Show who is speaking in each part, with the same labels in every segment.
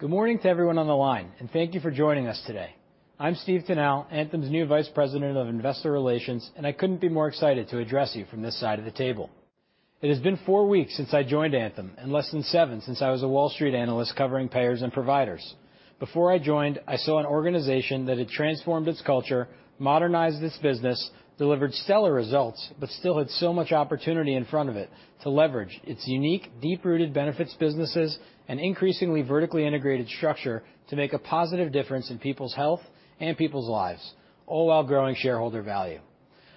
Speaker 1: Good morning to everyone on the line, and thank you for joining us today. I'm Steve Tanal, Anthem's new Vice President of Investor Relations, and I couldn't be more excited to address you from this side of the table. It has been four weeks since I joined Anthem, and less than seven since I was a Wall Street analyst covering payers and providers. Before I joined, I saw an organization that had transformed its culture, modernized its business, delivered stellar results, but still had so much opportunity in front of it to leverage its unique deep-rooted benefits businesses and increasingly vertically integrated structure to make a positive difference in people's health and people's lives, all while growing shareholder value.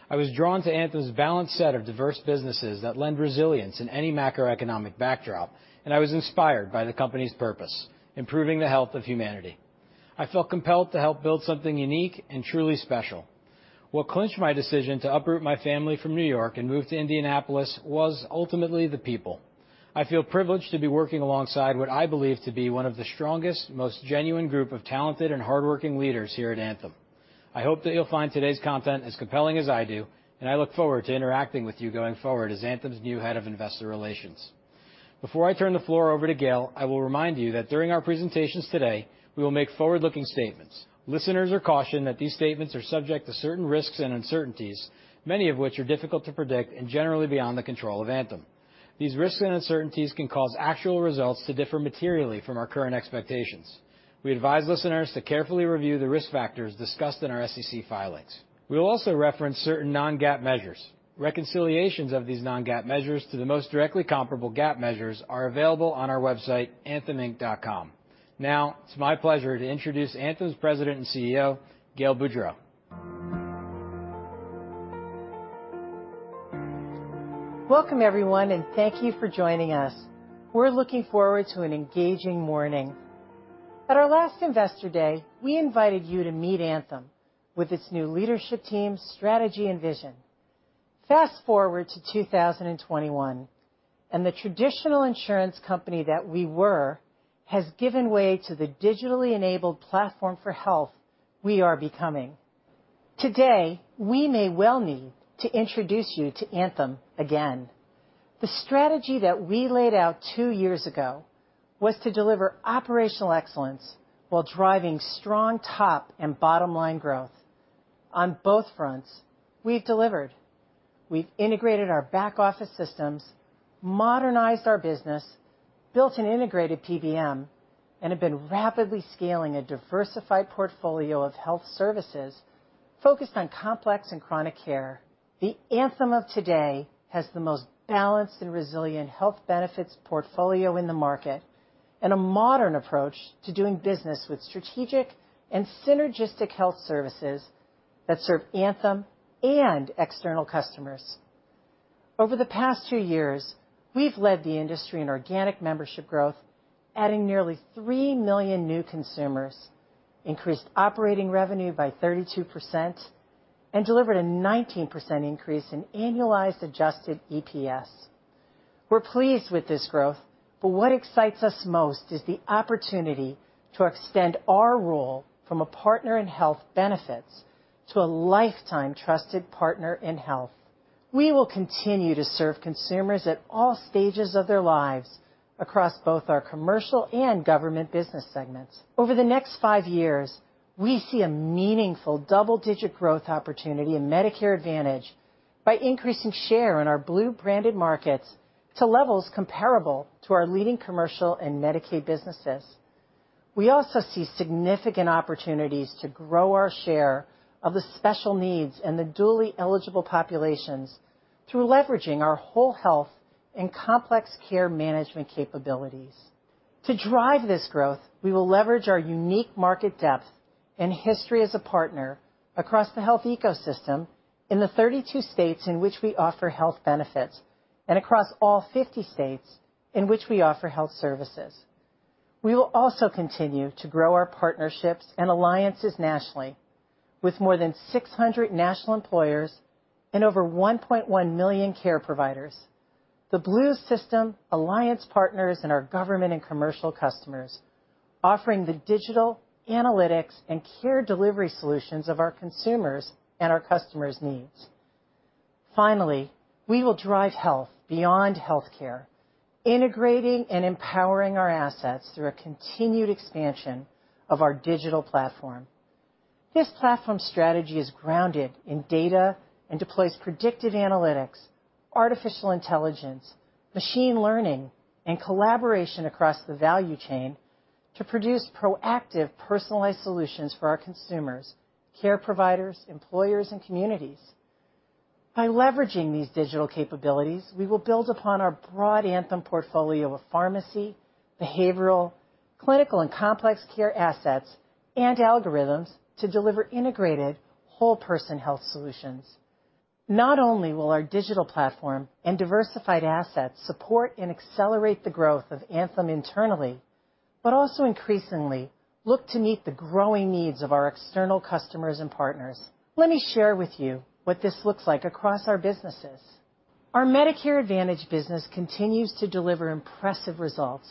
Speaker 1: I was drawn to Anthem's balanced set of diverse businesses that lend resilience in any macroeconomic backdrop, and I was inspired by the company's purpose, improving the health of humanity. I felt compelled to help build something unique and truly special. What clinched my decision to uproot my family from New York and move to Indianapolis was ultimately the people. I feel privileged to be working alongside what I believe to be one of the strongest, most genuine group of talented and hardworking leaders here at Anthem. I hope that you'll find today's content as compelling as I do, and I look forward to interacting with you going forward as Anthem's new Head of Investor Relations. Before I turn the floor over to Gail, I will remind you that during our presentations today, we'll make forward-looking statements. Listeners are cautioned that these statements are subject to certain risks and uncertainties, many of which are difficult to predict and generally beyond the control of Anthem. These risks and uncertainties can cause actual results to differ materially from our current expectations. We advise listeners to carefully review the risk factors discussed in our SEC filings. We will also reference certain non-GAAP measures. Reconciliations of these non-GAAP measures to the most directly comparable GAAP measures are available on our website, antheminc.com. Now, it's my pleasure to introduce Anthem's President and CEO, Gail Boudreaux.
Speaker 2: Welcome, everyone, and thank you for joining us. We're looking forward to an engaging morning. At our last Investor Day, we invited you to meet Anthem with its new leadership team, strategy, and vision. Fast-forward to 2021, and the traditional insurance company that we were has given way to the digitally enabled platform for health we are becoming. Today, we may well need to introduce you to Anthem again. The strategy that we laid out two years ago was to deliver operational excellence while driving strong top and bottom-line growth. On both fronts, we've delivered. We've integrated our back office systems, modernized our business, built an integrated PBM, and have been rapidly scaling a diversified portfolio of health services focused on complex and chronic care. The Anthem of today has the most balanced and resilient health benefits portfolio in the market and a modern approach to doing business with strategic and synergistic health services that serve Anthem and external customers. Over the past two years, we've led the industry in organic membership growth, adding nearly 3 million new consumers, increased operating revenue by 32%, and delivered a 19% increase in annualized adjusted EPS. We're pleased with this growth, but what excites us most is the opportunity to extend our role from a partner in health benefits to a lifetime trusted partner in health. We will continue to serve consumers at all stages of their lives across both our commercial and government business segments. Over the next five years, we see a meaningful double-digit growth opportunity in Medicare Advantage by increasing share in our Blue branded markets to levels comparable to our leading commercial and Medicaid businesses. We also see significant opportunities to grow our share of the special needs and the dually eligible populations through leveraging our whole health and complex care management capabilities. To drive this growth, we will leverage our unique market depth and history as a partner across the health ecosystem in the 32 states in which we offer health benefits and across all 50 states in which we offer health services. We will also continue to grow our partnerships and alliances nationally with more than 600 national employers and over 1.1 million care providers. The Blue system, alliance partners, and our government and commercial customers, offering the digital, analytics, and care delivery solutions of our consumers and our customers' needs. Finally, we will drive health beyond healthcare, integrating and empowering our assets through a continued expansion of our digital platform. This platform strategy is grounded in data and deploys predictive analytics, artificial intelligence, machine learning, and collaboration across the value chain to produce proactive, personalized solutions for our consumers, care providers, employers, and communities. By leveraging these digital capabilities, we will build upon our broad Anthem portfolio of pharmacy, behavioral, clinical, and complex care assets and algorithms to deliver integrated whole person health solutions. Not only will our digital platform and diversified assets support and accelerate the growth of Anthem internally, but also increasingly look to meet the growing needs of our external customers and partners. Let me share with you what this looks like across our businesses. Our Medicare Advantage business continues to deliver impressive results.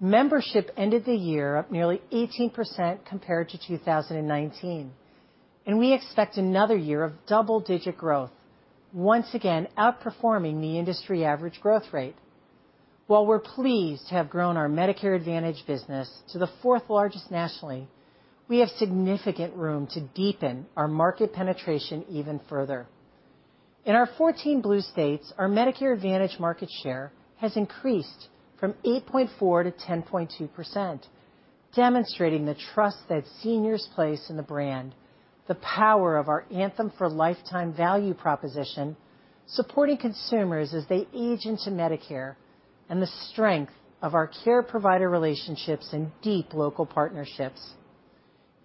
Speaker 2: Membership ended the year up nearly 18% compared to 2019. We expect another year of double-digit growth, once again outperforming the industry average growth rate. While we are pleased to have grown our Medicare Advantage business to the fourth largest nationally, we have significant room to deepen our market penetration even further. In our 14 Blue States, our Medicare Advantage market share has increased from 8.4% to 10.2%, demonstrating the trust that seniors place in the brand, the power of our Anthem for lifetime value proposition, supporting consumers as they age into Medicare, and the strength of our care provider relationships and deep local partnerships.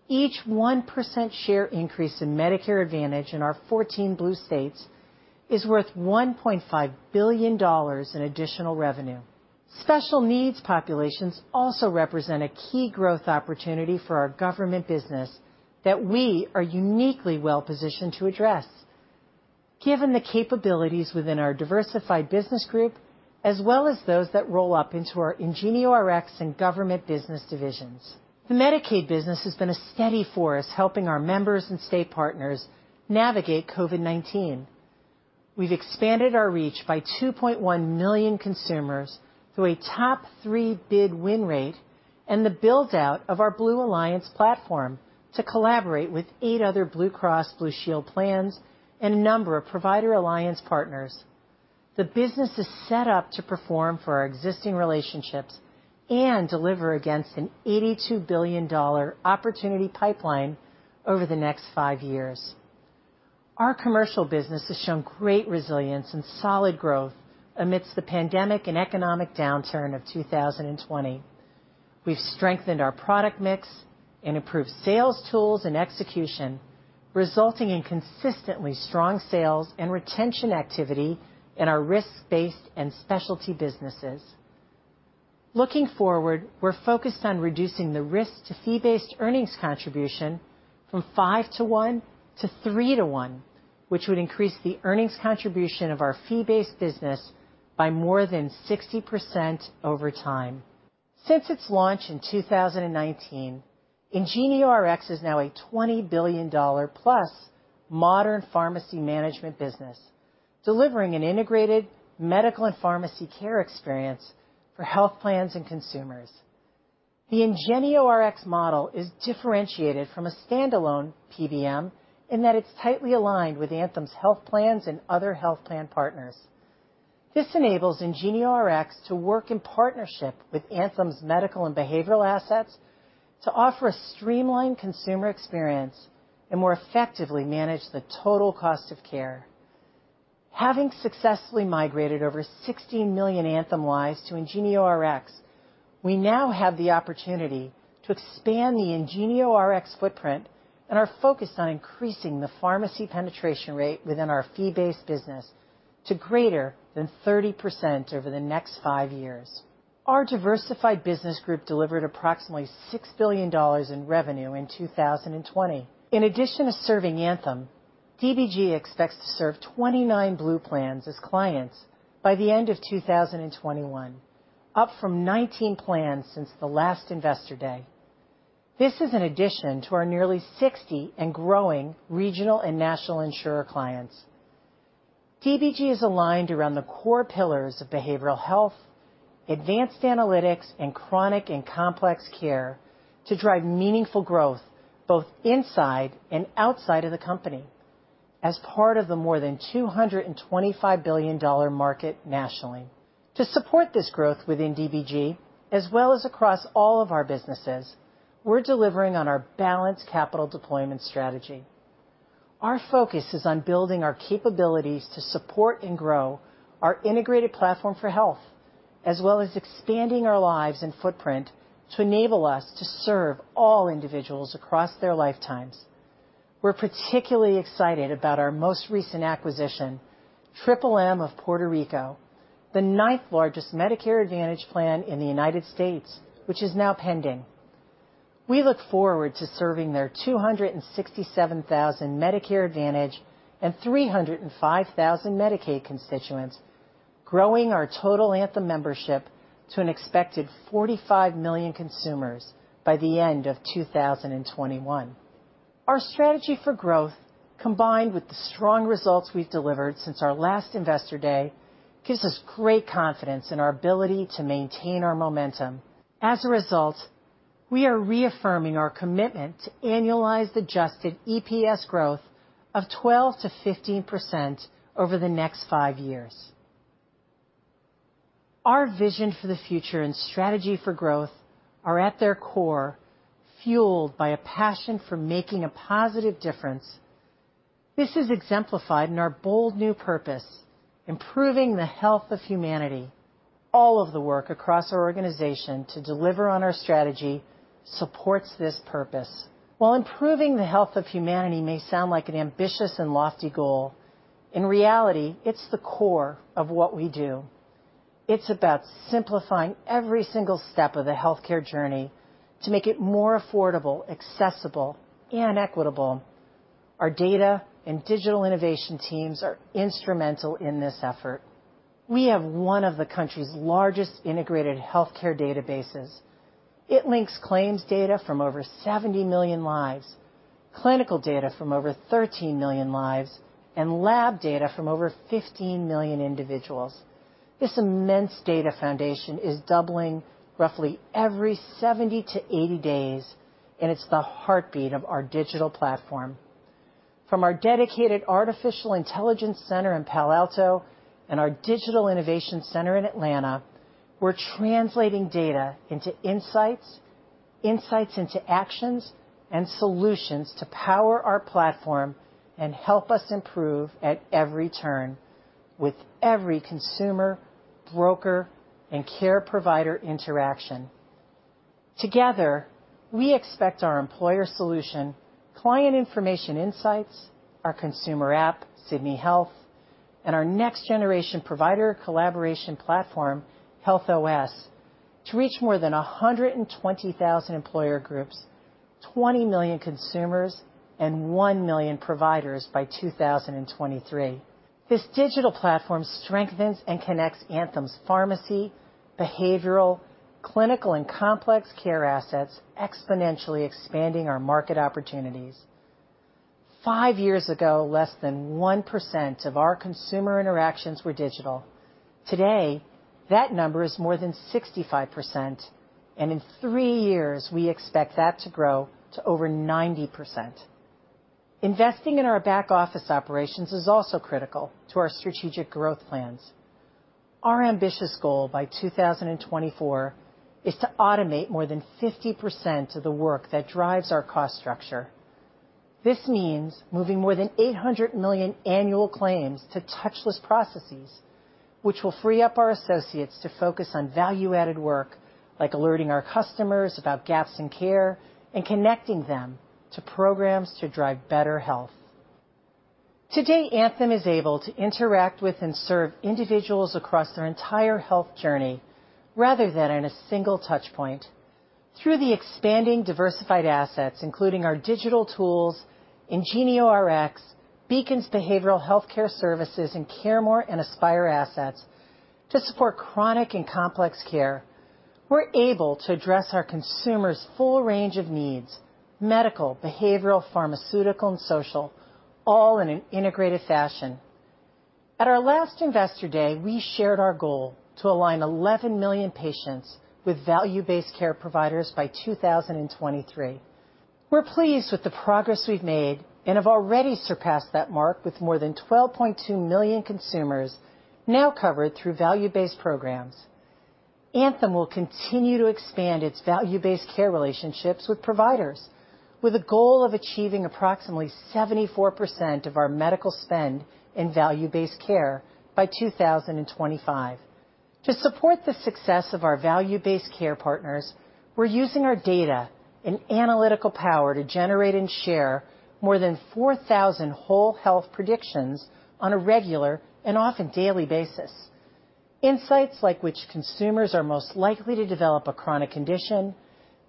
Speaker 2: Each 1% share increase in Medicare Advantage in our 14 Blue States is worth $1.5 billion in additional revenue. Special needs populations also represent a key growth opportunity for our Government Business that we are uniquely well-positioned to address given the capabilities within our Diversified Business Group, as well as those that roll up into our IngenioRx and Government Business divisions. The Medicaid business has been a steady force helping our members and state partners navigate COVID-19. We've expanded our reach by 2.1 million consumers through a top three bid win rate and the build-out of our Blue Alliance platform to collaborate with eight other Blue Cross Blue Shield plans and a number of provider alliance partners. The business is set up to perform for our existing relationships and deliver against an $82 billion opportunity pipeline over the next five years. Our commercial business has shown great resilience and solid growth amidst the pandemic and economic downturn of 2020. We've strengthened our product mix and improved sales tools and execution, resulting in consistently strong sales and retention activity in our risk-based and specialty businesses. Looking forward, we're focused on reducing the risk to fee-based earnings contribution from 5:1 to 3:1, which would increase the earnings contribution of our fee-based business by more than 60% over time. Since its launch in 2019, IngenioRx is now a $20+ billion modern pharmacy management business, delivering an integrated medical and pharmacy care experience for health plans and consumers. The IngenioRx model is differentiated from a standalone PBM in that it's tightly aligned with Anthem's health plans and other health plan partners. This enables IngenioRx to work in partnership with Anthem's medical and behavioral assets to offer a streamlined consumer experience and more effectively manage the total cost of care. Having successfully migrated over 16 million Anthem lives to IngenioRx, we now have the opportunity to expand the IngenioRx footprint and are focused on increasing the pharmacy penetration rate within our fee-based business to greater than 30% over the next five years. Our Diversified Business Group delivered approximately $6 billion in revenue in 2020. In addition to serving Anthem, DBG expects to serve 29 Blue plans as clients by the end of 2021, up from 19 plans since the last Investor Day. This is an addition to our nearly 60 and growing regional and national insurer clients. DBG is aligned around the core pillars of behavioral health, advanced analytics, and chronic and complex care to drive meaningful growth both inside and outside of the company as part of the more than $225 billion market nationally. To support this growth within DBG, as well as across all of our businesses, we're delivering on our balanced capital deployment strategy. Our focus is on building our capabilities to support and grow our integrated platform for health, as well as expanding our lives and footprint to enable us to serve all individuals across their lifetimes. We're particularly excited about our most recent acquisition, MMM of Puerto Rico, the ninth-largest Medicare Advantage plan in the U.S., which is now pending. We look forward to serving their 267,000 Medicare Advantage and 305,000 Medicaid constituents, growing our total Anthem membership to an expected 45 million consumers by the end of 2021. Our strategy for growth, combined with the strong results we've delivered since our last Investor Day, gives us great confidence in our ability to maintain our momentum. As a result, we are reaffirming our commitment to annualized adjusted EPS growth of 12%-15% over the next five years. Our vision for the future and strategy for growth are at their core fueled by a passion for making a positive difference. This is exemplified in our bold new purpose, Improving the Health of Humanity. All of the work across our organization to deliver on our strategy supports this purpose. While Improving the Health of Humanity may sound like an ambitious and lofty goal, in reality, it's the core of what we do. It's about simplifying every single step of the healthcare journey to make it more affordable, accessible, and equitable. Our data and digital innovation teams are instrumental in this effort. We have one of the country's largest integrated healthcare databases. It links claims data from over 70 million lives, clinical data from over 13 million lives, and lab data from over 15 million individuals. This immense data foundation is doubling roughly every 70-80 days, and it's the heartbeat of our digital platform. From our dedicated artificial intelligence center in Palo Alto and our digital innovation center in Atlanta, we're translating data into insights into actions, and solutions to power our platform and help us improve at every turn with every consumer, broker, and care provider interaction. Together, we expect our employer solution, Client Information and Insights, our consumer app, Sydney Health, and our next generation provider collaboration platform, HealthOS, to reach more than 120,000 employer groups, 20 million consumers, and one million providers by 2023. This digital platform strengthens and connects Anthem's pharmacy, behavioral, clinical, and complex care assets, exponentially expanding our market opportunities. Five years ago, less than 1% of our consumer interactions were digital. Today, that number is more than 65%, and in three years, we expect that to grow to over 90%. Investing in our back office operations is also critical to our strategic growth plans. Our ambitious goal by 2024 is to automate more than 50% of the work that drives our cost structure. This means moving more than 800 million annual claims to touchless processes, which will free up our associates to focus on value-added work, like alerting our customers about gaps in care and connecting them to programs to drive better health. Today, Anthem is able to interact with and serve individuals across their entire health journey rather than in a single touch point. Through the expanding diversified assets, including our digital tools, IngenioRx, Beacon's behavioral healthcare services, and CareMore and Aspire assets to support chronic and complex care, we're able to address our consumers' full range of needs, medical, behavioral, pharmaceutical, and social, all in an integrated fashion. At our last Investor Day, we shared our goal to align 11 million patients with value-based care providers by 2023. We're pleased with the progress we've made and have already surpassed that mark with more than 12.2 million consumers now covered through value-based programs. Anthem will continue to expand its value-based care relationships with providers, with a goal of achieving approximately 74% of our medical spend in value-based care by 2025. To support the success of our value-based care partners, we're using our data and analytical power to generate and share more than 4,000 whole health predictions on a regular and often daily basis. Insights like which consumers are most likely to develop a chronic condition,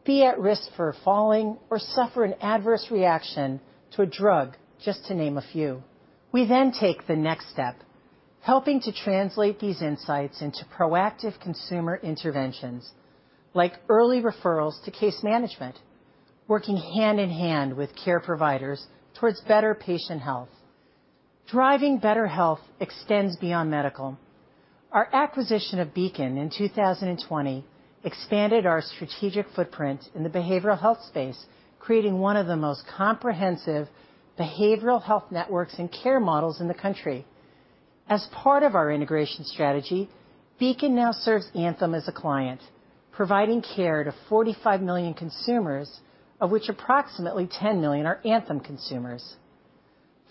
Speaker 2: be at risk for falling, or suffer an adverse reaction to a drug, just to name a few. We then take the next step, helping to translate these insights into proactive consumer interventions, like early referrals to case management, working hand in hand with care providers towards better patient health. Driving better health extends beyond medical. Our acquisition of Beacon in 2020 expanded our strategic footprint in the behavioral health space, creating one of the most comprehensive behavioral health networks and care models in the country. As part of our integration strategy, Beacon now serves Anthem as a client, providing care to 45 million consumers, of which approximately 10 million are Anthem consumers.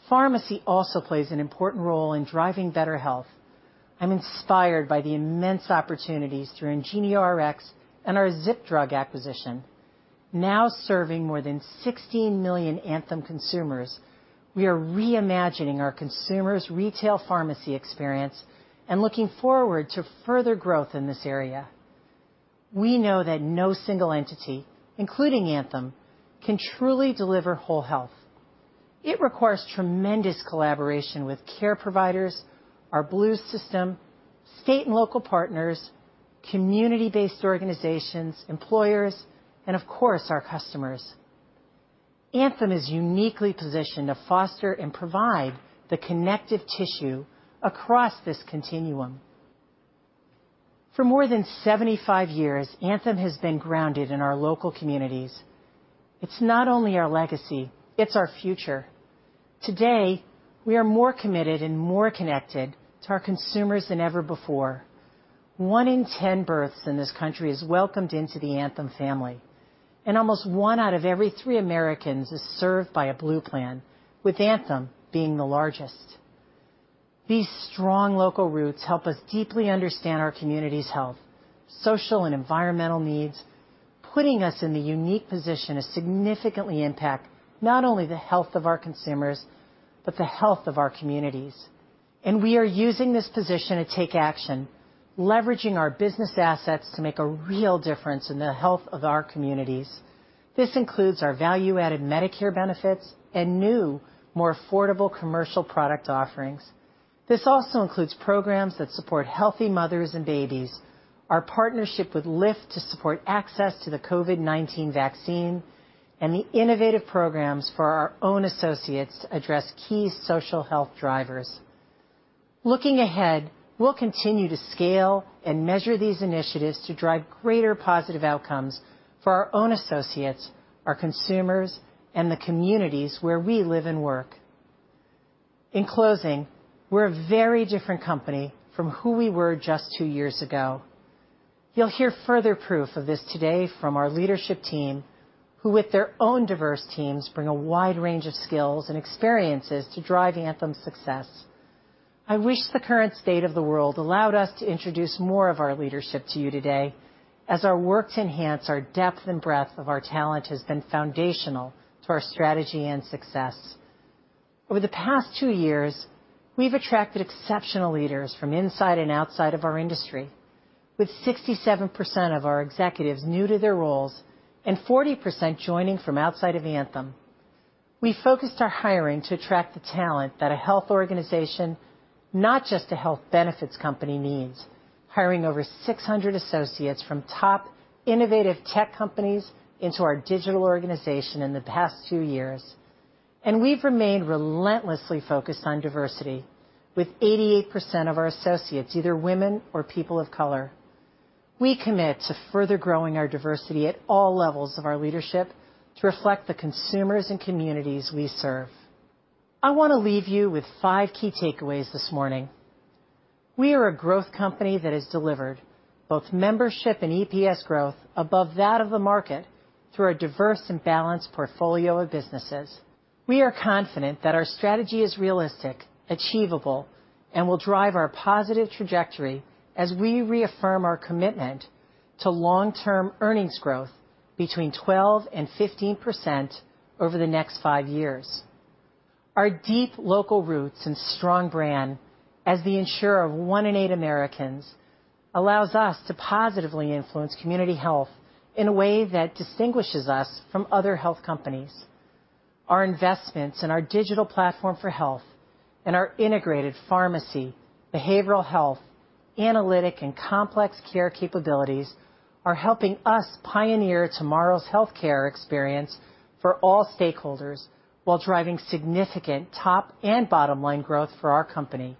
Speaker 2: Pharmacy also plays an important role in driving better health. I'm inspired by the immense opportunities through IngenioRx and our ZipDrug acquisition. Now serving more than 16 million Anthem consumers, we are reimagining our consumer's retail pharmacy experience and looking forward to further growth in this area. We know that no single entity, including Anthem, can truly deliver whole health. It requires tremendous collaboration with care providers, our Blue System, state and local partners, community-based organizations, employers, and of course, our customers. Anthem is uniquely positioned to foster and provide the connective tissue across this continuum. For more than 75 years, Anthem has been grounded in our local communities. It's not only our legacy, it's our future. Today, we are more committed and more connected to our consumers than ever before. One in 10 births in this country is welcomed into the Anthem family, and almost one out of every three Americans is served by a Blue plan, with Anthem being the largest. These strong local roots help us deeply understand our community's health, social, and environmental needs, putting us in the unique position to significantly impact not only the health of our consumers, but the health of our communities. We are using this position to take action. Leveraging our business assets to make a real difference in the health of our communities. This includes our value-added Medicare benefits and new, more affordable commercial product offerings. This also includes programs that support healthy mothers and babies, our partnership with Lyft to support access to the COVID-19 vaccine, and the innovative programs for our own associates to address key social health drivers. Looking ahead, we'll continue to scale and measure these initiatives to drive greater positive outcomes for our own associates, our consumers, and the communities where we live and work. In closing, we're a very different company from who we were just two years ago. You'll hear further proof of this today from our leadership team, who with their own diverse teams, bring a wide range of skills and experiences to drive Anthem's success. I wish the current state of the world allowed us to introduce more of our leadership to you today, as our work to enhance our depth and breadth of our talent has been foundational to our strategy and success. Over the past two years, we've attracted exceptional leaders from inside and outside of our industry, with 67% of our executives new to their roles and 40% joining from outside of Anthem. We focused our hiring to attract the talent that a health organization, not just a health benefits company, needs. Hiring over 600 associates from top innovative tech companies into our digital organization in the past two years. We've remained relentlessly focused on diversity, with 88% of our associates either women or people of color. We commit to further growing our diversity at all levels of our leadership to reflect the consumers and communities we serve. I want to leave you with five key takeaways this morning. We are a growth company that has delivered both membership and EPS growth above that of the market through a diverse and balanced portfolio of businesses. We are confident that our strategy is realistic, achievable, and will drive our positive trajectory as we reaffirm our commitment to long-term earnings growth between 12% and 15% over the next five years. Our deep local roots and strong brand as the insurer of one in eight Americans allows us to positively influence community health in a way that distinguishes us from other health companies. Our investments in our digital platform for health and our integrated pharmacy, behavioral health, analytic and complex care capabilities are helping us pioneer tomorrow's healthcare experience for all stakeholders while driving significant top and bottom-line growth for our company.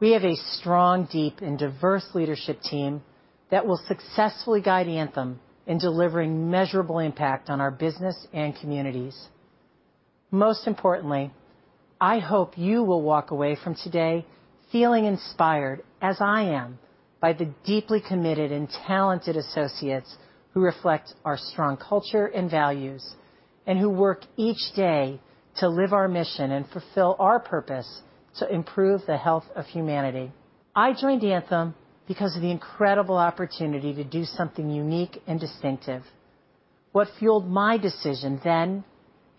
Speaker 2: We have a strong, deep, and diverse leadership team that will successfully guide Anthem in delivering measurable impact on our business and communities. Most importantly, I hope you will walk away from today feeling inspired, as I am, by the deeply committed and talented associates who reflect our strong culture and values and who work each day to live our mission and fulfill our purpose to improve the health of humanity. I joined Anthem because of the incredible opportunity to do something unique and distinctive. What fueled my decision then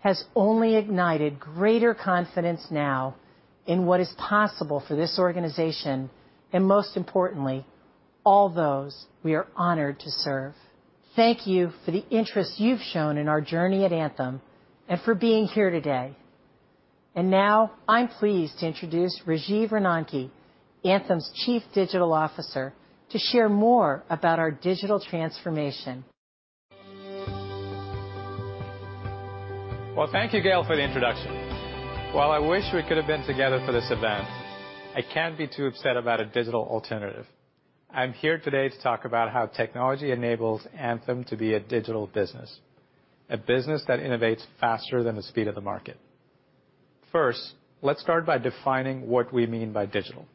Speaker 2: has only ignited greater confidence now in what is possible for this organization, and most importantly, all those we are honored to serve. Thank you for the interest you've shown in our journey at Anthem and for being here today. Now I'm pleased to introduce Rajeev Ronanki, Anthem's Chief Digital Officer, to share more about our digital transformation.
Speaker 3: Well, thank you, Gail, for the introduction. While I wish we could have been together for this event, I can't be too upset about a digital alternative. I'm here today to talk about how technology enables Anthem to be a digital business, a business that innovates faster than the speed of the market. First, let's start by defining what we mean by digital.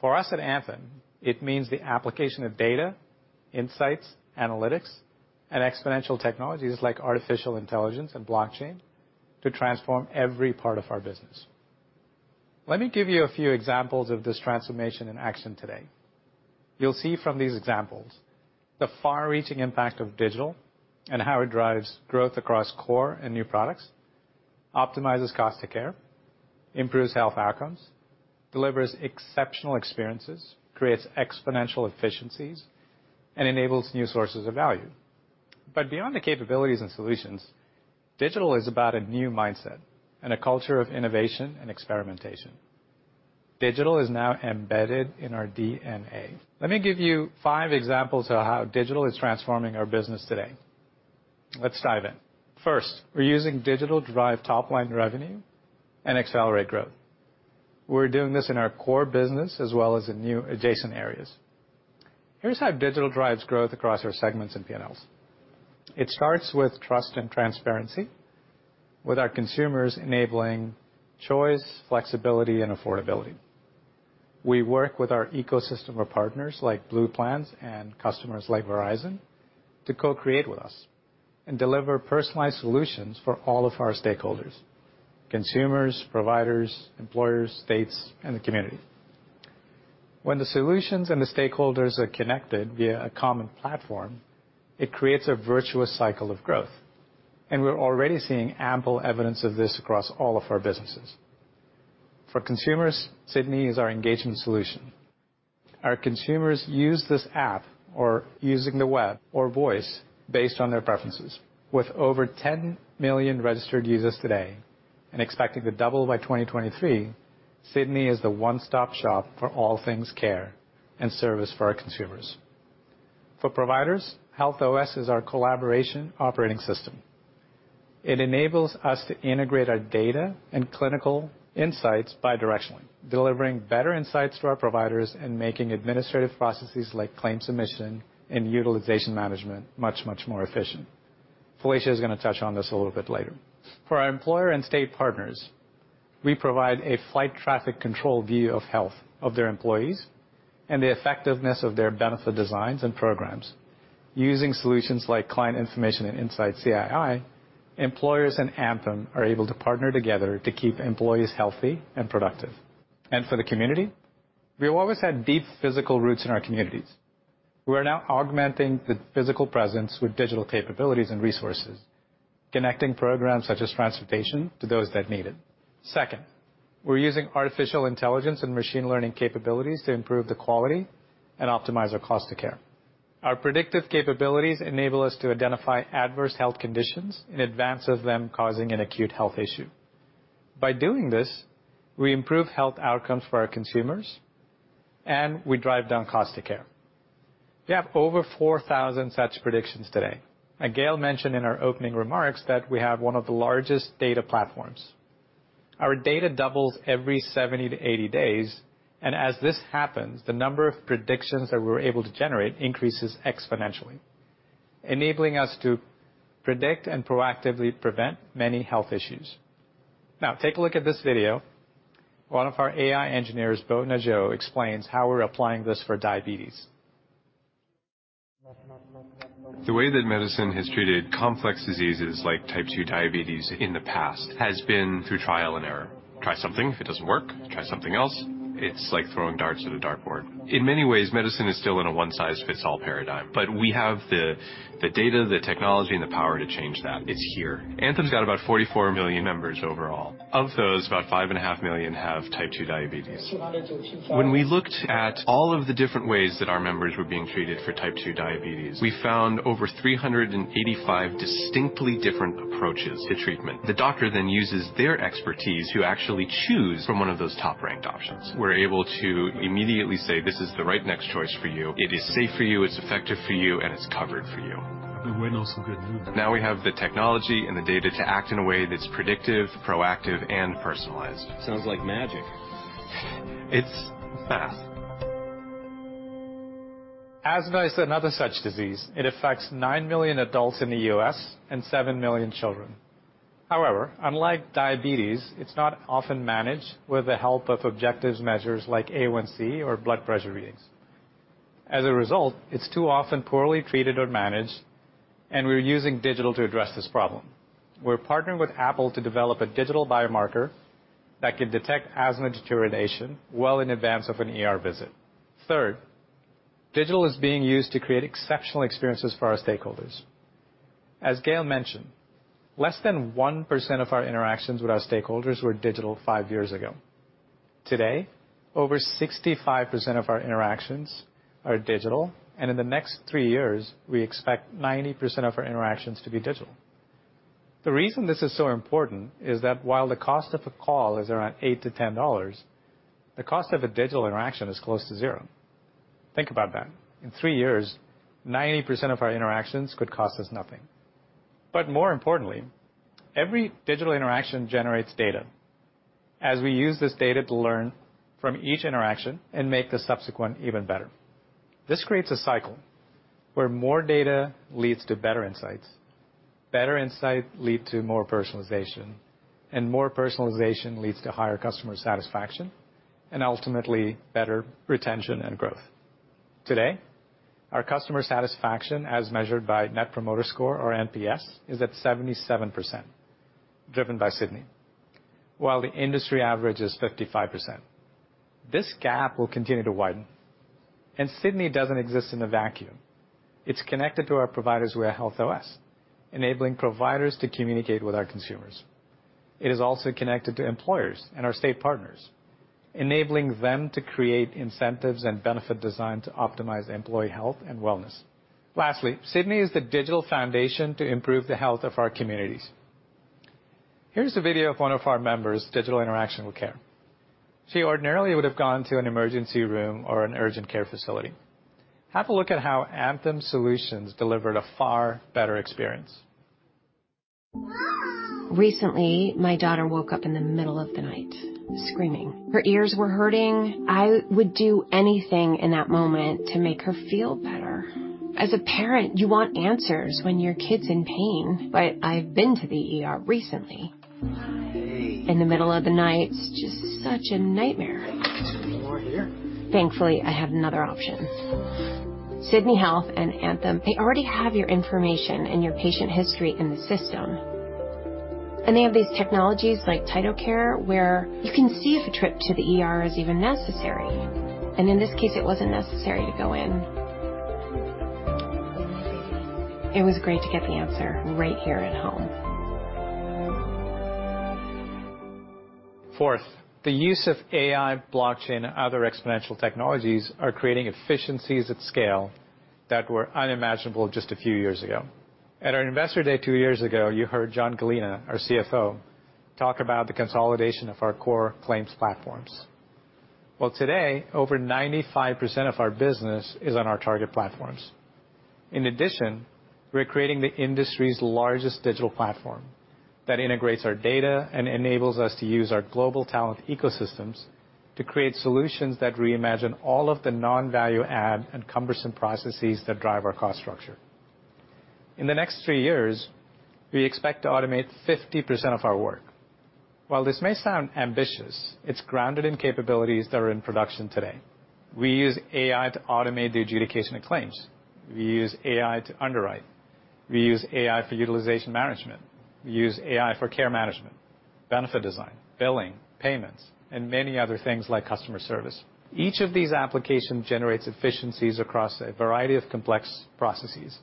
Speaker 3: For us at Anthem, it means the application of data, insights, analytics, and exponential technologies like artificial intelligence and blockchain to transform every part of our business. Let me give you a few examples of this transformation in action today. You'll see from these examples the far-reaching impact of digital and how it drives growth across core and new products, optimizes cost of care, improves health outcomes, delivers exceptional experiences, creates exponential efficiencies, and enables new sources of value. Beyond the capabilities and solutions, digital is about a new mindset and a culture of innovation and experimentation. Digital is now embedded in our DNA. Let me give you five examples of how digital is transforming our business today. Let's dive in. First, we're using digital to drive top-line revenue and accelerate growth. We're doing this in our core business as well as in new adjacent areas. Here's how digital drives growth across our segments and P&Ls. It starts with trust and transparency with our consumers, enabling choice, flexibility, and affordability. We work with our ecosystem of partners like Blue Plans and customers like Verizon to co-create with us and deliver personalized solutions for all of our stakeholders, consumers, providers, employers, states, and the community. When the solutions and the stakeholders are connected via a common platform, it creates a virtuous cycle of growth. We're already seeing ample evidence of this across all of our businesses. For consumers, Sydney is our engagement solution. Our consumers use this app or using the web or voice based on their preferences. With over 10 million registered users today and expecting to double by 2023, Sydney is the one-stop shop for all things care and service for our consumers. For providers, HealthOS is our collaboration operating system. It enables us to integrate our data and clinical insights bidirectionally, delivering better insights to our providers and making administrative processes like claim submission and utilization management much, much more efficient. Felicia is going to touch on this a little bit later. For our employer and state partners, we provide a flight traffic control view of health of their employees and the effectiveness of their benefit designs and programs. Using solutions like Client Information and Insights, CII, employers and Anthem are able to partner together to keep employees healthy and productive. For the community, we have always had deep physical roots in our communities. We are now augmenting the physical presence with digital capabilities and resources, connecting programs such as transportation to those that need it. Second, we're using artificial intelligence and machine learning capabilities to improve the quality and optimize our cost of care. Our predictive capabilities enable us to identify adverse health conditions in advance of them causing an acute health issue. By doing this, we improve health outcomes for our consumers, and we drive down cost of care. We have over 4,000 such predictions today. Gail mentioned in our opening remarks that we have one of the largest data platforms. Our data doubles every 70-80 days. As this happens, the number of predictions that we're able to generate increases exponentially, enabling us to predict and proactively prevent many health issues. Now take a look at this video. One of our AI engineers, [Beau Norgeot], explains how we're applying this for diabetes.
Speaker 4: The way that medicine has treated complex diseases like type 2 diabetes in the past has been through trial and error. Try something. If it doesn't work, try something else. It's like throwing darts at a dartboard. In many ways, medicine is still in a one-size-fits-all paradigm, but we have the data, the technology, and the power to change that. It's here. Anthem's got about 44 million members overall. Of those, about 5.5 million have type 2 diabetes. When we looked at all of the different ways that our members were being treated for type 2 diabetes, we found over 385 distinctly different approaches to treatment. The doctor then uses their expertise to actually choose from one of those top-ranked options. We're able to immediately say, "This is the right next choice for you. It is safe for you, it's effective for you, and it's covered for you. Now we have the technology and the data to act in a way that's predictive, proactive, and personalized. Sounds like magic. It's math.
Speaker 3: Asthma is another such disease. It affects 9 million adults in the U.S. and 7 million children. However, unlike diabetes, it's not often managed with the help of objective measures like A1C or blood pressure readings. As a result, it's too often poorly treated or managed, and we're using digital to address this problem. We're partnering with Apple to develop a digital biomarker that can detect asthma deterioration well in advance of an ER visit. Third, digital is being used to create exceptional experiences for our stakeholders. As Gail mentioned, less than 1% of our interactions with our stakeholders were digital five years ago. Today, over 65% of our interactions are digital, and in the next three years, we expect 90% of our interactions to be digital. The reason this is so important is that while the cost of a call is around $8-$10, the cost of a digital interaction is close to zero. Think about that. In three years, 90% of our interactions could cost us nothing. More importantly, every digital interaction generates data, as we use this data to learn from each interaction and make the subsequent even better. This creates a cycle where more data leads to better insights, better insights lead to more personalization, more personalization leads to higher customer satisfaction and ultimately better retention and growth. Today, our customer satisfaction, as measured by Net Promoter Score or NPS, is at 77%, driven by Sydney, while the industry average is 55%. This gap will continue to widen. Sydney doesn't exist in a vacuum. It's connected to our providers via HealthOS, enabling providers to communicate with our consumers. It is also connected to employers and our state partners, enabling them to create incentives and benefit design to optimize employee health and wellness. Lastly, Sydney is the digital foundation to improve the health of our communities. Here's a video of one of our members' digital interaction with care. She ordinarily would have gone to an emergency room or an urgent care facility. Have a look at how Anthem's solutions delivered a far better experience.
Speaker 4: Recently, my daughter woke up in the middle of the night screaming. Her ears were hurting. I would do anything in that moment to make her feel better. As a parent, you want answers when your kid's in pain. I've been to the ER recently. In the middle of the night, it's just such a nightmare. More here. Thankfully, I have another option. Sydney Health and Anthem, they already have your information and your patient history in the system. They have these technologies like TytoCare, where you can see if a trip to the ER is even necessary. In this case, it wasn't necessary to go in. It was great to get the answer right here at home.
Speaker 3: Fourth, the use of AI, blockchain, and other exponential technologies are creating efficiencies at scale that were unimaginable just a few years ago. At our Investor Day two years ago, you heard John Gallina, our CFO, talk about the consolidation of our core claims platforms. Well, today, over 95% of our business is on our target platforms. In addition, we're creating the industry's largest digital platform that integrates our data and enables us to use our global talent ecosystems to create solutions that reimagine all of the non-value add and cumbersome processes that drive our cost structure. In the next three years, we expect to automate 50% of our work. While this may sound ambitious, it's grounded in capabilities that are in production today. We use AI to automate the adjudication of claims. We use AI to underwrite. We use AI for utilization management. We use AI for care management, benefit design, billing, payments, and many other things like customer service. Each of these applications generates efficiencies across a variety of complex processes.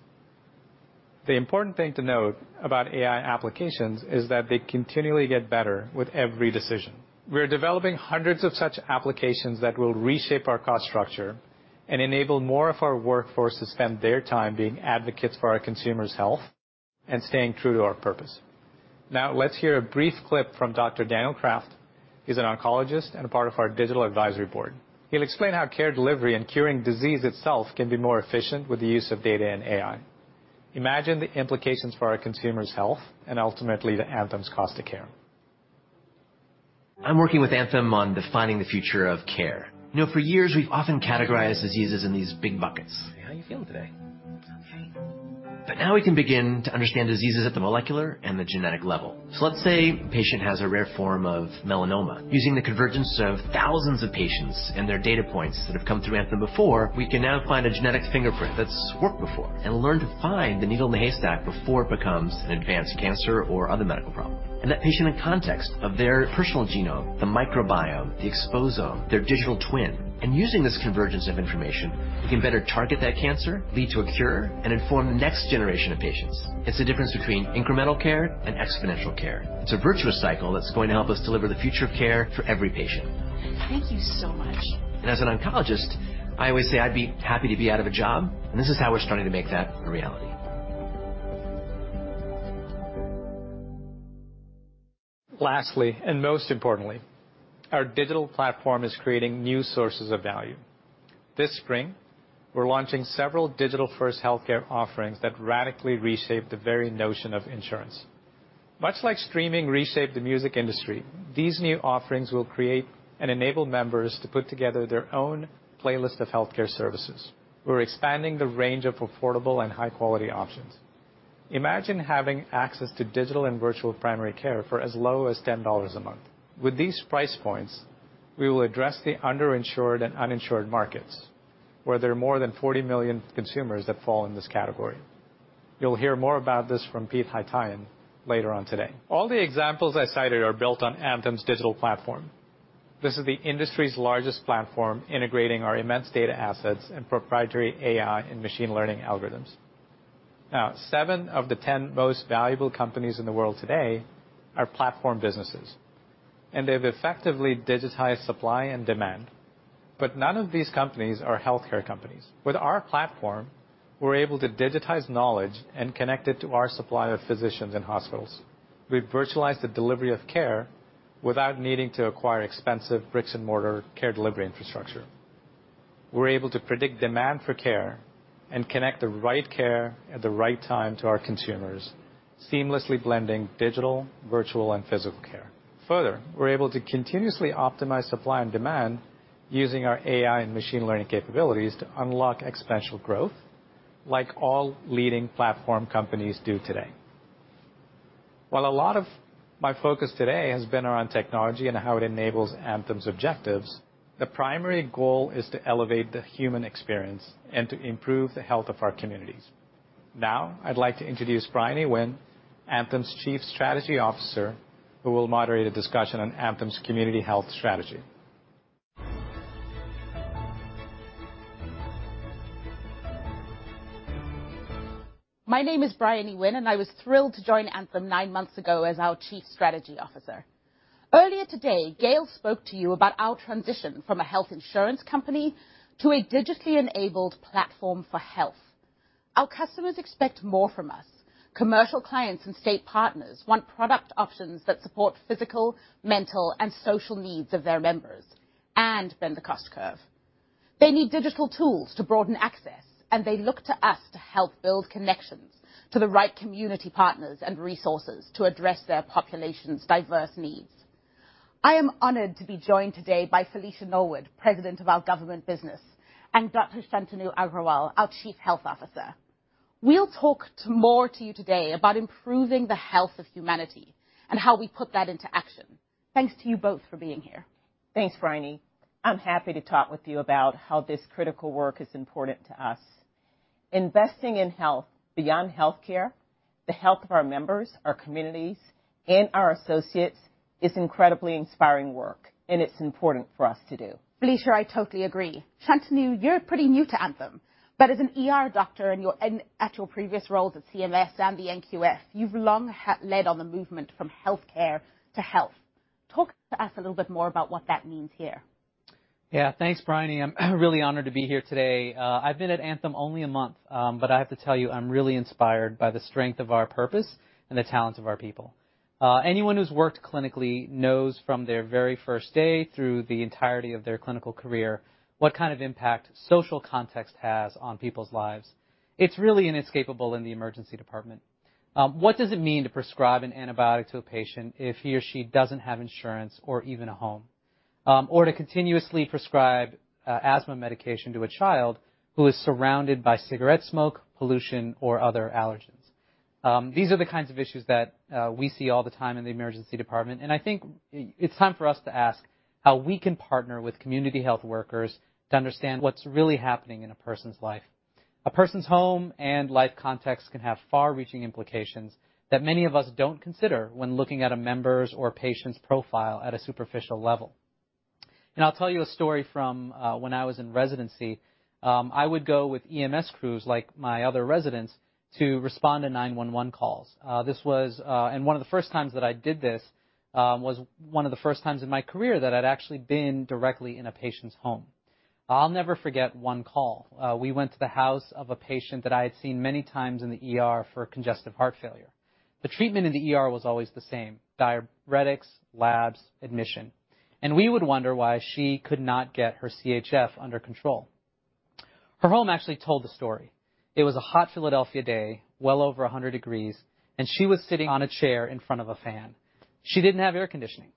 Speaker 3: The important thing to note about AI applications is that they continually get better with every decision. We're developing hundreds of such applications that will reshape our cost structure and enable more of our workforce to spend their time being advocates for our consumers' health and staying true to our purpose. Let's hear a brief clip from Dr. Daniel Kraft. He's an oncologist and a part of our digital advisory board. He'll explain how care delivery and curing disease itself can be more efficient with the use of data and AI. Imagine the implications for our consumers' health and ultimately the Anthem's cost of care.
Speaker 5: I'm working with Anthem on defining the future of care. For years, we've often categorized diseases in these big buckets. How are you feeling today? Now we can begin to understand diseases at the molecular and the genetic level. Let's say a patient has a rare form of melanoma. Using the convergence of thousands of patients and their data points that have come through Anthem before, we can now find a genetic fingerprint that's worked before and learn to find the needle in the haystack before it becomes an advanced cancer or other medical problem. That patient in context of their personal genome, the microbiome, the exposome, their digital twin, and using this convergence of information, we can better target that cancer, lead to a cure, and inform the next generation of patients. It's the difference between incremental care and exponential care. It's a virtuous cycle that's going to help us deliver the future of care for every patient.
Speaker 4: Thank you so much.
Speaker 5: As an oncologist, I always say I'd be happy to be out of a job. This is how we're starting to make that a reality.
Speaker 3: Lastly, and most importantly, our digital platform is creating new sources of value. This spring, we're launching several digital-first healthcare offerings that radically reshape the very notion of insurance. Much like streaming reshaped the music industry, these new offerings will create and enable members to put together their own playlist of healthcare services. We're expanding the range of affordable and high-quality options. Imagine having access to digital and virtual primary care for as low as $10 a month. With these price points, we will address the underinsured and uninsured markets, where there are more than 40 million consumers that fall in this category. You'll hear more about this from Pete Haytaian later on today. All the examples I cited are built on Anthem's digital platform. This is the industry's largest platform integrating our immense data assets and proprietary AI and machine learning algorithms. Seven of the 10 most valuable companies in the world today are platform businesses, and they've effectively digitized supply and demand. None of these companies are healthcare companies. With our platform, we're able to digitize knowledge and connect it to our supply of physicians and hospitals. We've virtualized the delivery of care without needing to acquire expensive bricks and mortar care delivery infrastructure. We're able to predict demand for care and connect the right care at the right time to our consumers, seamlessly blending digital, virtual, and physical care. We're able to continuously optimize supply and demand using our AI and machine learning capabilities to unlock exponential growth like all leading platform companies do today. While a lot of my focus today has been around technology and how it enables Anthem's objectives, the primary goal is to elevate the human experience and to improve the health of our communities. I'd like to introduce Bryony Winn, Anthem's Chief Strategy Officer, who will moderate a discussion on Anthem's community health strategy.
Speaker 6: My name is Bryony Winn, and I was thrilled to join Anthem nine months ago as our Chief Strategy Officer. Earlier today, Gail spoke to you about our transition from a health insurance company to a digitally enabled platform for health. Our customers expect more from us. Commercial clients and state partners want product options that support physical, mental, and social needs of their members and bend the cost curve. They need digital tools to broaden access, and they look to us to help build connections to the right community partners and resources to address their population's diverse needs. I am honored to be joined today by Felicia Norwood, President of our Government Business, and Dr. Shantanu Agrawal, our Chief Health Officer. We'll talk more to you today about improving the health of humanity and how we put that into action. Thanks to you both for being here.
Speaker 7: Thanks, Bryony. I'm happy to talk with you about how this critical work is important to us. Investing in health beyond healthcare, the health of our members, our communities, and our associates is incredibly inspiring work, and it's important for us to do.
Speaker 6: Felicia, I totally agree. Shantanu, you're pretty new to Anthem, but as an ER doctor at your previous roles at CMS and the NQF, you've long led on the movement from healthcare to health. Talk to us a little bit more about what that means here.
Speaker 8: Yeah, thanks Bryony. I am really honored to be here today. I have been at Anthem only a month, but I have to tell you, I am really inspired by the strength of our purpose and the talents of our people. Anyone who has worked clinically knows from their very first day through the entirety of their clinical career, what kind of impact social context has on people's lives. It is really inescapable in the emergency department. What does it mean to prescribe an antibiotic to a patient if he or she doesn't have insurance or even a home? To continuously prescribe asthma medication to a child who is surrounded by cigarette smoke, pollution, or other allergens? These are the kinds of issues that we see all the time in the emergency department. I think it's time for us to ask how we can partner with community health workers to understand what's really happening in a person's life. A person's home and life context can have far-reaching implications that many of us don't consider when looking at a member's or patient's profile at a superficial level. I'll tell you a story from when I was in residency. I would go with EMS crews, like my other residents, to respond to 911 calls. One of the first times that I did this, was one of the first times in my career that I'd actually been directly in a patient's home. I'll never forget one call. We went to the house of a patient that I had seen many times in the ER for congestive heart failure. The treatment in the ER was always the same, diuretics, labs, admission, and we would wonder why she could not get her CHF under control. Her home actually told the story. It was a hot Philadelphia day, well over 100 degrees, and she was sitting on a chair in front of a fan. She didn't have air conditioning.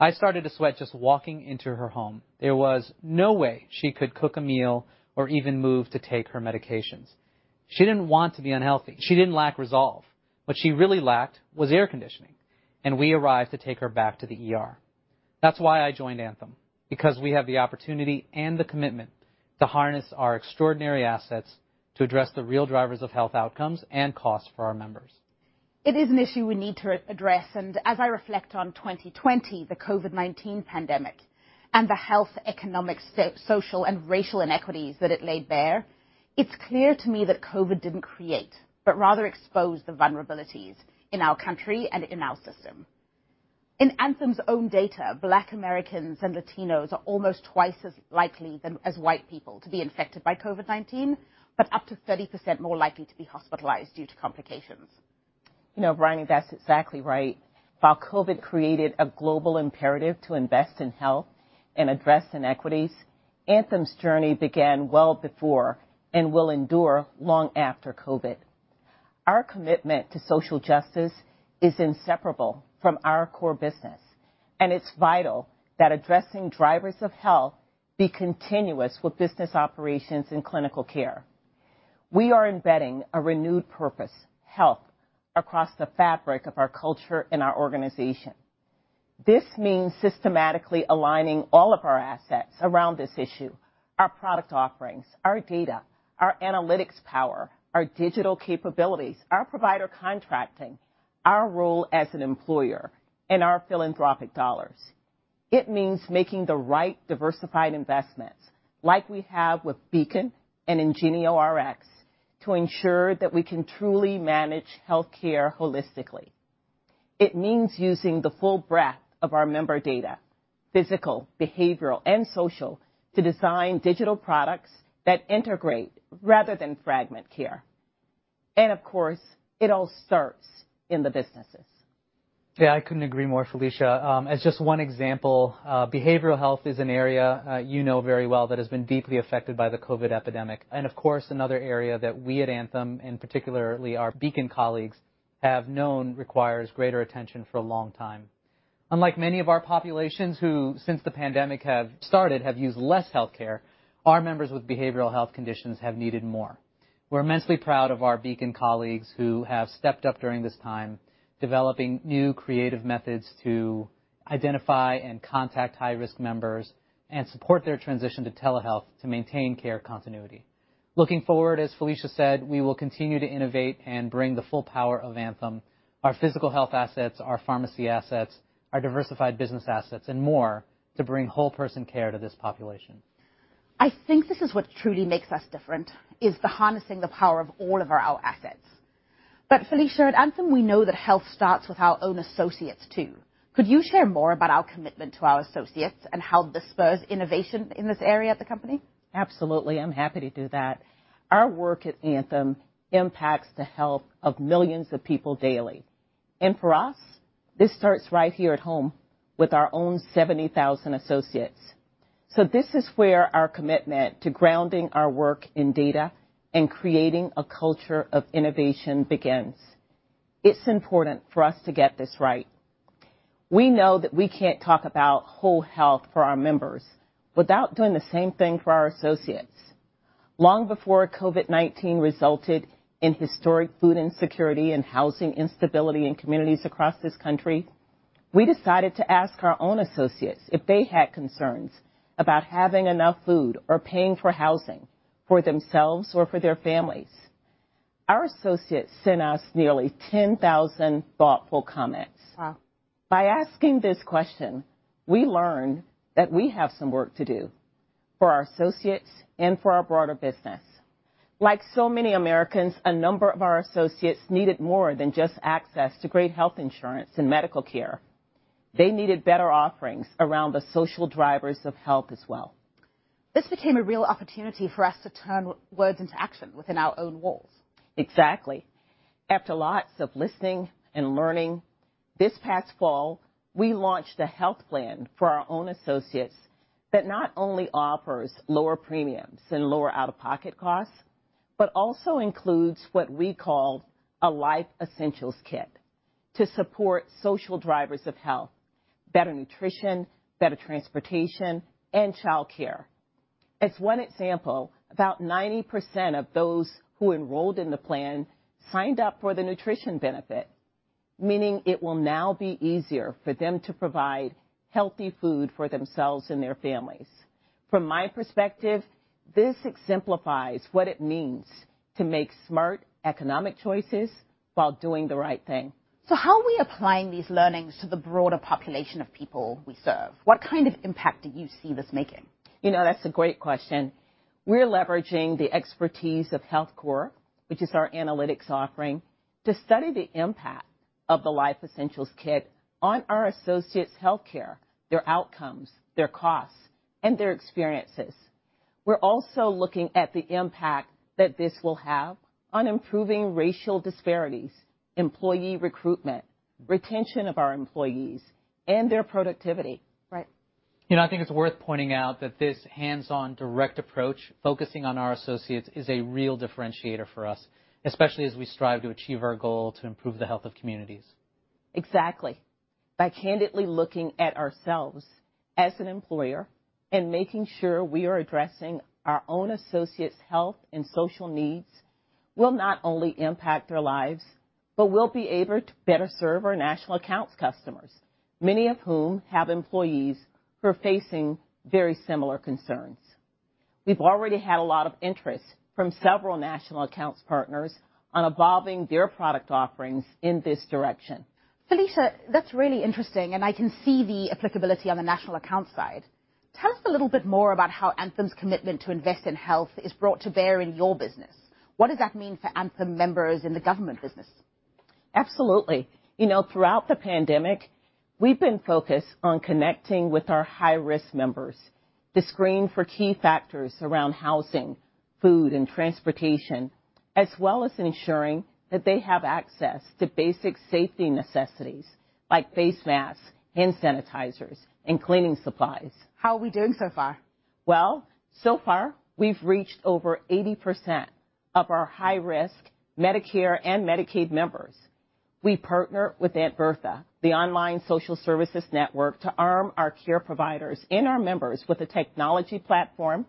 Speaker 8: I started to sweat just walking into her home. There was no way she could cook a meal or even move to take her medications. She didn't want to be unhealthy. She didn't lack resolve. What she really lacked was air conditioning, and we arrived to take her back to the ER. That's why I joined Anthem, because we have the opportunity and the commitment to harness our extraordinary assets to address the real drivers of health outcomes and costs for our members.
Speaker 6: It is an issue we need to address. As I reflect on 2020, the COVID-19 pandemic, and the health, economic, social, and racial inequities that it laid bare, it's clear to me that COVID didn't create, but rather expose the vulnerabilities in our country and in our system. In Anthem's own data, Black Americans and Latinos are almost twice as likely as white people to be infected by COVID-19, but up to 30% more likely to be hospitalized due to complications.
Speaker 7: You know Bryony, that's exactly right. While COVID created a global imperative to invest in health and address inequities, Anthem's journey began well before and will endure long after COVID. Our commitment to social justice is inseparable from our core business, and it's vital that addressing drivers of health be continuous with business operations and clinical care. We are embedding a renewed purpose, health, across the fabric of our culture and our organization. This means systematically aligning all of our assets around this issue, our product offerings, our data, our analytics power, our digital capabilities, our provider contracting, our role as an employer, and our philanthropic dollars. It means making the right diversified investments, like we have with Beacon and IngenioRx, to ensure that we can truly manage healthcare holistically. It means using the full breadth of our member data, physical, behavioral, and social, to design digital products that integrate rather than fragment care. Of course, it all starts in the businesses.
Speaker 8: Yeah, I couldn't agree more, Felicia. As just one example, behavioral health is an area you know very well that has been deeply affected by the COVID epidemic. Of course, another area that we at Anthem, and particularly our Beacon colleagues, have known requires greater attention for a long time. Unlike many of our populations who, since the pandemic has started, have used less healthcare, our members with behavioral health conditions have needed more. We're immensely proud of our Beacon colleagues who have stepped up during this time, developing new creative methods to identify and contact high-risk members and support their transition to telehealth to maintain care continuity. Looking forward, as Felicia said, we will continue to innovate and bring the full power of Anthem, our physical health assets, our pharmacy assets, our Diversified Business assets, and more, to bring whole person care to this population.
Speaker 6: I think this is what truly makes us different, is the harnessing the power of all of our assets. Felicia, at Anthem, we know that health starts with our own associates, too. Could you share more about our commitment to our associates and how this spurs innovation in this area at the company?
Speaker 7: Absolutely. I'm happy to do that. Our work at Anthem impacts the health of millions of people daily. For us, this starts right here at home with our own 70,000 associates. This is where our commitment to grounding our work in data and creating a culture of innovation begins. It's important for us to get this right. We know that we can't talk about whole health for our members without doing the same thing for our associates. Long before COVID-19 resulted in historic food insecurity and housing instability in communities across this country. We decided to ask our own associates if they had concerns about having enough food or paying for housing for themselves or for their families. Our associates sent us nearly 10,000 thoughtful comments.
Speaker 6: Wow.
Speaker 7: By asking this question, we learned that we have some work to do for our associates and for our broader business. Like so many Americans, a number of our associates needed more than just access to great health insurance and medical care. They needed better offerings around the social drivers of health as well.
Speaker 6: This became a real opportunity for us to turn words into action within our own walls.
Speaker 7: Exactly. After lots of listening and learning, this past fall, we launched a health plan for our own associates that not only offers lower premiums and lower out-of-pocket costs but also includes what we call a Life Essentials Kit to support social drivers of health, better nutrition, better transportation, and childcare. As one example, about 90% of those who enrolled in the plan signed up for the nutrition benefit, meaning it will now be easier for them to provide healthy food for themselves and their families. From my perspective, this exemplifies what it means to make smart economic choices while doing the right thing.
Speaker 6: How are we applying these learnings to the broader population of people we serve? What kind of impact do you see this making?
Speaker 7: That's a great question. We're leveraging the expertise of HealthCore, which is our analytics offering, to study the impact of the Life Essentials Kit on our associates' healthcare, their outcomes, their costs, and their experiences. We're also looking at the impact that this will have on improving racial disparities, employee recruitment, retention of our employees, and their productivity.
Speaker 6: Right.
Speaker 8: I think it's worth pointing out that this hands-on direct approach, focusing on our associates, is a real differentiator for us, especially as we strive to achieve our goal to improve the health of communities.
Speaker 7: Exactly. By candidly looking at ourselves as an employer and making sure we are addressing our own associates' health and social needs will not only impact their lives, but we'll be able to better serve our national accounts customers, many of whom have employees who are facing very similar concerns. We've already had a lot of interest from several national accounts partners on evolving their product offerings in this direction.
Speaker 6: Felicia, that's really interesting, and I can see the applicability on the national account side. Tell us a little bit more about how Anthem's commitment to invest in health is brought to bear in your business. What does that mean for Anthem members in the government business?
Speaker 7: Absolutely. Throughout the pandemic, we've been focused on connecting with our high-risk members to screen for key factors around housing, food, and transportation, as well as ensuring that they have access to basic safety necessities like face masks, hand sanitizers, and cleaning supplies.
Speaker 6: How are we doing so far?
Speaker 7: Well, so far, we've reached over 80% of our high-risk Medicare and Medicaid members. We partner with Aunt Bertha, the online social services network, to arm our care providers and our members with a technology platform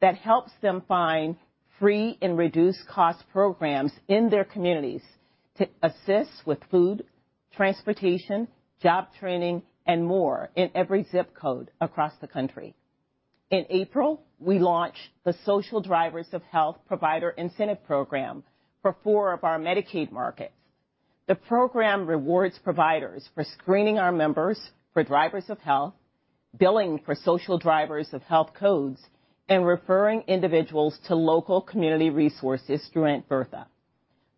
Speaker 7: that helps them find free and reduced cost programs in their communities to assist with food, transportation, job training, and more in every zip code across the country. In April, we launched the Social Drivers of Health Provider Incentive Program for four of our Medicaid markets. The program rewards providers for screening our members for drivers of health, billing for social drivers of health codes, and referring individuals to local community resources through Aunt Bertha.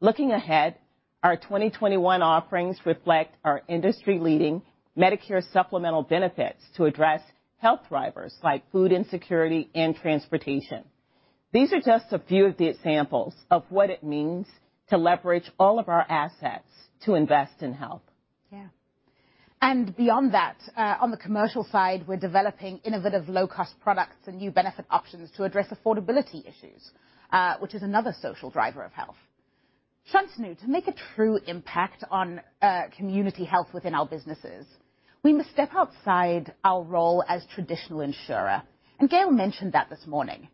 Speaker 7: Looking ahead, our 2021 offerings reflect our industry-leading Medicare supplemental benefits to address health drivers like food insecurity and transportation. These are just a few of the examples of what it means to leverage all of our assets to invest in health.
Speaker 6: Yeah. Beyond that, on the commercial side, we're developing innovative low-cost products and new benefit options to address affordability issues, which is another social driver of health. Shantanu, to make a true impact on community health within our businesses, we must step outside our role as traditional insurer, and Gail mentioned that this morning.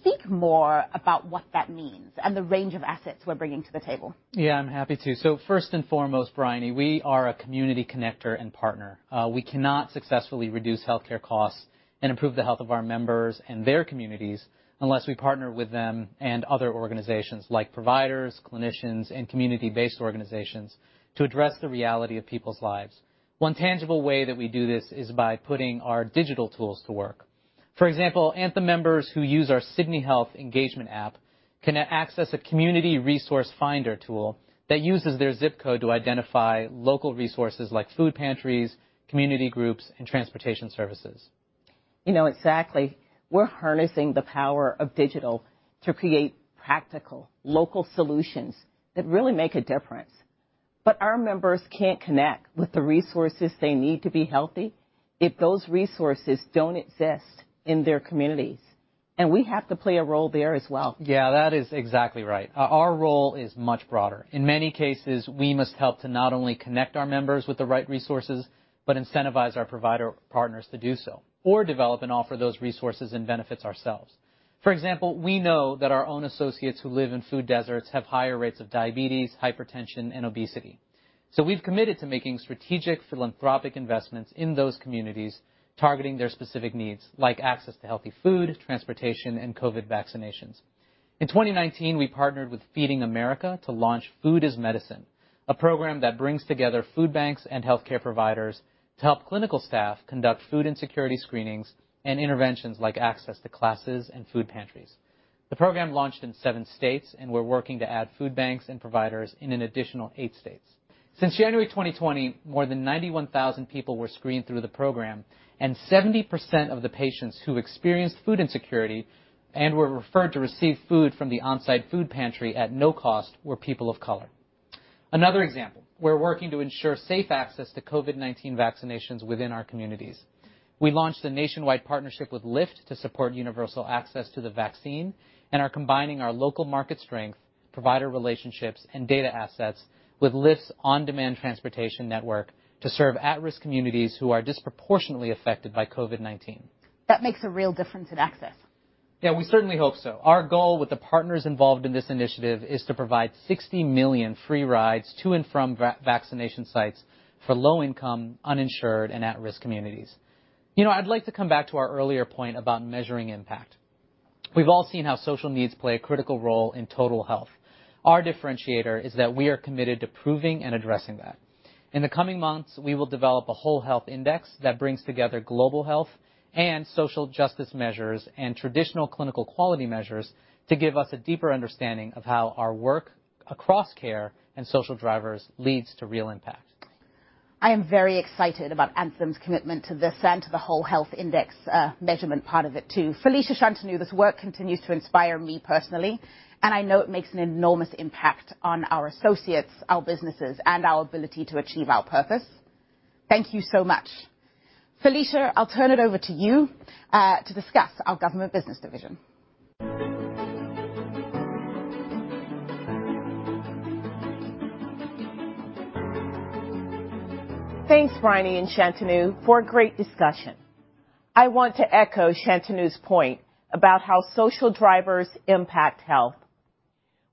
Speaker 6: Speak more about what that means and the range of assets we're bringing to the table?
Speaker 8: Yeah, I'm happy to. First and foremost, Bryony, we are a community connector and partner. We cannot successfully reduce healthcare costs and improve the health of our members and their communities unless we partner with them and other organizations like providers, clinicians, and community-based organizations to address the reality of people's lives. One tangible way that we do this is by putting our digital tools to work. For example, Anthem members who use our Sydney Health engagement app can access a community resource finder tool that uses their zip code to identify local resources like food pantries, community groups, and transportation services.
Speaker 7: Exactly. We're harnessing the power of digital to create practical local solutions that really make a difference. Our members can't connect with the resources they need to be healthy if those resources don't exist in their communities, and we have to play a role there as well.
Speaker 8: Yeah, that is exactly right. Our role is much broader. In many cases, we must help to not only connect our members with the right resources but incentivize our provider partners to do so or develop and offer those resources and benefits ourselves. For example, we know that our own associates who live in food deserts have higher rates of diabetes, hypertension, and obesity. We've committed to making strategic philanthropic investments in those communities, targeting their specific needs, like access to healthy food, transportation, and COVID vaccinations. In 2019, we partnered with Feeding America to launch Food is Medicine, a program that brings together food banks and healthcare providers to help clinical staff conduct food insecurity screenings and interventions like access to classes and food pantries. The program launched in seven states. We're working to add food banks and providers in an additional eight states. Since January 2020, more than 91,000 people were screened through the program, and 70% of the patients who experienced food insecurity and were referred to receive food from the on-site food pantry at no cost were people of color. Another example, we're working to ensure safe access to COVID-19 vaccinations within our communities. We launched a nationwide partnership with Lyft to support universal access to the vaccine and are combining our local market strength, provider relationships, and data assets with Lyft's on-demand transportation network to serve at-risk communities who are disproportionately affected by COVID-19.
Speaker 6: That makes a real difference in access.
Speaker 8: Yeah, we certainly hope so. Our goal with the partners involved in this initiative is to provide 60 million free rides to and from vaccination sites for low income, uninsured, and at-risk communities. I'd like to come back to our earlier point about measuring impact. We've all seen how social needs play a critical role in total health. Our differentiator is that we are committed to proving and addressing that. In the coming months, we will develop a whole health index that brings together global health and social justice measures and traditional clinical quality measures to give us a deeper understanding of how our work across care and social drivers leads to real impact.
Speaker 6: I am very excited about Anthem's commitment to this and to the whole health index measurement part of it too. Felicia, Shantanu, this work continues to inspire me personally, and I know it makes an enormous impact on our associates, our businesses, and our ability to achieve our purpose. Thank you so much. Felicia, I'll turn it over to you, to discuss our Government Business Division.
Speaker 7: Thanks, Bryony and Shantanu, for a great discussion. I want to echo Shantanu's point about how social drivers impact health.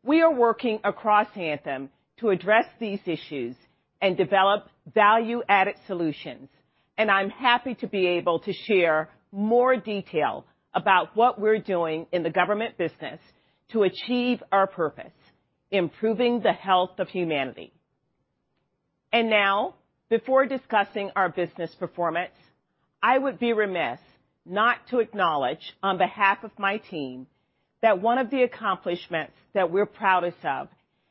Speaker 7: We are working across Anthem to address these issues and develop value-added solutions, and I'm happy to be able to share more detail about what we're doing in the government business to achieve our purpose, improving the health of humanity. Now, before discussing our business performance, I would be remiss not to acknowledge on behalf of my team that one of the accomplishments that we're proudest of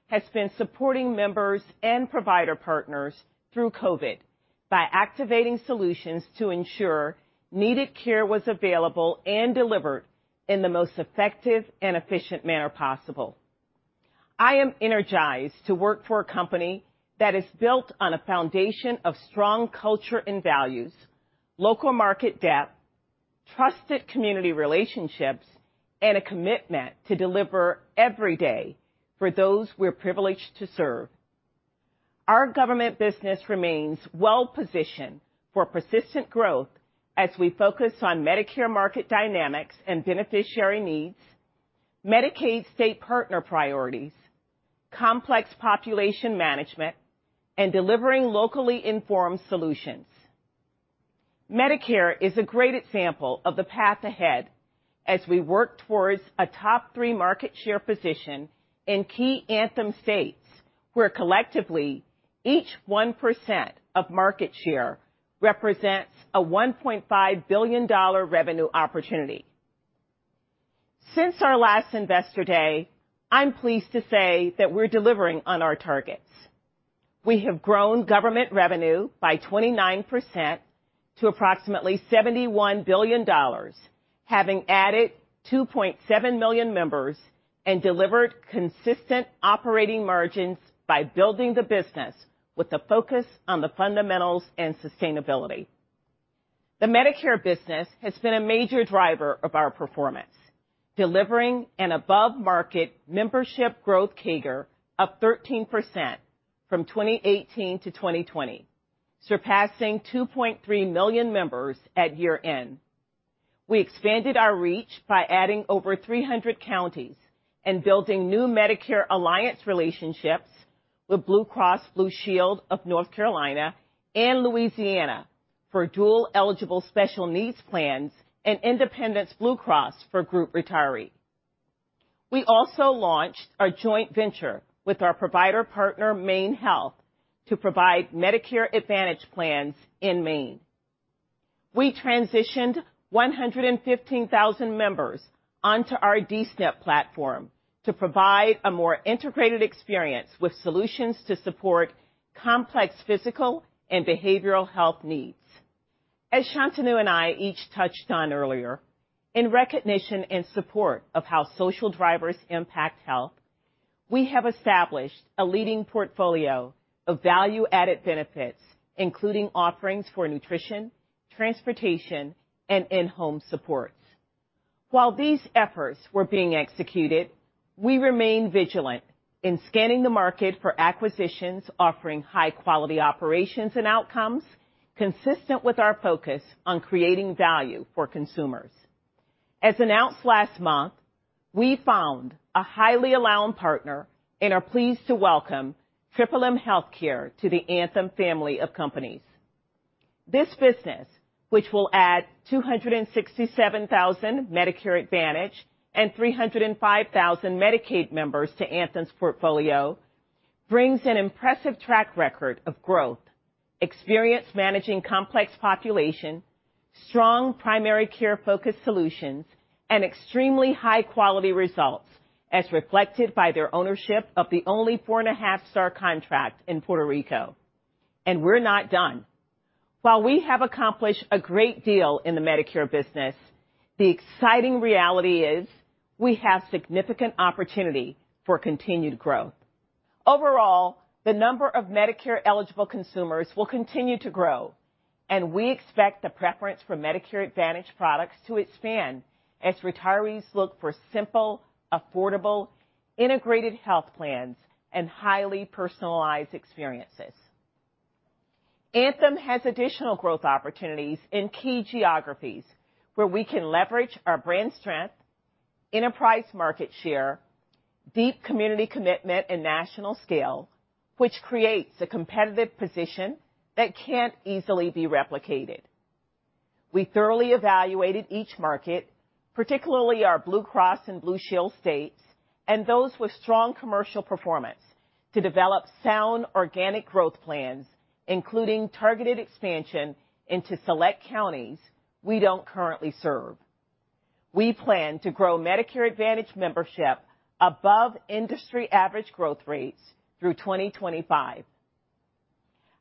Speaker 7: has been supporting members and provider partners through COVID by activating solutions to ensure needed care was available and delivered in the most effective and efficient manner possible. I am energized to work for a company that is built on a foundation of strong culture and values, local market depth, trusted community relationships, and a commitment to deliver every day for those we're privileged to serve. Our government business remains well-positioned for persistent growth as we focus on Medicare market dynamics and beneficiary needs, Medicaid state partner priorities, complex population management, and delivering locally informed solutions. Medicare is a great example of the path ahead as we work towards a top three market share position in key Anthem states, where collectively, each 1% of market share represents a $1.5 billion revenue opportunity. Since our last Investor Day, I am pleased to say that we're delivering on our targets. We have grown government revenue by 29% to approximately $71 billion, having added 2.7 million members and delivered consistent operating margins by building the business with a focus on the fundamentals and sustainability. The Medicare business has been a major driver of our performance, delivering an above-market membership growth CAGR of 13% from 2018-2020, surpassing 2.3 million members at year-end. We expanded our reach by adding over 300 counties and building new Medicare alliance relationships with Blue Cross Blue Shield of North Carolina and Louisiana for Dual-Eligible Special Needs Plans and Independence Blue Cross for group retiree. We also launched our joint venture with our provider partner, MaineHealth, to provide Medicare Advantage plans in Maine. We transitioned 115,000 members onto our D-SNP platform to provide a more integrated experience with solutions to support complex physical and behavioral health needs. As Shantanu and I each touched on earlier, in recognition and support of how social drivers impact health, we have established a leading portfolio of value-added benefits, including offerings for nutrition, transportation, and in-home supports. While these efforts were being executed, we remain vigilant in scanning the market for acquisitions offering high-quality operations and outcomes consistent with our focus on creating value for consumers. As announced last month, we found a highly aligned partner and are pleased to welcome MMM Healthcare to the Anthem family of companies. This business, which will add 267,000 Medicare Advantage and 305,000 Medicaid members to Anthem's portfolio, brings an impressive track record of growth, experience managing complex population, strong primary care-focused solutions, and extremely high-quality results, as reflected by their ownership of the only four and a half star contract in Puerto Rico. We're not done. While we have accomplished a great deal in the Medicare business, the exciting reality is we have significant opportunity for continued growth. Overall, the number of Medicare-eligible consumers will continue to grow, and we expect the preference for Medicare Advantage products to expand as retirees look for simple, affordable, integrated health plans, and highly personalized experiences. Anthem has additional growth opportunities in key geographies where we can leverage our brand strength, enterprise market share, deep community commitment, and national scale, which creates a competitive position that can't easily be replicated. We thoroughly evaluated each market, particularly our Blue Cross and Blue Shield states, and those with strong commercial performance to develop sound organic growth plans, including targeted expansion into select counties we don't currently serve. We plan to grow Medicare Advantage membership above industry average growth rates through 2025.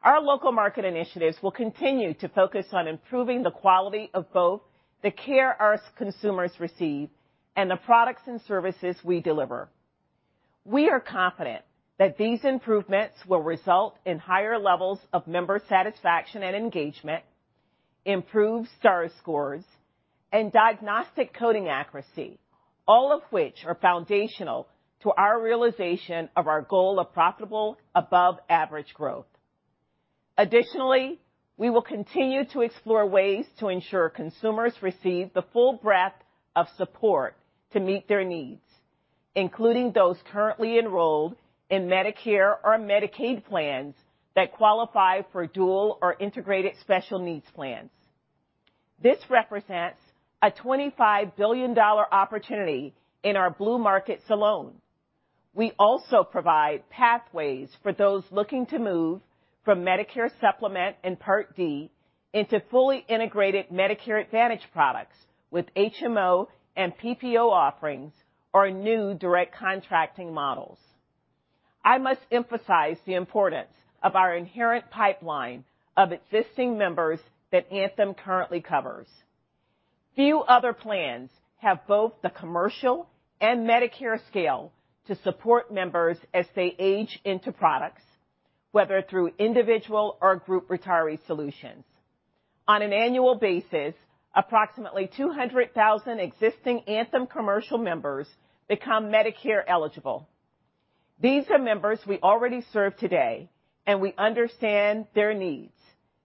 Speaker 7: Our local market initiatives will continue to focus on improving the quality of both the care our consumers receive and the products and services we deliver. We are confident that these improvements will result in higher levels of member satisfaction and engagement, improved star scores, and diagnostic coding accuracy, all of which are foundational to our realization of our goal of profitable above-average growth. Additionally, we will continue to explore ways to ensure consumers receive the full breadth of support to meet their needs, including those currently enrolled in Medicare or Medicaid plans that qualify for Dual or integrated Special Needs Plans. This represents a $25 billion opportunity in our Blue markets alone. We also provide pathways for those looking to move from Medicare supplement and Part D into fully integrated Medicare Advantage products with HMO and PPO offerings, or new direct contracting models. I must emphasize the importance of our inherent pipeline of existing members that Anthem currently covers. Few other plans have both the commercial and Medicare scale to support members as they age into products, whether through individual or group retiree solutions. On an annual basis, approximately 200,000 existing Anthem commercial members become Medicare-eligible. These are members we already serve today, and we understand their needs.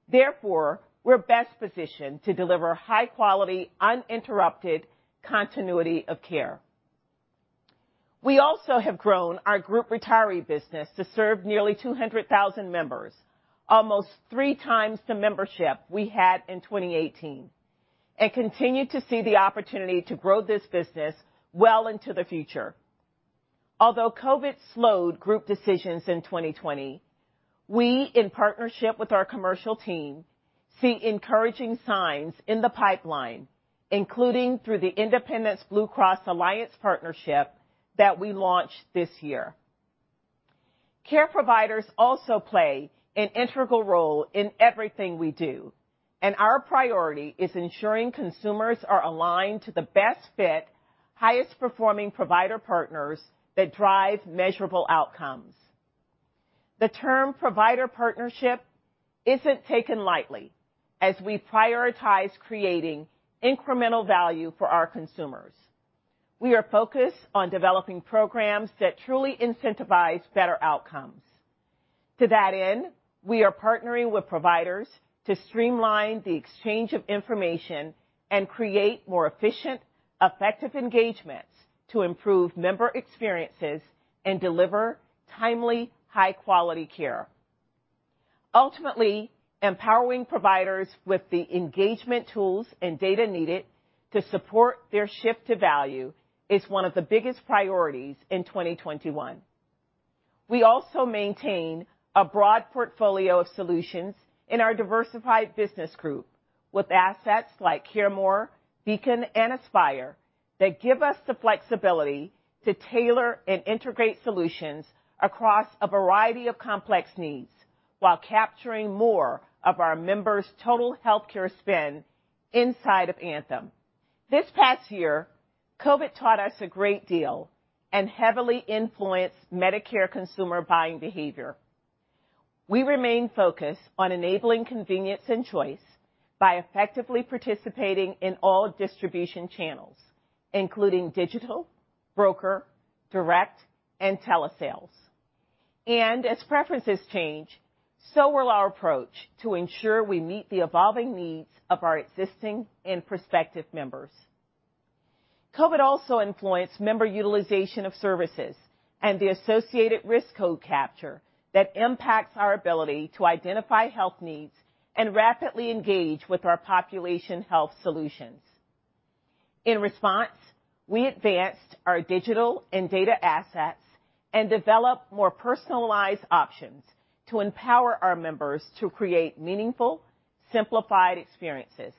Speaker 7: Therefore, we're best positioned to deliver high-quality, uninterrupted continuity of care. We also have grown our group retiree business to serve nearly 200,000 members, almost 3x the membership we had in 2018, and continue to see the opportunity to grow this business well into the future. Although COVID slowed group decisions in 2020, we, in partnership with our commercial team, see encouraging signs in the pipeline, including through the Independence Blue Cross Alliance partnership that we launched this year. Care providers also play an integral role in everything we do, and our priority is ensuring consumers are aligned to the best fit, highest performing provider partners that drive measurable outcomes. The term provider partnership isn't taken lightly, as we prioritize creating incremental value for our consumers. We are focused on developing programs that truly incentivize better outcomes. To that end, we are partnering with providers to streamline the exchange of information and create more efficient, effective engagements to improve member experiences and deliver timely, high-quality care. Ultimately, empowering providers with the engagement tools and data needed to support their shift to value is one of the biggest priorities in 2021. We also maintain a broad portfolio of solutions in our Diversified Business Group with assets like CareMore, Beacon, and Aspire that give us the flexibility to tailor and integrate solutions across a variety of complex needs while capturing more of our members' total healthcare spend inside of Anthem. This past year, COVID taught us a great deal and heavily influenced Medicare consumer buying behavior. We remain focused on enabling convenience and choice by effectively participating in all distribution channels, including digital, broker, direct, and telesales. As preferences change, so will our approach to ensure we meet the evolving needs of our existing and prospective members. COVID also influenced member utilization of services and the associated risk code capture that impacts our ability to identify health needs and rapidly engage with our population health solutions. In response, we advanced our digital and data assets and developed more personalized options to empower our members to create meaningful, simplified experiences.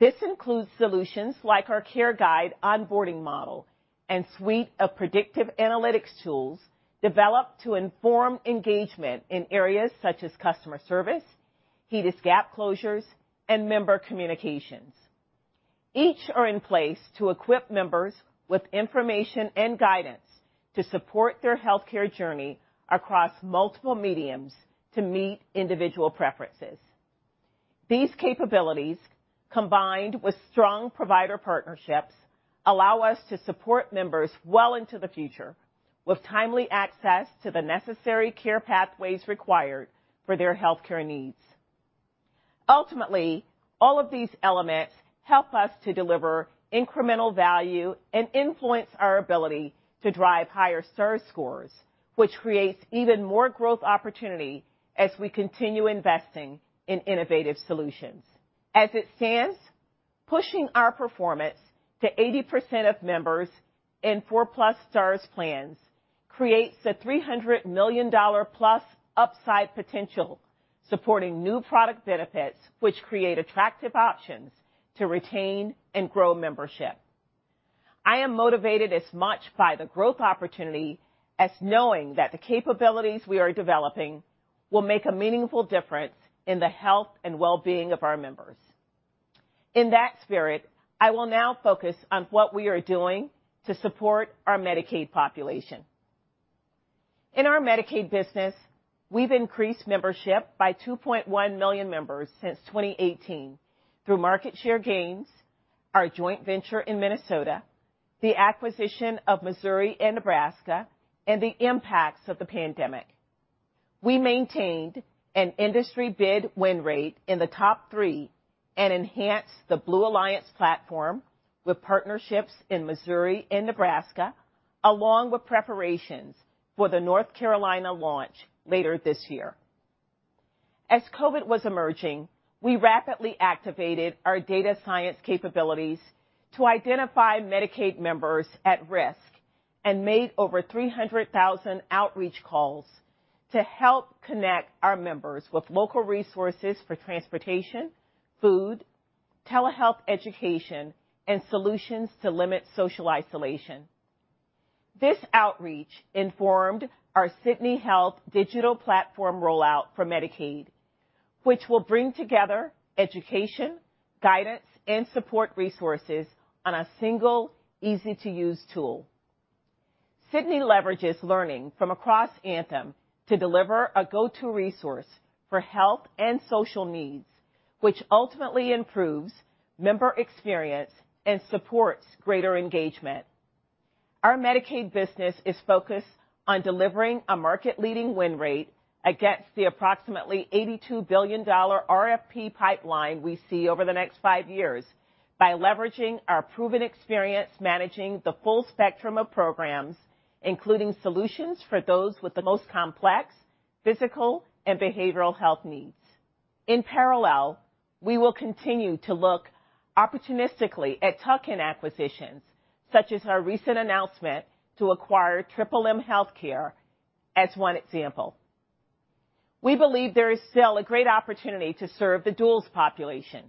Speaker 7: This includes solutions like our care guide onboarding model and suite of predictive analytics tools developed to inform engagement in areas such as customer service, HEDIS gap closures, and member communications. Each are in place to equip members with information and guidance to support their healthcare journey across multiple mediums to meet individual preferences. These capabilities, combined with strong provider partnerships, allow us to support members well into the future with timely access to the necessary care pathways required for their healthcare needs. Ultimately, all of these elements help us to deliver incremental value and influence our ability to drive higher Stars scores, which creates even more growth opportunity as we continue investing in innovative solutions. As it stands, pushing our performance to 80% of members in 4+ Stars plans creates a $300+ million upside potential, supporting new product benefits, which create attractive options to retain and grow membership. I am motivated as much by the growth opportunity as knowing that the capabilities we are developing will make a meaningful difference in the health and wellbeing of our members. In that spirit, I will now focus on what we are doing to support our Medicaid population. In our Medicaid business, we've increased membership by 2.1 million members since 2018 through market share gains, our joint venture in Minnesota, the acquisition of Missouri and Nebraska, and the impacts of the pandemic. We maintained an industry bid win rate in the top three and enhanced the Blue Alliance platform with partnerships in Missouri and Nebraska, along with preparations for the North Carolina launch later this year. As COVID was emerging, we rapidly activated our data science capabilities to identify Medicaid members at risk and made over 300,000 outreach calls to help connect our members with local resources for transportation, food, telehealth education, and solutions to limit social isolation. This outreach informed our Sydney Health digital platform rollout for Medicaid, which will bring together education, guidance, and support resources on a single easy-to-use tool. Sydney leverages learning from across Anthem to deliver a go-to resource for health and social needs, which ultimately improves member experience and supports greater engagement. Our Medicaid business is focused on delivering a market-leading win rate against the approximately $82 billion RFP pipeline we see over the next five years by leveraging our proven experience managing the full spectrum of programs, including solutions for those with the most complex physical and behavioral health needs. In parallel, we will continue to look opportunistically at tuck-in acquisitions, such as our recent announcement to acquire MMM Healthcare as one example. We believe there is still a great opportunity to serve the duals population.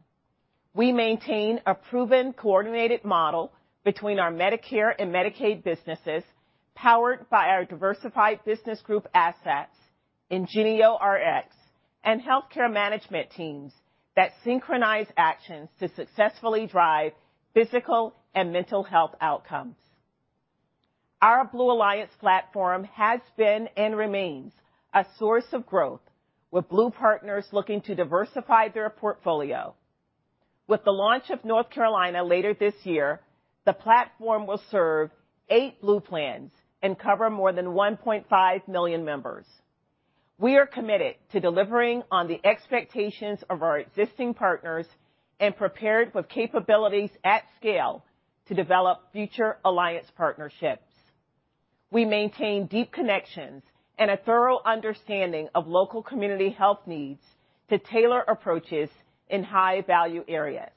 Speaker 7: We maintain a proven coordinated model between our Medicare and Medicaid businesses, powered by our Diversified Business Group assets, IngenioRx, and healthcare management teams that synchronize actions to successfully drive physical and mental health outcomes. Our Blue Alliance platform has been and remains a source of growth with Blue partners looking to diversify their portfolio. With the launch of North Carolina later this year, the platform will serve eight Blue plans and cover more than 1.5 million members. We are committed to delivering on the expectations of our existing partners and prepared with capabilities at scale to develop future alliance partnerships. We maintain deep connections and a thorough understanding of local community health needs to tailor approaches in high-value areas.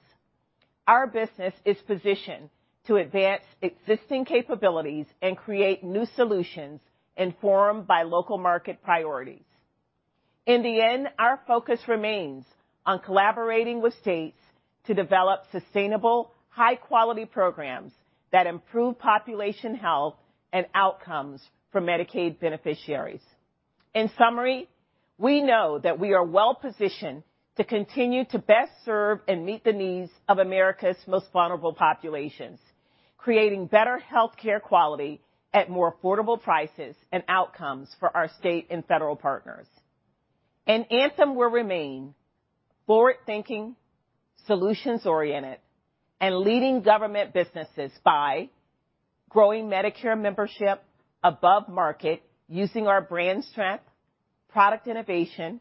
Speaker 7: Our business is positioned to advance existing capabilities and create new solutions informed by local market priorities. In the end, our focus remains on collaborating with states to develop sustainable, high-quality programs that improve population health and outcomes for Medicaid beneficiaries. In summary, we know that we are well-positioned to continue to best serve and meet the needs of America's most vulnerable populations, creating better healthcare quality at more affordable prices and outcomes for our state and federal partners. Anthem will remain forward-thinking, solutions-oriented, and leading government businesses by growing Medicare membership above market using our brand strength, product innovation,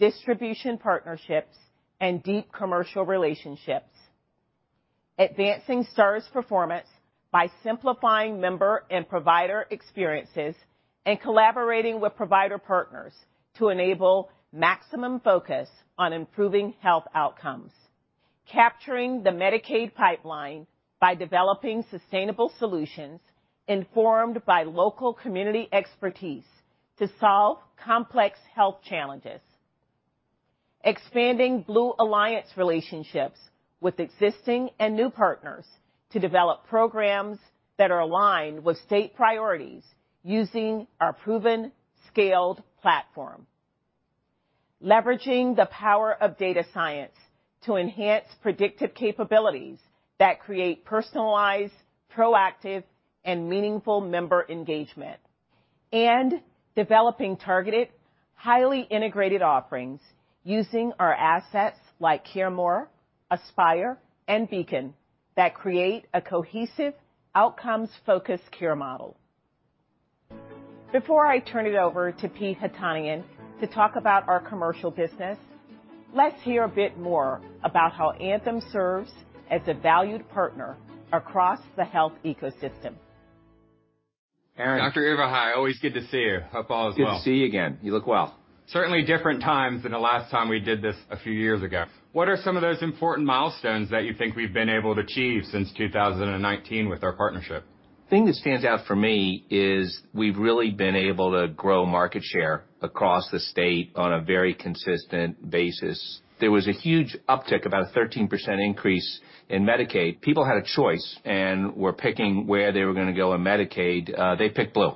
Speaker 7: distribution partnerships, and deep commercial relationships. Advancing service performance by simplifying member and provider experiences and collaborating with provider partners to enable maximum focus on improving health outcomes. Capturing the Medicaid pipeline by developing sustainable solutions informed by local community expertise to solve complex health challenges. Expanding Blue Alliance relationships with existing and new partners to develop programs that are aligned with state priorities using our proven scaled platform. Leveraging the power of data science to enhance predictive capabilities that create personalized, proactive, and meaningful member engagement. Developing targeted, highly integrated offerings using our assets like CareMore, Aspire, and Beacon that create a cohesive outcomes-focused care model. Before I turn it over to Pete Haytaian to talk about our commercial business, let's hear a bit more about how Anthem serves as a valued partner across the health ecosystem.
Speaker 4: Aaron. Dr. Everhart, always good to see you. Hope all is well. Good to see you again. You look well. Certainly different times than the last time we did this a few years ago. What are some of those important milestones that you think we've been able to achieve since 2019 with our partnership? The thing that stands out for me is we've really been able to grow market share across the state on a very consistent basis. There was a huge uptick, about a 13% increase in Medicaid. People had a choice and were picking where they were going to go on Medicaid. They picked Blue.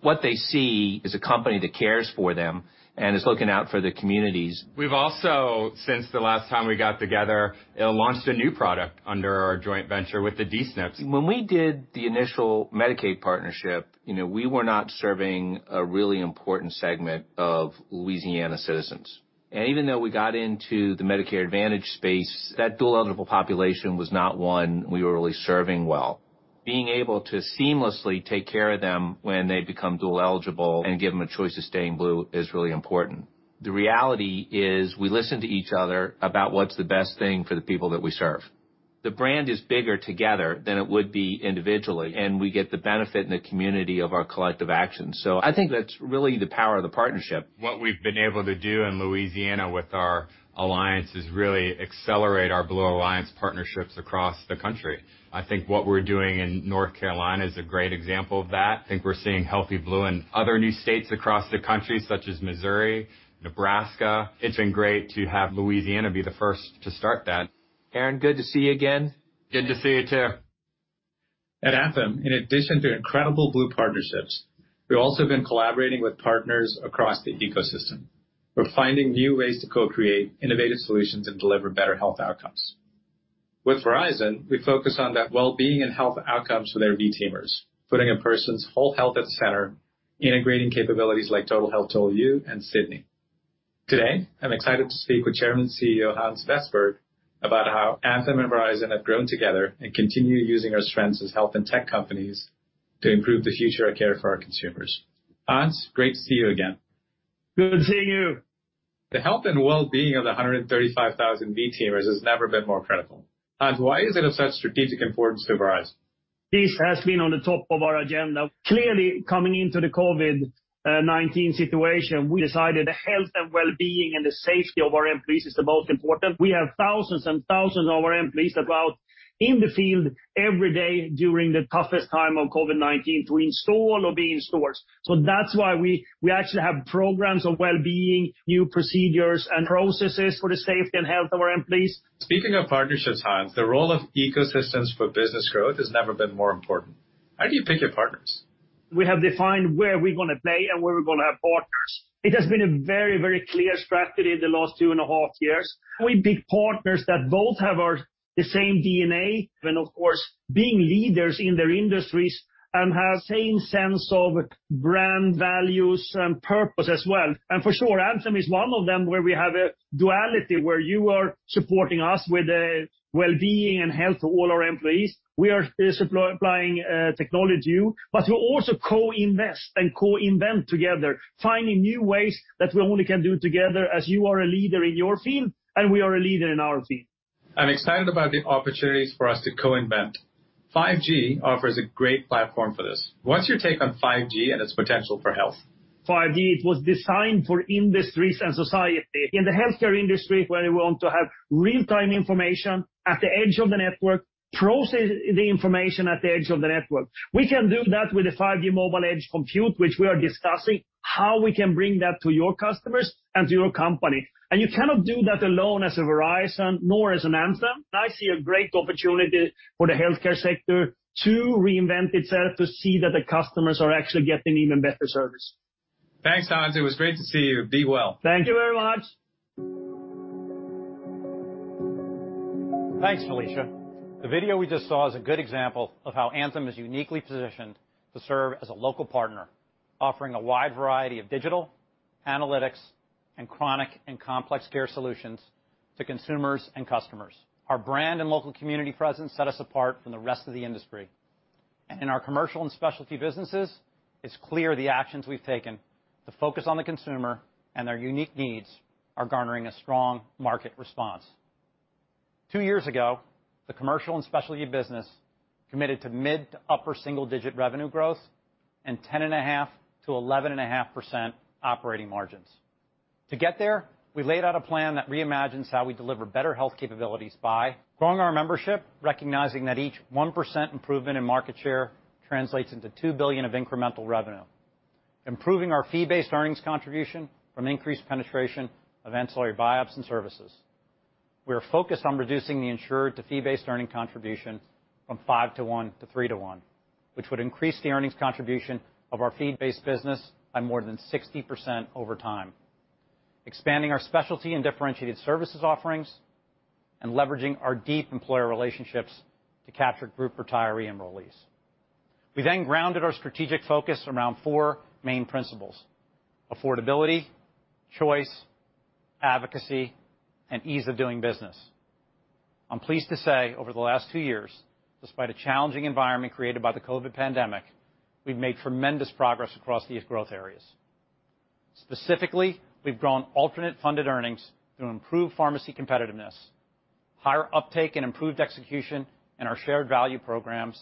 Speaker 4: What they see is a company that cares for them and is looking out for the communities. We've also, since the last time we got together, launched a new product under our joint venture with the D-SNPs. When we did the initial Medicaid partnership, we were not serving a really important segment of Louisiana citizens. Even though we got into the Medicare Advantage space, that dual-eligible population was not one we were really serving well. Being able to seamlessly take care of them when they become dual-eligible and give them a choice of staying Blue is really important. The reality is we listen to each other about what's the best thing for the people that we serve. The brand is bigger together than it would be individually, and we get the benefit in the community of our collective actions. I think that's really the power of the partnership. What we've been able to do in Louisiana with our Alliance is really accelerate our Blue Alliance partnerships across the country. I think what we're doing in North Carolina is a great example of that. I think we're seeing Healthy Blue in other new states across the country, such as Missouri, Nebraska. It's been great to have Louisiana be the first to start that. Aaron, good to see you again. Good to see you, too. At Anthem, in addition to incredible Blue partnerships, we've also been collaborating with partners across the ecosystem. We're finding new ways to co-create innovative solutions and deliver better health outcomes. With Verizon, we focus on the wellbeing and health outcomes for their V Teamers, putting a person's whole health at the center, integrating capabilities like Total Health, Total You and Sydney. Today, I'm excited to speak with Chairman and CEO Hans Vestberg about how Anthem and Verizon have grown together and continue using our strengths as health and tech companies to improve the future of care for our consumers. Hans, great to see you again.
Speaker 9: Good seeing you.
Speaker 4: The health and wellbeing of the 135,000 V Teamers has never been more critical. Hans, why is it of such strategic importance to Verizon?
Speaker 9: This has been on the top of our agenda. Clearly, coming into the COVID-19 situation, we decided the health and wellbeing and the safety of our employees is the most important. We have thousands and thousands of our employees that are out in the field every day during the toughest time of COVID-19 to install or be in stores. That's why we actually have programs of wellbeing, new procedures, and processes for the safety and health of our employees.
Speaker 4: Speaking of partnerships, Hans, the role of ecosystems for business growth has never been more important. How do you pick your partners?
Speaker 9: We have defined where we're going to play and where we're going to have partners. It has been a very clear strategy in the last two and a half years. We pick partners that both have the same DNA, and of course, being leaders in their industries, and have the same sense of brand values and purpose as well, and for sure, Anthem is one of them, where we have a duality where you are supporting us with the wellbeing and health of all our employees. We are supplying technology to you, but we also co-invest and co-invent together, finding new ways that we only can do together as you are a leader in your field, and we are a leader in our field.
Speaker 4: I'm excited about the opportunities for us to co-invent. 5G offers a great platform for this. What's your take on 5G and its potential for health?
Speaker 9: 5G was designed for industries and society. In the healthcare industry, where we want to have real-time information at the edge of the network, process the information at the edge of the network. We can do that with the 5G Mobile Edge Compute, which we are discussing how we can bring that to your customers and to your company. You cannot do that alone as a Verizon, nor as an Anthem. I see a great opportunity for the healthcare sector to reinvent itself, to see that the customers are actually getting even better service.
Speaker 4: Thanks, Hans. It was great to see you. Be well.
Speaker 9: Thank you very much.
Speaker 10: Thanks, Felicia. The video we just saw is a good example of how Anthem is uniquely positioned to serve as a local partner, offering a wide variety of digital, analytics, and chronic and complex care solutions to consumers and customers. Our brand and local community presence set us apart from the rest of the industry. In our commercial and specialty businesses, it's clear the actions we've taken to focus on the consumer and their unique needs are garnering a strong market response. Two years ago, the commercial and specialty business committed to mid to upper single-digit revenue growth and 10.5%-11.5% operating margins. To get there, we laid out a plan that reimagines how we deliver better health capabilities by growing our membership, recognizing that each 1% improvement in market share translates into $2 billion of incremental revenue. Improving our fee-based earnings contribution from increased penetration of ancillary buy-ups and services. We are focused on reducing the insured-to-fee based earning contribution from 5:1 to 3:1, which would increase the earnings contribution of our fee-based business by more than 60% over time. Expanding our specialty and differentiated services offerings, and leveraging our deep employer relationships to capture group retiree enrollees. We grounded our strategic focus around four main principles, affordability, choice, advocacy, and ease of doing business. I'm pleased to say, over the last two years, despite a challenging environment created by the COVID-19 pandemic, we've made tremendous progress across these growth areas. Specifically, we've grown alternate funded earnings through improved pharmacy competitiveness, higher uptake and improved execution in our shared value programs,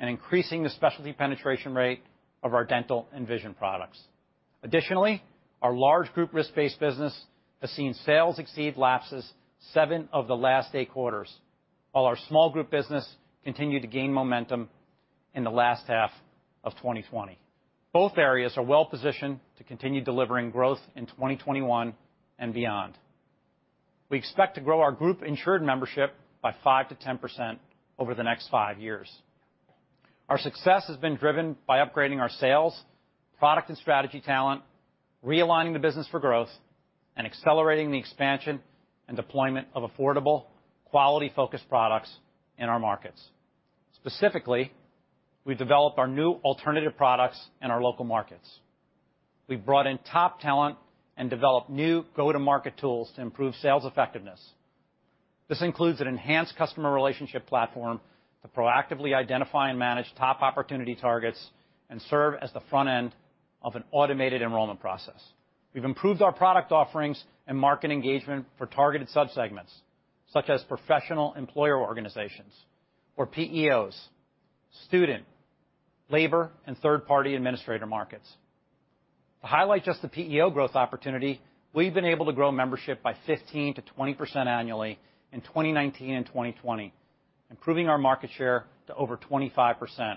Speaker 10: and increasing the specialty penetration rate of our dental and vision products. Additionally, our large group risk-based business has seen sales exceed lapses seven of the last eight quarters, while our small group business continued to gain momentum in the last half of 2020. Both areas are well-positioned to continue delivering growth in 2021 and beyond. We expect to grow our group-insured membership by 5%-10% over the next five years. Our success has been driven by upgrading our sales, product and strategy talent, realigning the business for growth, and accelerating the expansion and deployment of affordable, quality-focused products in our markets. Specifically, we've developed our new alternative products in our local markets. We've brought in top talent and developed new go-to-market tools to improve sales effectiveness. This includes an enhanced customer relationship platform to proactively identify and manage top opportunity targets and serve as the front end of an automated enrollment process. We've improved our product offerings and market engagement for targeted subsegments, such as professional employer organizations or PEOs, student, labor, and third-party administrator markets. To highlight just the PEO growth opportunity, we've been able to grow membership by 15%-20% annually in 2019 and 2020, improving our market share to over 25%.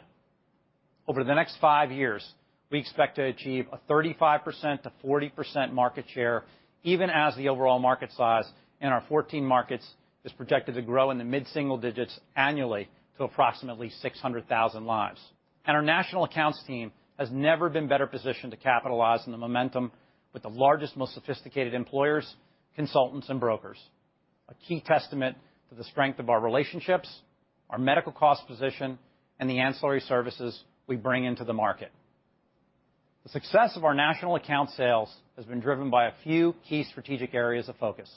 Speaker 10: Over the next five years, we expect to achieve a 35%-40% market share, even as the overall market size in our 14 markets is projected to grow in the mid-single digits annually to approximately 600,000 lives. Our national accounts team has never been better positioned to capitalize on the momentum with the largest, most sophisticated employers, consultants, and brokers. A key testament to the strength of our relationships, our medical cost position, and the ancillary services we bring into the market. The success of our national account sales has been driven by a few key strategic areas of focus.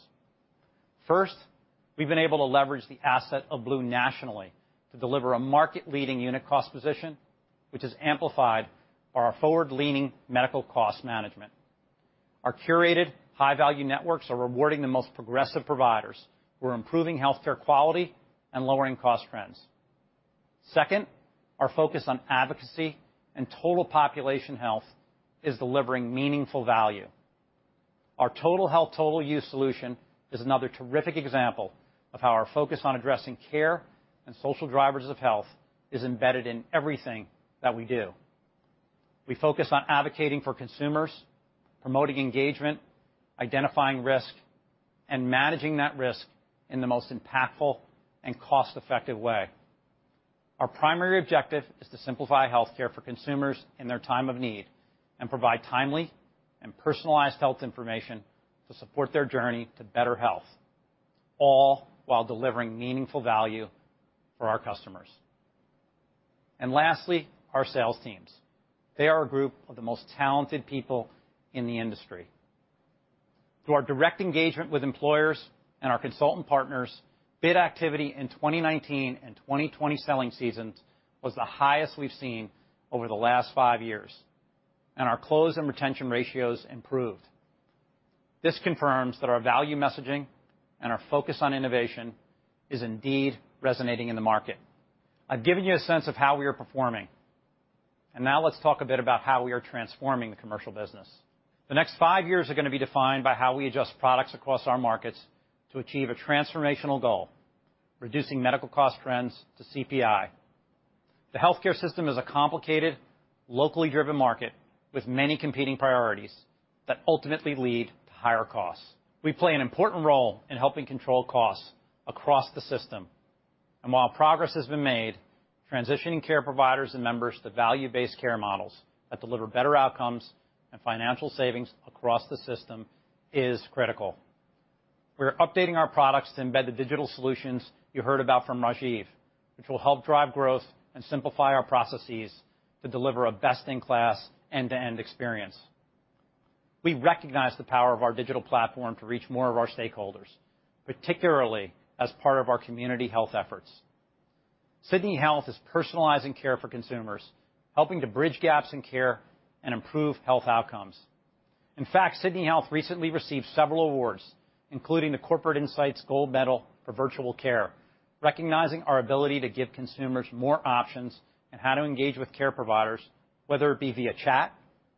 Speaker 10: First, we've been able to leverage the asset of Blue nationally to deliver a market-leading unit cost position, which has amplified our forward-leaning medical cost management. Our curated high-value networks are rewarding the most progressive providers who are improving healthcare quality and lowering cost trends. Second, our focus on advocacy and total population health is delivering meaningful value. Our Total Health, Total You solution is another terrific example of how our focus on addressing care and social drivers of health is embedded in everything that we do. We focus on advocating for consumers, promoting engagement, identifying risk, and managing that risk in the most impactful and cost-effective way. Our primary objective is to simplify healthcare for consumers in their time of need and provide timely and personalized health information to support their journey to better health, all while delivering meaningful value for our customers. Lastly, our sales teams. They are a group of the most talented people in the industry. Through our direct engagement with employers and our consultant partners, bid activity in 2019 and 2020 selling seasons was the highest we've seen over the last five years, and our close and retention ratios improved. This confirms that our value messaging and our focus on innovation is indeed resonating in the market. I've given you a sense of how we are performing, and now let's talk a bit about how we are transforming the commercial business. The next five years are going to be defined by how we adjust products across our markets to achieve a transformational goal, reducing medical cost trends to CPI. The healthcare system is a complicated, locally driven market with many competing priorities that ultimately lead to higher costs. We play an important role in helping control costs across the system. While progress has been made, transitioning care providers and members to value-based care models that deliver better outcomes and financial savings across the system is critical. We are updating our products to embed the digital solutions you heard about from Rajeev, which will help drive growth and simplify our processes to deliver a best-in-class end-to-end experience. We recognize the power of our digital platform to reach more of our stakeholders, particularly as part of our community health efforts. Sydney Health is personalizing care for consumers, helping to bridge gaps in care and improve health outcomes. In fact, Sydney Health recently received several awards, including the Corporate Insight Gold Medal for Virtual Care, recognizing our ability to give consumers more options on how to engage with care providers, whether it be via chat,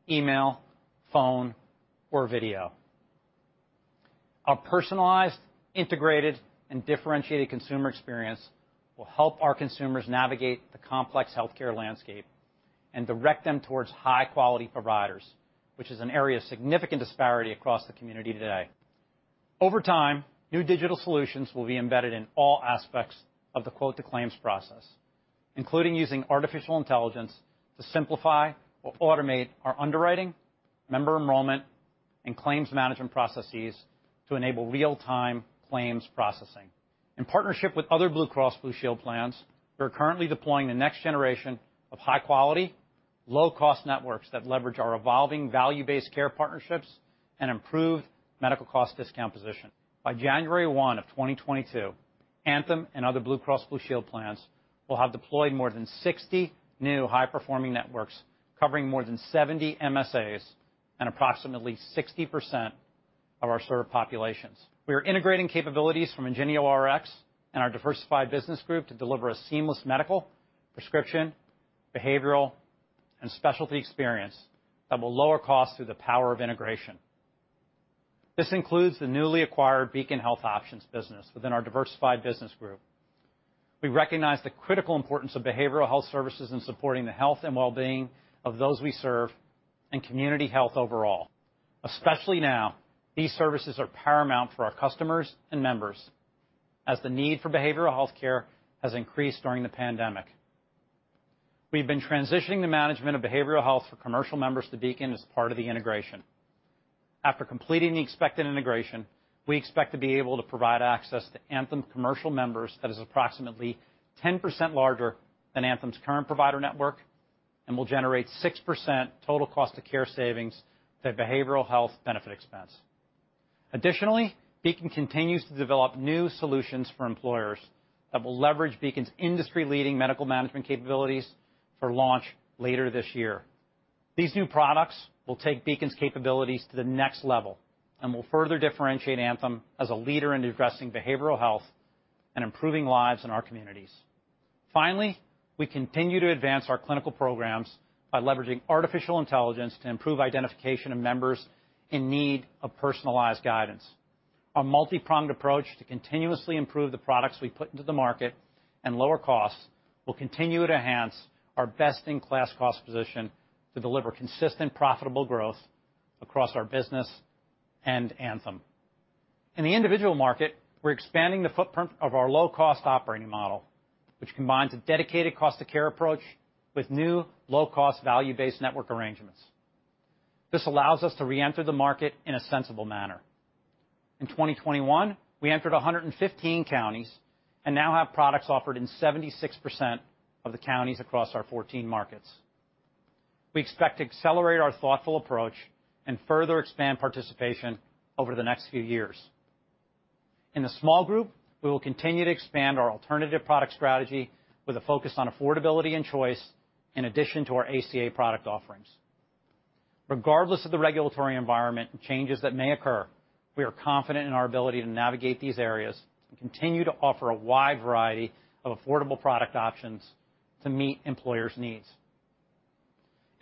Speaker 10: email, phone, or video. Our personalized, integrated, and differentiated consumer experience will help our consumers navigate the complex healthcare landscape and direct them towards high-quality providers, which is an area of significant disparity across the community today. Over time, new digital solutions will be embedded in all aspects of the quote-to-claims process, including using artificial intelligence to simplify or automate our underwriting, member enrollment, and claims management processes to enable real-time claims processing. In partnership with other Blue Cross Blue Shield plans, we are currently deploying the next generation of high-quality, low-cost networks that leverage our evolving value-based care partnerships and improve medical cost discount position. By January 1 of 2022, Anthem and other Blue Cross Blue Shield plans will have deployed more than 60 new high-performing networks covering more than 70 MSAs and approximately 60% of our served populations. We are integrating capabilities from IngenioRx and our Diversified Business Group to deliver a seamless medical, prescription, behavioral, and specialty experience that will lower costs through the power of integration. This includes the newly acquired Beacon Health Options business within our Diversified Business Group. We recognize the critical importance of behavioral health services in supporting the health and wellbeing of those we serve and community health overall. Especially now, these services are paramount for our customers and members as the need for behavioral healthcare has increased during the pandemic. We've been transitioning the management of behavioral health for commercial members to Beacon as part of the integration. After completing the expected integration, we expect to be able to provide access to Anthem commercial members that is approximately 10% larger than Anthem's current provider network and will generate 6% total cost of care savings to behavioral health benefit expense. Additionally, Beacon continues to develop new solutions for employers that will leverage Beacon's industry-leading medical management capabilities for launch later this year. These new products will take Beacon's capabilities to the next level and will further differentiate Anthem as a leader in addressing behavioral health and improving lives in our communities. Finally, we continue to advance our clinical programs by leveraging artificial intelligence to improve identification of members in need of personalized guidance. Our multi-pronged approach to continuously improve the products we put into the market and lower costs will continue to enhance our best-in-class cost position to deliver consistent profitable growth across our business and Anthem. In the individual market, we're expanding the footprint of our low-cost operating model, which combines a dedicated cost of care approach with new low-cost value-based network arrangements. This allows us to reenter the market in a sensible manner. In 2021, we entered 115 counties and now have products offered in 76% of the counties across our 14 markets. We expect to accelerate our thoughtful approach and further expand participation over the next few years. In the small group, we will continue to expand our alternative product strategy with a focus on affordability and choice in addition to our ACA product offerings. Regardless of the regulatory environment and changes that may occur, we are confident in our ability to navigate these areas and continue to offer a wide variety of affordable product options to meet employers' needs.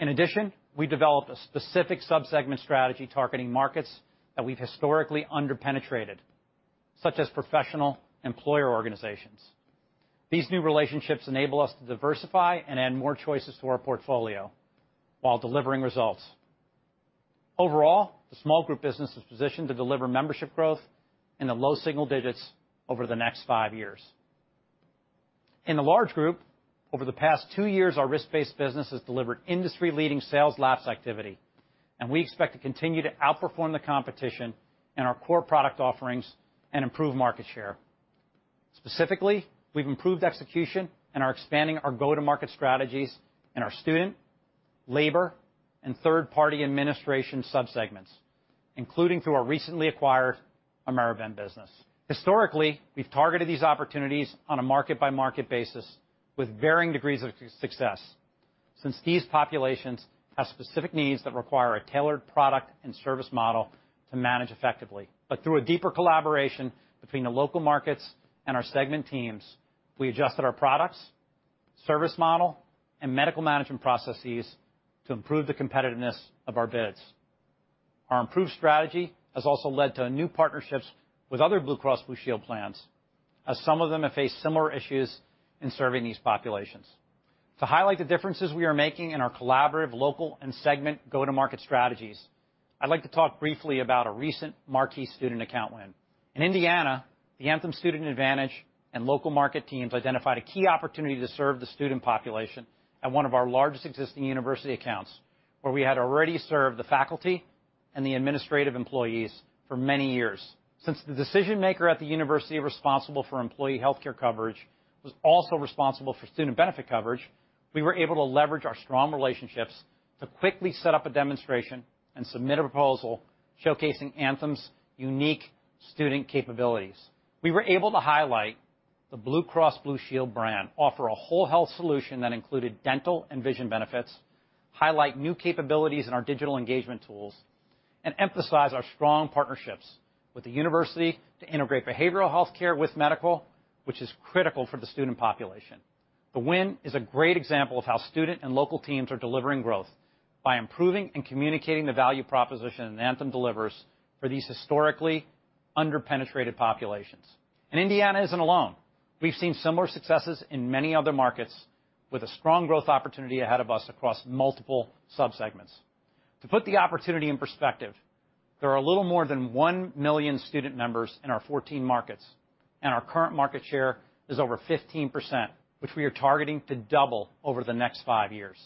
Speaker 10: In addition, we developed a specific sub-segment strategy targeting markets that we've historically under-penetrated, such as professional employer organizations. These new relationships enable us to diversify and add more choices to our portfolio while delivering results. Overall, the small group business is positioned to deliver membership growth in the low single digits over the next five years. In the large group, over the past two years, our risk-based business has delivered industry-leading sales lapse activity, and we expect to continue to outperform the competition in our core product offerings and improve market share. Specifically, we've improved execution and are expanding our go-to-market strategies in our student, labor, and third-party administration sub-segments, including through our recently acquired AmeriBen business. Historically, we've targeted these opportunities on a market-by-market basis with varying degrees of success since these populations have specific needs that require a tailored product and service model to manage effectively. Through a deeper collaboration between the local markets and our segment teams, we adjusted our products, service model, and medical management processes to improve the competitiveness of our bids. Our improved strategy has also led to new partnerships with other Blue Cross Blue Shield plans, as some of them have faced similar issues in serving these populations. To highlight the differences we are making in our collaborative local and segment go-to-market strategies, I'd like to talk briefly about a recent marquee student account win. In Indiana, the Anthem Student Advantage and local market teams identified a key opportunity to serve the student population at one of our largest existing university accounts, where we had already served the faculty and the administrative employees for many years. Since the decision-maker at the university responsible for employee healthcare coverage was also responsible for student benefit coverage, we were able to leverage our strong relationships to quickly set up a demonstration and submit a proposal showcasing Anthem's unique student capabilities. We were able to highlight the Blue Cross Blue Shield brand, offer a whole health solution that included dental and vision benefits, highlight new capabilities in our digital engagement tools, and emphasize our strong partnerships with the university to integrate behavioral healthcare with medical, which is critical for the student population. The win is a great example of how student and local teams are delivering growth by improving and communicating the value proposition that Anthem delivers for these historically under-penetrated populations. Indiana isn't alone. We've seen similar successes in many other markets with a strong growth opportunity ahead of us across multiple subsegments. To put the opportunity in perspective, there are a little more than 1 million student members in our 14 markets, and our current market share is over 15%, which we are targeting to double over the next five years.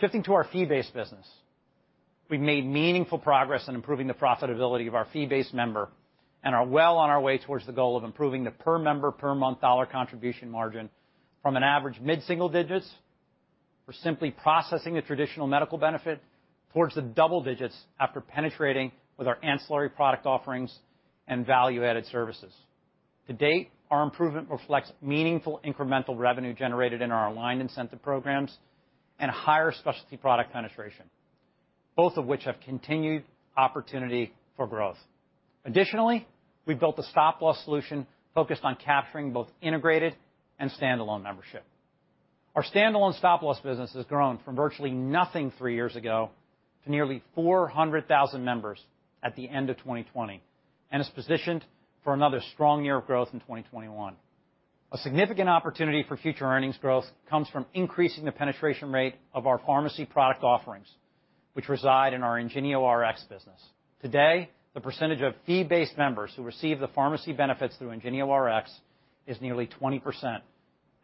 Speaker 10: Shifting to our fee-based business. We've made meaningful progress in improving the profitability of our fee-based member and are well on our way towards the goal of improving the per member per month dollar contribution margin from an average mid-single digits for simply processing a traditional medical benefit towards the double digits after penetrating with our ancillary product offerings and value-added services. To date, our improvement reflects meaningful incremental revenue generated in our aligned incentive programs and higher specialty product penetration, both of which have continued opportunity for growth. Additionally, we built a stop-loss solution focused on capturing both integrated and standalone membership. Our standalone stop-loss business has grown from virtually nothing three years ago to nearly 400,000 members at the end of 2020 and is positioned for another strong year of growth in 2021. A significant opportunity for future earnings growth comes from increasing the penetration rate of our pharmacy product offerings, which reside in our IngenioRx business. Today, the percentage of fee-based members who receive the pharmacy benefits through IngenioRx is nearly 20%,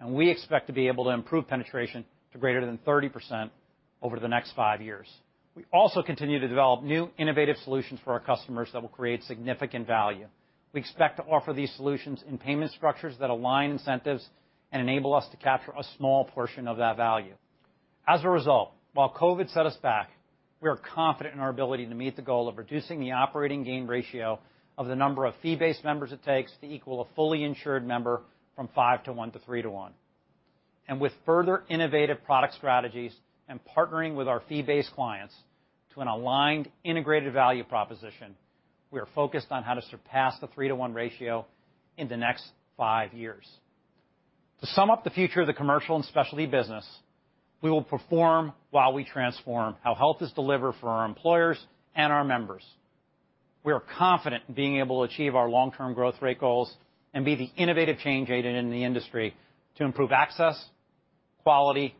Speaker 10: and we expect to be able to improve penetration to greater than 30% over the next five years. We also continue to develop new innovative solutions for our customers that will create significant value. We expect to offer these solutions in payment structures that align incentives and enable us to capture a small portion of that value. As a result, while COVID set us back, we are confident in our ability to meet the goal of reducing the operating gain ratio of the number of fee-based members it takes to equal a fully insured member from 5:1 to 3:1. With further innovative product strategies and partnering with our fee-based clients to an aligned integrated value proposition, we are focused on how to surpass the 3:1 ratio in the next five years. To sum up the future of the commercial and specialty business, we will perform while we transform how health is delivered for our employers and our members. We are confident in being able to achieve our long-term growth rate goals and be the innovative change agent in the industry to improve access, quality,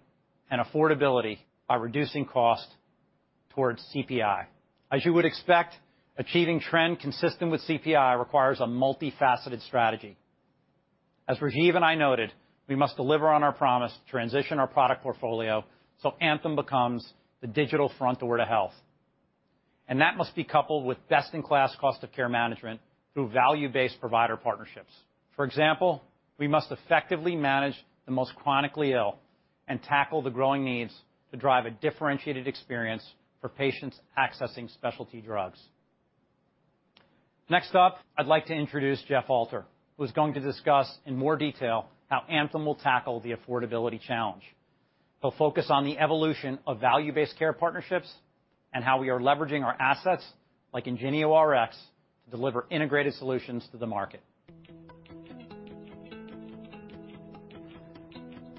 Speaker 10: and affordability by reducing cost towards CPI. As you would expect, achieving trend consistent with CPI requires a multifaceted strategy. As Rajeev and I noted, we must deliver on our promise to transition our product portfolio so Anthem becomes the digital front door to health, and that must be coupled with best-in-class cost of care management through value-based provider partnerships. For example, we must effectively manage the most chronically ill and tackle the growing needs to drive a differentiated experience for patients accessing specialty drugs. Next up, I'd like to introduce Jeff Alter, who's going to discuss in more detail how Anthem will tackle the affordability challenge. He'll focus on the evolution of value-based care partnerships and how we are leveraging our assets like IngenioRx to deliver integrated solutions to the market.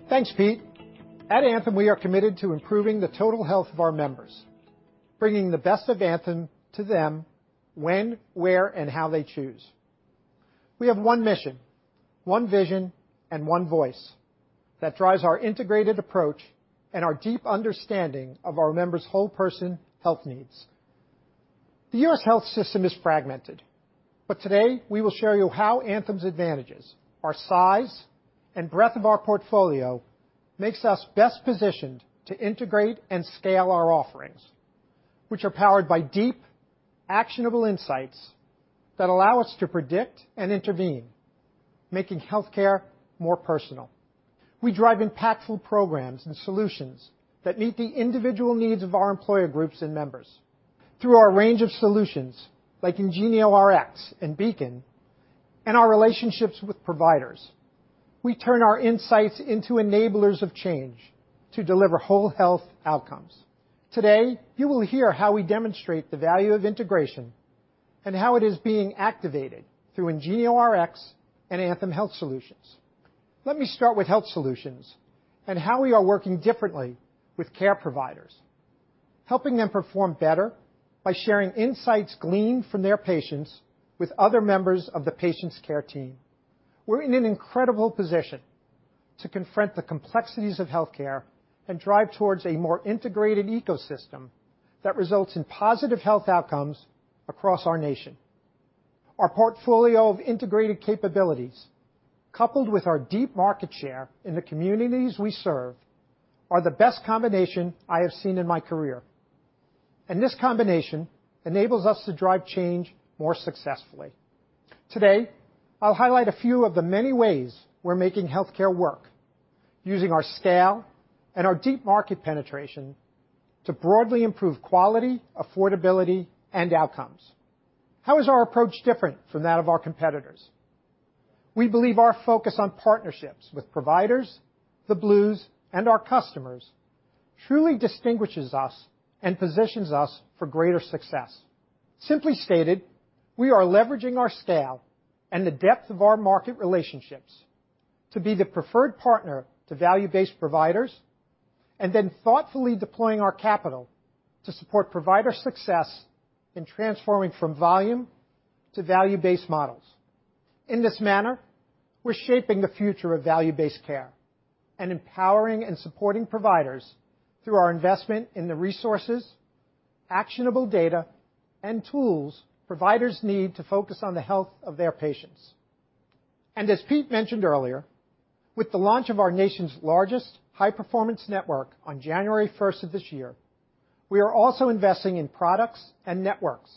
Speaker 11: Thanks, Pete. At Anthem, we are committed to improving the total health of our members, bringing the best of Anthem to them when, where, and how they choose. We have one mission, one vision, and one voice that drives our integrated approach and our deep understanding of our members' whole person health needs. The U.S. health system is fragmented, but today, we will show you how Anthem's advantages, our size, and breadth of our portfolio makes us best positioned to integrate and scale our offerings, which are powered by deep, actionable insights that allow us to predict and intervene, making healthcare more personal. We drive impactful programs and solutions that meet the individual needs of our employer groups and members. Through our range of solutions like IngenioRx and Beacon and our relationships with providers, we turn our insights into enablers of change to deliver whole health outcomes. Today, you will hear how we demonstrate the value of integration and how it is being activated through IngenioRx and Anthem Health Solutions. Let me start with Health Solutions and how we are working differently with care providers. Helping them perform better by sharing insights gleaned from their patients with other members of the patients' care team. We're in an incredible position to confront the complexities of healthcare and drive towards a more integrated ecosystem that results in positive health outcomes across our nation. Our portfolio of integrated capabilities, coupled with our deep market share in the communities we serve, are the best combination I have seen in my career. This combination enables us to drive change more successfully. Today, I'll highlight a few of the many ways we're making healthcare work using our scale and our deep market penetration to broadly improve quality, affordability, and outcomes. How is our approach different from that of our competitors? We believe our focus on partnerships with providers, the Blues, and our customers truly distinguishes us and positions us for greater success. Simply stated, we are leveraging our scale and the depth of our market relationships to be the preferred partner to value-based providers, and then thoughtfully deploying our capital to support provider success in transforming from volume to value-based models. In this manner, we're shaping the future of value-based care and empowering and supporting providers through our investment in the resources, actionable data, and tools providers need to focus on the health of their patients. As Pete mentioned earlier, with the launch of our nation's largest high-performance network on January first of this year, we are also investing in products and networks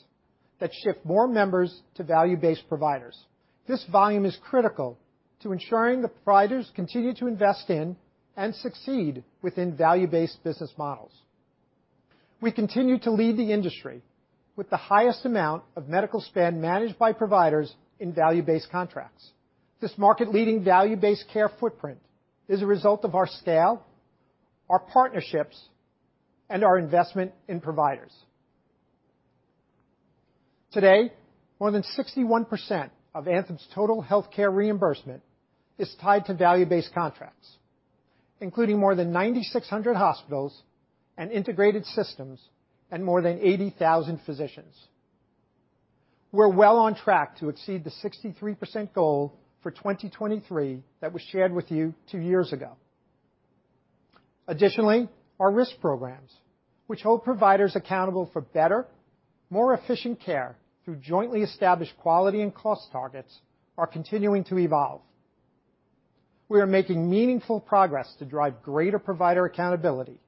Speaker 11: that shift more members to value-based providers. This volume is critical to ensuring that providers continue to invest in and succeed within value-based business models. We continue to lead the industry with the highest amount of medical spend managed by providers in value-based contracts. This market-leading value-based care footprint is a result of our scale, our partnerships, and our investment in providers. Today, more than 61% of Anthem's total healthcare reimbursement is tied to value-based contracts, including more than 9,600 hospitals and integrated systems and more than 80,000 physicians. We're well on track to exceed the 63% goal for 2023 that was shared with you two years ago. Additionally, our risk programs, which hold providers accountable for better, more efficient care through jointly established quality and cost targets, are continuing to evolve. We are making meaningful progress to drive greater provider accountability,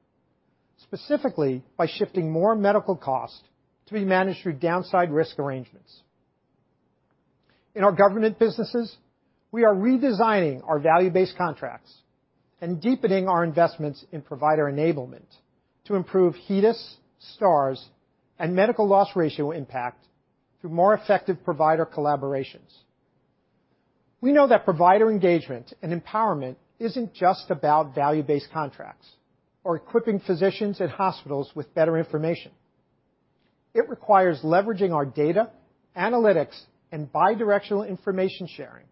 Speaker 11: specifically by shifting more medical costs to be managed through downside risk arrangements. In our government businesses, we are redesigning our value-based contracts and deepening our investments in provider enablement to improve HEDIS, Stars, and medical loss ratio impact through more effective provider collaborations. We know that provider engagement and empowerment isn't just about value-based contracts or equipping physicians and hospitals with better information. It requires leveraging our data, analytics, and bi-directional information sharing,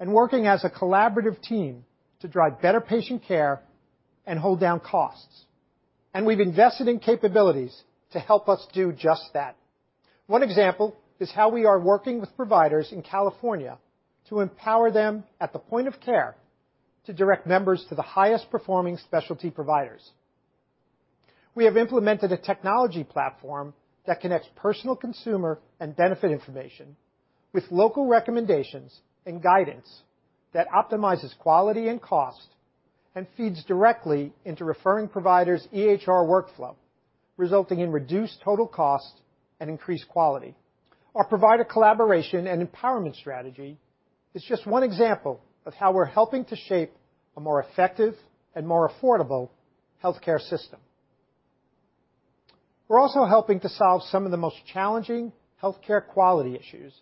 Speaker 11: and working as a collaborative team to drive better patient care and hold down costs. We've invested in capabilities to help us do just that. One example is how we are working with providers in California to empower them at the point of care to direct members to the highest performing specialty providers. We have implemented a technology platform that connects personal consumer and benefit information with local recommendations and guidance that optimizes quality and cost and feeds directly into referring providers' EHR workflow, resulting in reduced total cost and increased quality. Our provider collaboration and empowerment strategy is just one example of how we're helping to shape a more effective and more affordable healthcare system. We're also helping to solve some of the most challenging healthcare quality issues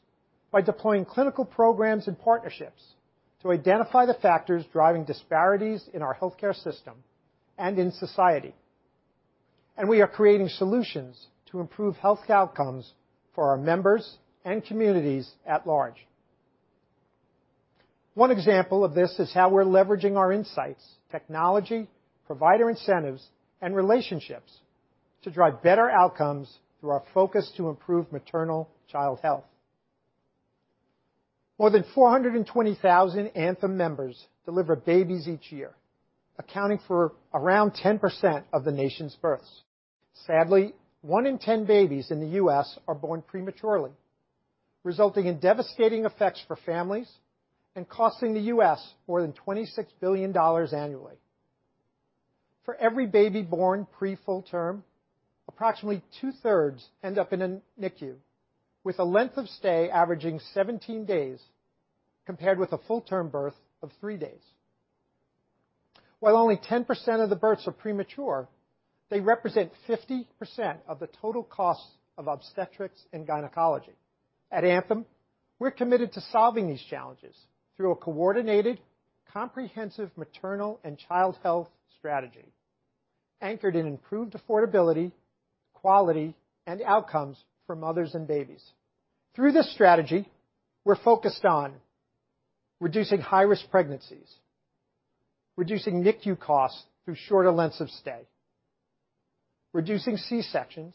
Speaker 11: by deploying clinical programs and partnerships to identify the factors driving disparities in our healthcare system and in society. We are creating solutions to improve health outcomes for our members and communities at large. One example of this is how we're leveraging our insights, technology, provider incentives, and relationships to drive better outcomes through our focus to improve maternal child health. More than 420,000 Anthem members deliver babies each year, accounting for around 10% of the nation's births. Sadly, one in 10 babies in the U.S. are born prematurely, resulting in devastating effects for families and costing the U.S. more than $26 billion annually. For every baby born pre-full term, approximately 2/3 end up in a NICU, with a length of stay averaging 17 days, compared with a full-term birth of three days. While only 10% of the births are premature, they represent 50% of the total cost of obstetrics and gynecology. At Anthem, we're committed to solving these challenges through a coordinated, comprehensive maternal and child health strategy anchored in improved affordability, quality, and outcomes for mothers and babies. Through this strategy, we're focused on reducing high-risk pregnancies, reducing NICU costs through shorter lengths of stay, reducing C-sections,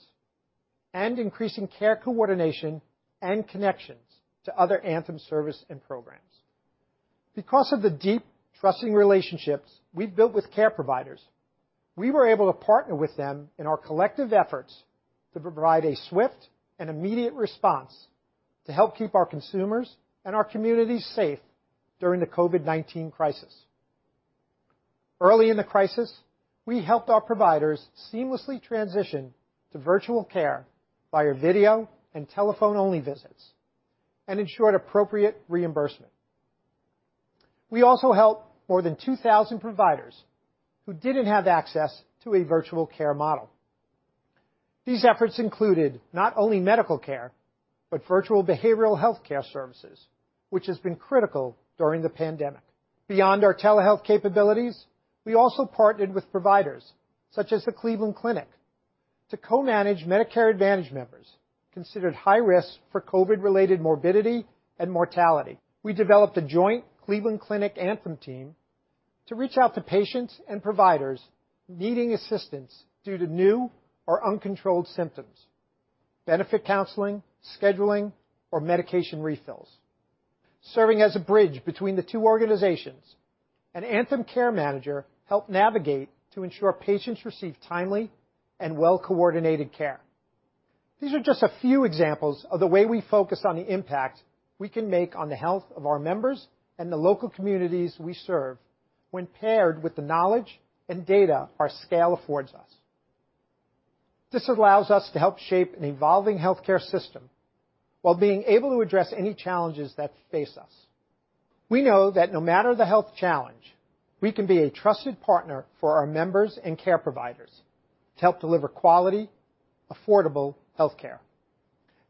Speaker 11: and increasing care coordination and connections to other Anthem service and programs. Because of the deep trusting relationships we've built with care providers, we were able to partner with them in our collective efforts to provide a swift and immediate response to help keep our consumers and our communities safe during the COVID-19 crisis. Early in the crisis, we helped our providers seamlessly transition to virtual care via video and telephone-only visits and ensured appropriate reimbursement. We also helped more than 2,000 providers who didn't have access to a virtual care model. These efforts included not only medical care, but virtual behavioral healthcare services, which has been critical during the pandemic. Beyond our telehealth capabilities, we also partnered with providers such as the Cleveland Clinic to co-manage Medicare Advantage members considered high risk for COVID-related morbidity and mortality. We developed a joint Cleveland Clinic Anthem team to reach out to patients and providers needing assistance due to new or uncontrolled symptoms, benefit counseling, scheduling, or medication refills. Serving as a bridge between the two organizations, an Anthem care manager helped navigate to ensure patients received timely and well-coordinated care. These are just a few examples of the way we focus on the impact we can make on the health of our members and the local communities we serve when paired with the knowledge and data our scale affords us. This allows us to help shape an evolving healthcare system while being able to address any challenges that face us. We know that no matter the health challenge, we can be a trusted partner for our members and care providers to help deliver quality, affordable healthcare.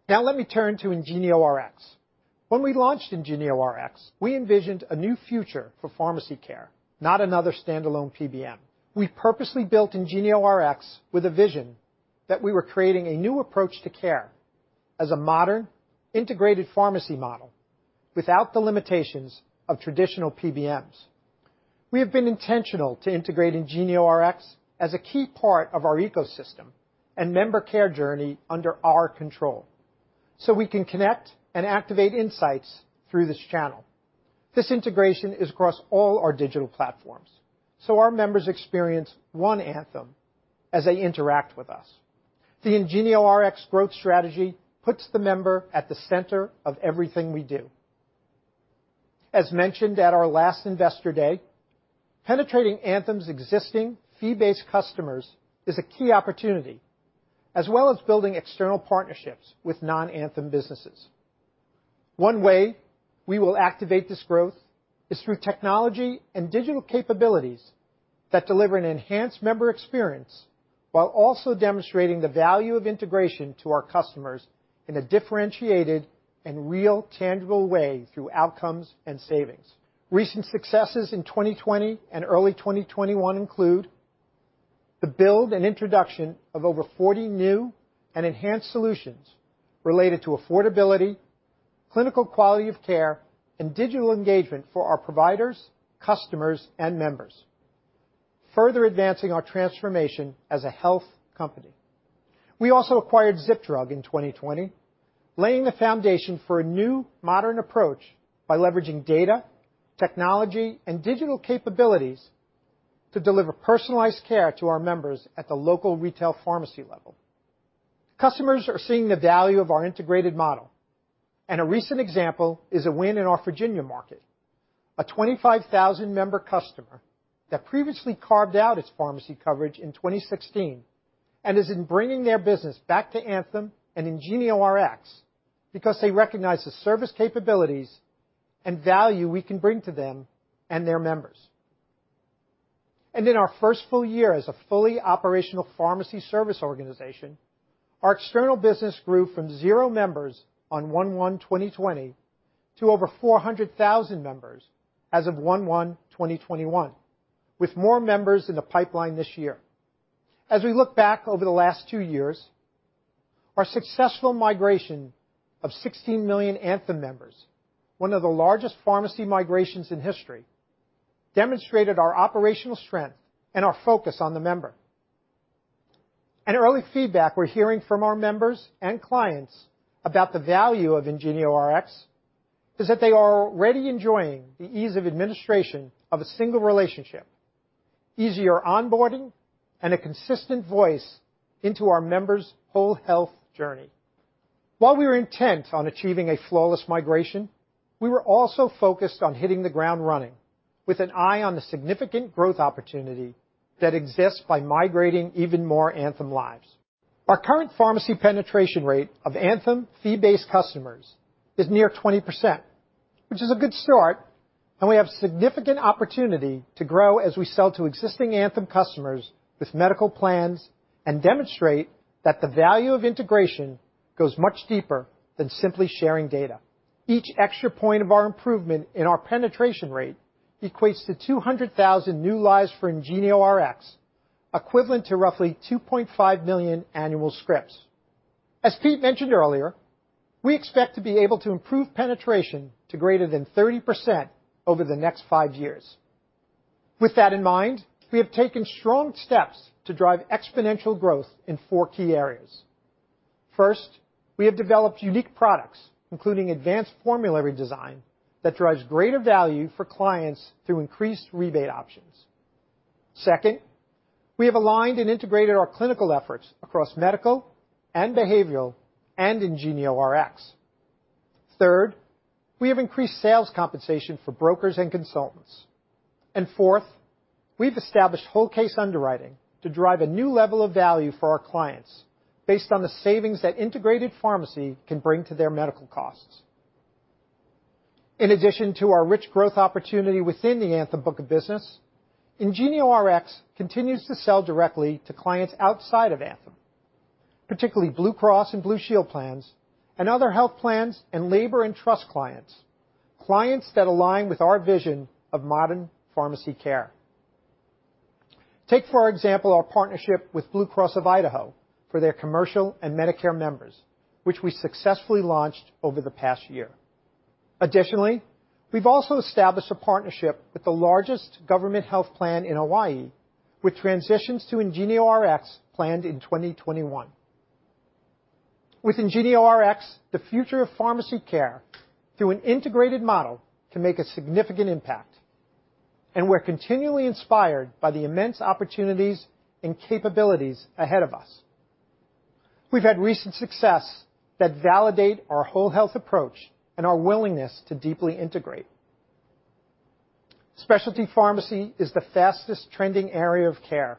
Speaker 11: Let me turn to IngenioRx. When we launched IngenioRx, we envisioned a new future for pharmacy care, not another standalone PBM. We purposely built IngenioRx with a vision that we were creating a new approach to care as a modern, integrated pharmacy model without the limitations of traditional PBMs. We have been intentional to integrate IngenioRx as a key part of our ecosystem and member care journey under our control so we can connect and activate insights through this channel. This integration is across all our digital platforms, our members experience one Anthem as they interact with us. The IngenioRx growth strategy puts the member at the center of everything we do. As mentioned at our last Investor Day, penetrating Anthem's existing fee-based customers is a key opportunity, as well as building external partnerships with non-Anthem businesses. One way we will activate this growth is through technology and digital capabilities that deliver an enhanced member experience while also demonstrating the value of integration to our customers in a differentiated and real tangible way through outcomes and savings. Recent successes in 2020 and early 2021 include the build and introduction of over 40 new and enhanced solutions related to affordability, clinical quality of care, and digital engagement for our providers, customers, and members, further advancing our transformation as a health company. We also acquired ZipDrug in 2020, laying the foundation for a new modern approach by leveraging data, technology, and digital capabilities to deliver personalized care to our members at the local retail pharmacy level. Customers are seeing the value of our integrated model. A recent example is a win in our Virginia market. A 25,000-member customer that previously carved out its pharmacy coverage in 2016 and is bringing their business back to Anthem and IngenioRx because they recognize the service capabilities and value we can bring to them and their members. In our first full year as a fully operational pharmacy service organization, our external business grew from zero members on 01/01/2020 to over 400,000 members as of 01/01/2021, with more members in the pipeline this year. As we look back over the last two years, our successful migration of 16 million Anthem members, one of the largest pharmacy migrations in history, demonstrated our operational strength and our focus on the member. Early feedback we're hearing from our members and clients about the value of IngenioRx is that they are already enjoying the ease of administration of a single relationship, easier onboarding, and a consistent voice into our members' whole health journey. While we were intent on achieving a flawless migration, we were also focused on hitting the ground running with an eye on the significant growth opportunity that exists by migrating even more Anthem lives. Our current pharmacy penetration rate of Anthem fee-based customers is near 20%, which is a good start, and we have significant opportunity to grow as we sell to existing Anthem customers with medical plans and demonstrate that the value of integration goes much deeper than simply sharing data. Each extra point of our improvement in our penetration rate equates to 200,000 new lives for IngenioRx, equivalent to roughly 2.5 million annual scripts. As Pete mentioned earlier, we expect to be able to improve penetration to greater than 30% over the next five years. With that in mind, we have taken strong steps to drive exponential growth in four key areas. First, we have developed unique products, including advanced formulary design, that drives greater value for clients through increased rebate options. Second, we have aligned and integrated our clinical efforts across medical and behavioral and in IngenioRx. Third, we have increased sales compensation for brokers and consultants. Fourth, we've established whole case underwriting to drive a new level of value for our clients based on the savings that integrated pharmacy can bring to their medical costs. In addition to our rich growth opportunity within the Anthem book of business, IngenioRx continues to sell directly to clients outside of Anthem, particularly Blue Cross and Blue Shield plans and other health plans and labor and trust clients that align with our vision of modern pharmacy care. Take, for example, our partnership with Blue Cross of Idaho for their commercial and Medicare members, which we successfully launched over the past year. We've also established a partnership with the largest government health plan in Hawaii, with transitions to IngenioRx planned in 2021. With IngenioRx, the future of pharmacy care through an integrated model can make a significant impact, and we're continually inspired by the immense opportunities and capabilities ahead of us. We've had recent success that validate our whole health approach and our willingness to deeply integrate. Specialty pharmacy is the fastest trending area of care,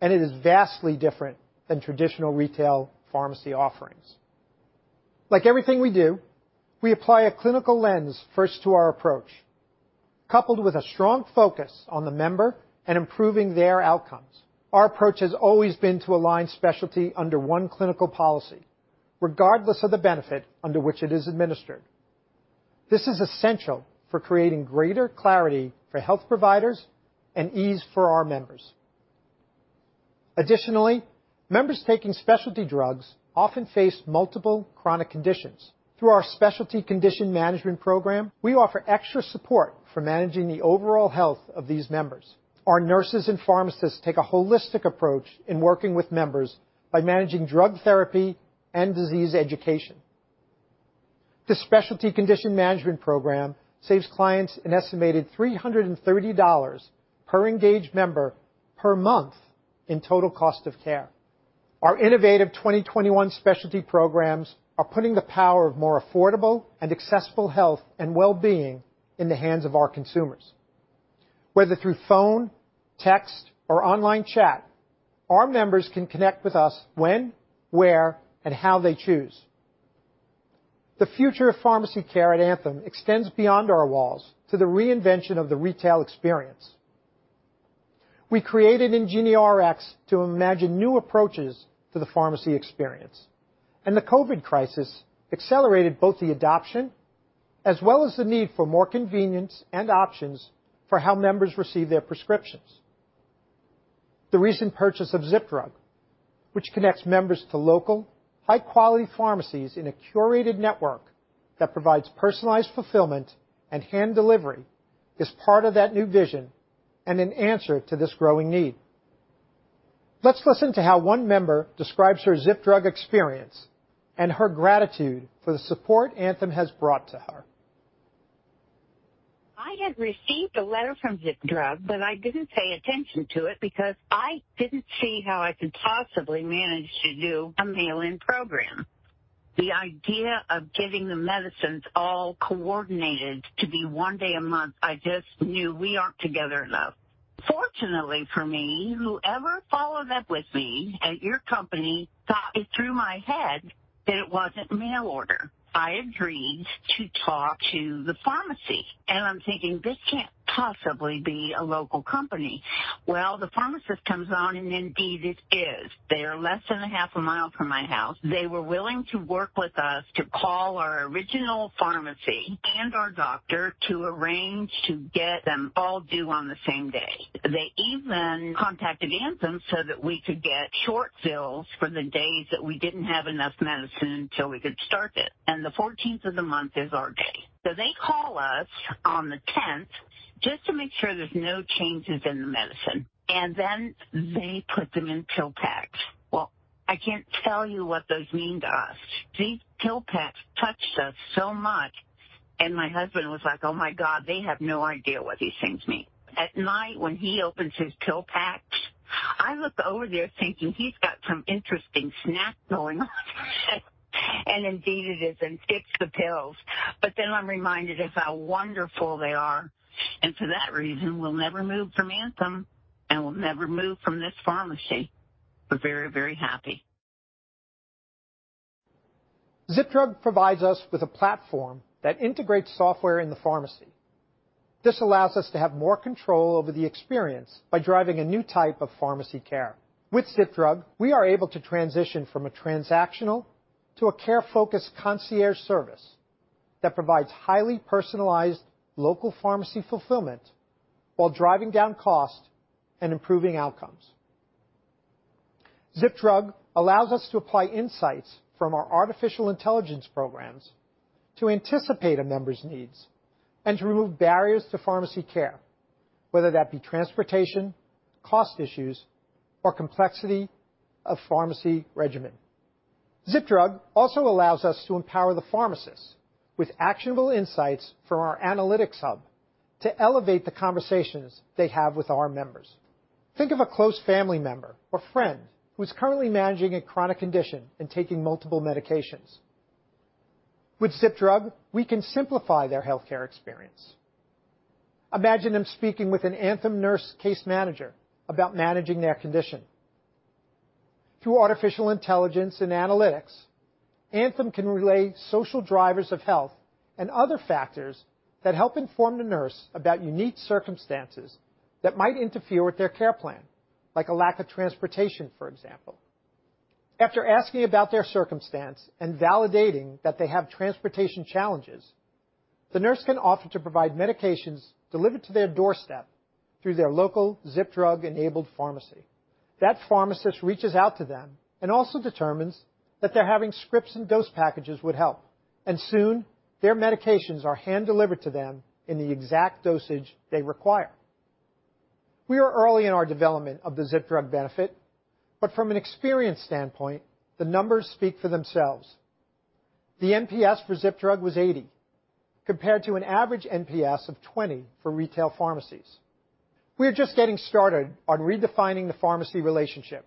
Speaker 11: and it is vastly different than traditional retail pharmacy offerings. Like everything we do, we apply a clinical lens first to our approach. Coupled with a strong focus on the member and improving their outcomes, our approach has always been to align specialty under one clinical policy, regardless of the benefit under which it is administered. This is essential for creating greater clarity for health providers and ease for our members. Additionally, members taking specialty drugs often face multiple chronic conditions. Through our specialty condition management program, we offer extra support for managing the overall health of these members. Our nurses and pharmacists take a holistic approach in working with members by managing drug therapy and disease education. This specialty condition management program saves clients an estimated $330 per engaged member per month in total cost of care. Our innovative 2021 specialty programs are putting the power of more affordable and accessible health and wellbeing in the hands of our consumers. Whether through phone, text, or online chat, our members can connect with us when, where, and how they choose. The future of pharmacy care at Anthem extends beyond our walls to the reinvention of the retail experience. We created IngenioRx to imagine new approaches to the pharmacy experience, and the COVID-19 crisis accelerated both the adoption as well as the need for more convenience and options for how members receive their prescriptions. The recent purchase of ZipDrug, which connects members to local high-quality pharmacies in a curated network that provides personalized fulfillment and hand delivery, is part of that new vision and an answer to this growing need. Let's listen to how one member describes her ZipDrug experience and her gratitude for the support Anthem has brought to her.
Speaker 4: I had received a letter from ZipDrug. I didn't pay attention to it because I didn't see how I could possibly manage to do a mail-in program. The idea of getting the medicines all coordinated to be one day a month, I just knew we aren't together enough. Fortunately for me, whoever followed up with me at your company got it through my head that it wasn't mail order. I agreed to talk to the pharmacy. I'm thinking, "This can't possibly be a local company." Well, the pharmacist comes on, indeed it is. They are less than a half a mile from my house. They were willing to work with us to call our original pharmacy and our doctor to arrange to get them all due on the same day. They even contacted Anthem so that we could get short fills for the days that we didn't have enough medicine until we could start it. The 14th of the month is our day. They call us on the 10th just to make sure there's no changes in the medicine, and then they put them in pill packs. Well, I can't tell you what those mean to us. These pill packs touched us so much, and my husband was like, "Oh my God, they have no idea what these things mean." At night when he opens his pill pack, I look over there thinking he's got some interesting snack going on, and indeed it is, and it's the pills. I'm reminded of how wonderful they are, and for that reason, we'll never move from Anthem, and we'll never move from this pharmacy. We're very, very happy.
Speaker 11: ZipDrug provides us with a platform that integrates software in the pharmacy. This allows us to have more control over the experience by driving a new type of pharmacy care. With ZipDrug, we are able to transition from a transactional to a care-focused concierge service that provides highly personalized local pharmacy fulfillment while driving down cost and improving outcomes. ZipDrug allows us to apply insights from our artificial intelligence programs to anticipate a member's needs and to remove barriers to pharmacy care, whether that be transportation, cost issues, or complexity of pharmacy regimen. ZipDrug also allows us to empower the pharmacist with actionable insights from our analytics hub to elevate the conversations they have with our members. Think of a close family member or friend who's currently managing a chronic condition and taking multiple medications. With ZipDrug, we can simplify their healthcare experience. Imagine them speaking with an Anthem nurse case manager about managing their condition. Through artificial intelligence and analytics, Anthem can relay social drivers of health and other factors that help inform the nurse about unique circumstances that might interfere with their care plan, like a lack of transportation, for example. After asking about their circumstance and validating that they have transportation challenges, the nurse can offer to provide medications delivered to their doorstep through their local ZipDrug-enabled pharmacy. That pharmacist reaches out to them and also determines that their having scripts in dose packages would help. Soon, their medications are hand-delivered to them in the exact dosage they require. We are early in our development of the ZipDrug benefit, but from an experience standpoint, the numbers speak for themselves. The NPS for ZipDrug was 80, compared to an average NPS of 20 for retail pharmacies. We are just getting started on redefining the pharmacy relationship,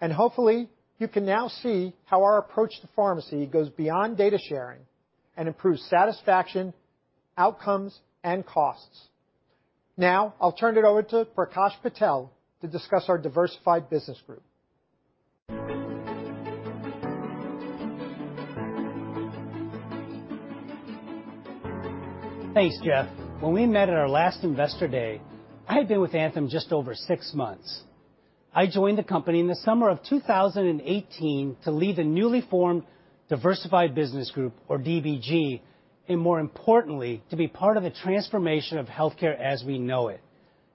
Speaker 11: and hopefully, you can now see how our approach to pharmacy goes beyond data sharing and improves satisfaction, outcomes, and costs. Now, I'll turn it over to Prakash Patel to discuss our Diversified Business Group.
Speaker 12: Thanks, Jeff. When we met at our last Investor Day, I had been with Anthem just over six months. I joined the company in the summer of 2018 to lead the newly formed Diversified Business Group, or DBG, and more importantly, to be part of the transformation of healthcare as we know it.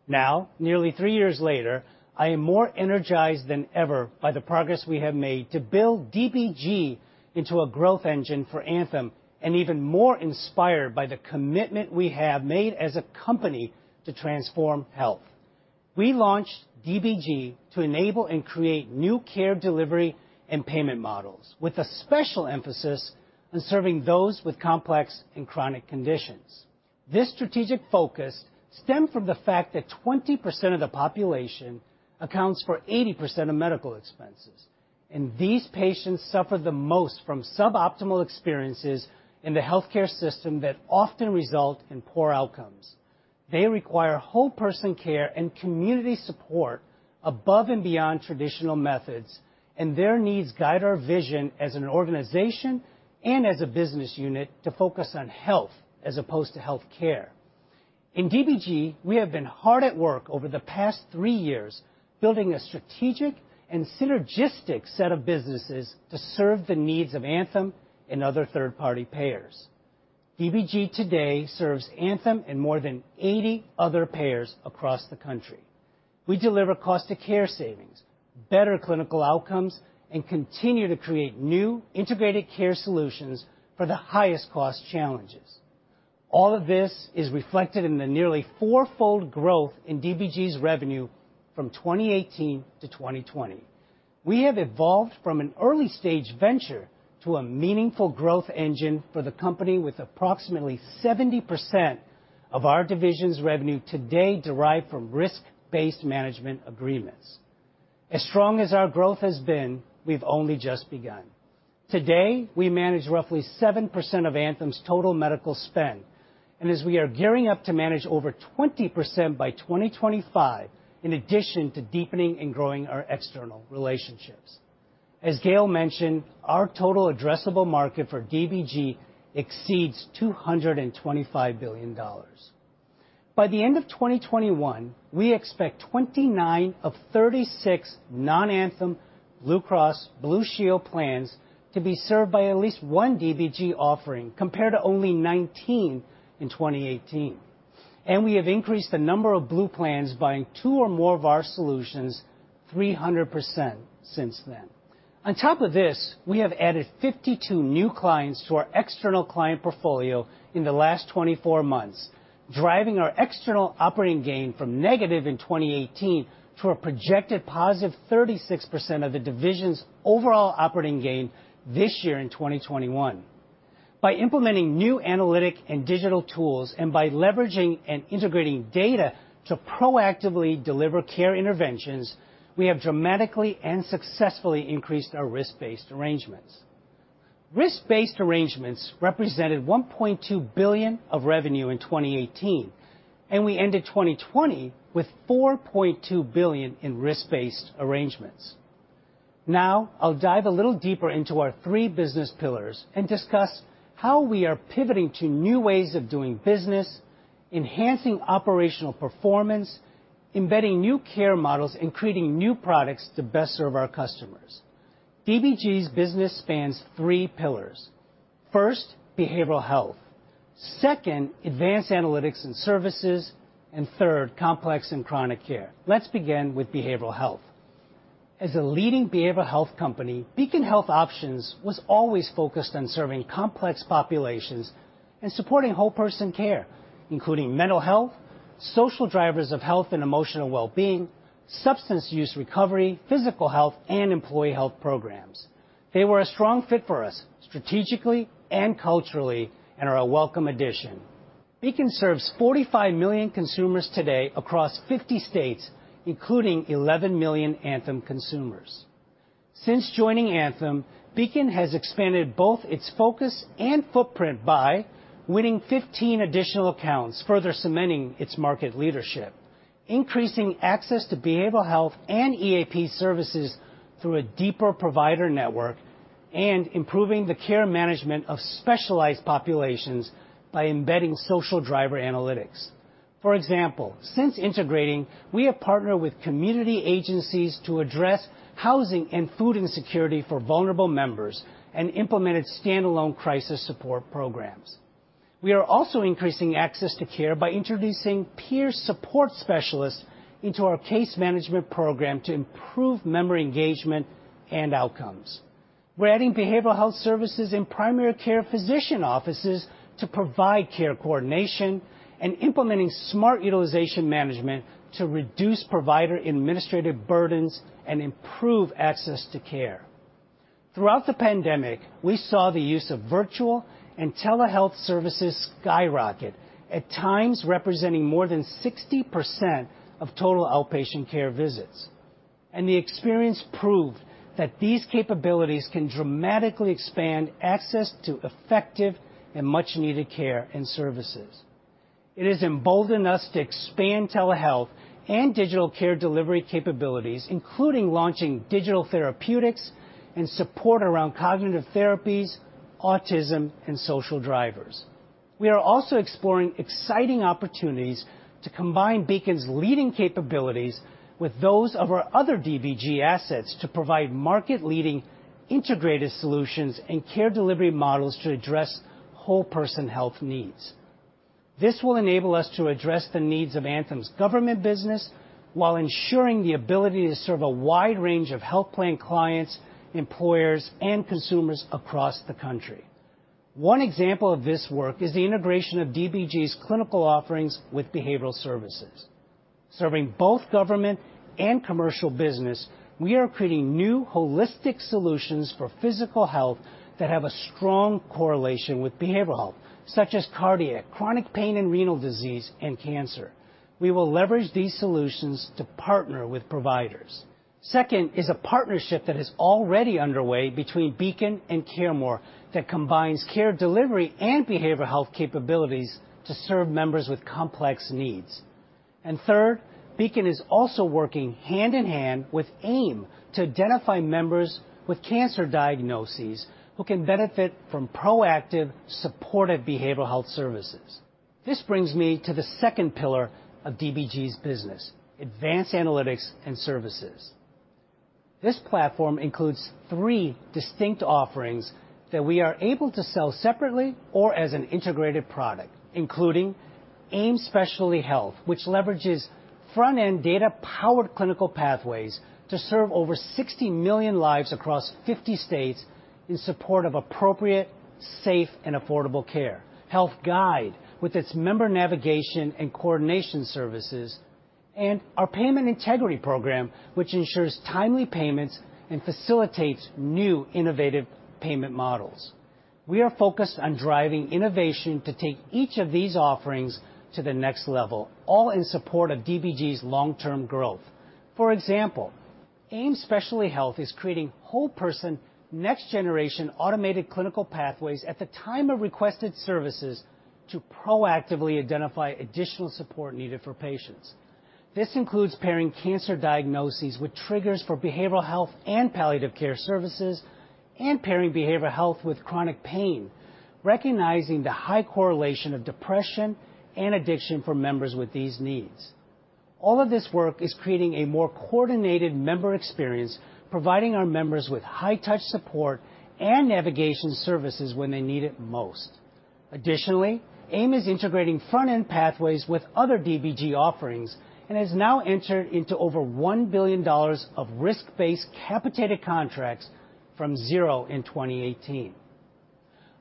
Speaker 12: Now, nearly three years later, I am more energized than ever by the progress we have made to build DBG into a growth engine for Anthem, and even more inspired by the commitment we have made as a company to transform health. We launched DBG to enable and create new care delivery and payment models, with a special emphasis on serving those with complex and chronic conditions. This strategic focus stemmed from the fact that 20% of the population accounts for 80% of medical expenses, and these patients suffer the most from suboptimal experiences in the healthcare system that often result in poor outcomes. They require whole-person care and community support above and beyond traditional methods, and their needs guide our vision as an organization and as a business unit to focus on health as opposed to healthcare. In DBG, we have been hard at work over the past three years building a strategic and synergistic set of businesses to serve the needs of Anthem and other third-party payers. DBG today serves Anthem and more than 80 other payers across the country. We deliver cost of care savings, better clinical outcomes, and continue to create new integrated care solutions for the highest cost challenges. All of this is reflected in the nearly fourfold growth in DBG's revenue from 2018 to 2020. We have evolved from an early-stage venture to a meaningful growth engine for the company with approximately 70% of our division's revenue today derived from risk-based management agreements. As strong as our growth has been, we've only just begun. Today, we manage roughly 7% of Anthem's total medical spend, as we are gearing up to manage over 20% by 2025, in addition to deepening and growing our external relationships. As Gail mentioned, our total addressable market for DBG exceeds $225 billion. By the end of 2021, we expect 29 of 36 non-Anthem Blue Cross Blue Shield plans to be served by at least one DBG offering, compared to only 19 in 2018. We have increased the number of Blue plans buying two or more of our solutions 300% since then. On top of this, we have added 52 new clients to our external client portfolio in the last 24 months, driving our external operating gain from negative in 2018 to a projected positive 36% of the division's overall operating gain this year in 2021. By implementing new analytic and digital tools, and by leveraging and integrating data to proactively deliver care interventions, we have dramatically and successfully increased our risk-based arrangements. Risk-based arrangements represented $1.2 billion of revenue in 2018, and we ended 2020 with $4.2 billion in risk-based arrangements. Now, I'll dive a little deeper into our three business pillars and discuss how we are pivoting to new ways of doing business, enhancing operational performance, embedding new care models, and creating new products to best serve our customers. DBG's business spans three pillars. First, behavioral health, second, advanced analytics and services, and third, complex and chronic care. Let's begin with behavioral health. As a leading behavioral health company, Beacon Health Options was always focused on serving complex populations and supporting whole-person care, including mental health, social drivers of health and emotional wellbeing, substance use recovery, physical health, and employee health programs. They were a strong fit for us strategically and culturally and are a welcome addition. Beacon serves 45 million consumers today across 50 states, including 11 million Anthem consumers. Since joining Anthem, Beacon has expanded both its focus and footprint by winning 15 additional accounts, further cementing its market leadership, increasing access to behavioral health and EAP services through a deeper provider network, and improving the care management of specialized populations by embedding social driver analytics. For example, since integrating, we have partnered with community agencies to address housing and food insecurity for vulnerable members and implemented standalone crisis support programs. We are also increasing access to care by introducing peer support specialists into our case management program to improve member engagement and outcomes. We're adding behavioral health services in primary care physician offices to provide care coordination and implementing smart utilization management to reduce provider administrative burdens and improve access to care. Throughout the pandemic, we saw the use of virtual and telehealth services skyrocket, at times representing more than 60% of total outpatient care visits, and the experience proved that these capabilities can dramatically expand access to effective and much-needed care and services. It has emboldened us to expand telehealth and digital care delivery capabilities, including launching digital therapeutics and support around cognitive therapies, autism, and social drivers. We are also exploring exciting opportunities to combine Beacon's leading capabilities with those of our other DBG assets to provide market-leading integrated solutions and care delivery models to address whole person health needs. This will enable us to address the needs of Anthem's government business while ensuring the ability to serve a wide range of health plan clients, employers, and consumers across the country. One example of this work is the integration of DBG's clinical offerings with behavioral services. Serving both government and commercial business, we are creating new holistic solutions for physical health that have a strong correlation with behavioral health, such as cardiac, chronic pain, and renal disease, and cancer. We will leverage these solutions to partner with providers. Second is a partnership that is already underway between Beacon and CareMore that combines care delivery and behavioral health capabilities to serve members with complex needs. Third, Beacon is also working hand-in-hand with AIM to identify members with cancer diagnoses who can benefit from proactive supportive behavioral health services. This brings me to the second pillar of DBG's business, advanced analytics and services. This platform includes three distinct offerings that we are able to sell separately or as an integrated product, including AIM Specialty Health, which leverages front-end data-powered clinical pathways to serve over 60 million lives across 50 states in support of appropriate, safe, and affordable care, Health Guide, with its member navigation and coordination services, and our payment integrity program, which ensures timely payments and facilitates new innovative payment models. We are focused on driving innovation to take each of these offerings to the next level, all in support of DBG's long-term growth. For example, AIM Specialty Health is creating whole person next generation automated clinical pathways at the time of requested services to proactively identify additional support needed for patients. This includes pairing cancer diagnoses with triggers for behavioral health and palliative care services and pairing behavioral health with chronic pain, recognizing the high correlation of depression and addiction for members with these needs. All of this work is creating a more coordinated member experience, providing our members with high-touch support and navigation services when they need it most. Additionally, AIM is integrating front-end pathways with other DBG offerings and has now entered into over $1 billion of risk-based capitated contracts from zero in 2018.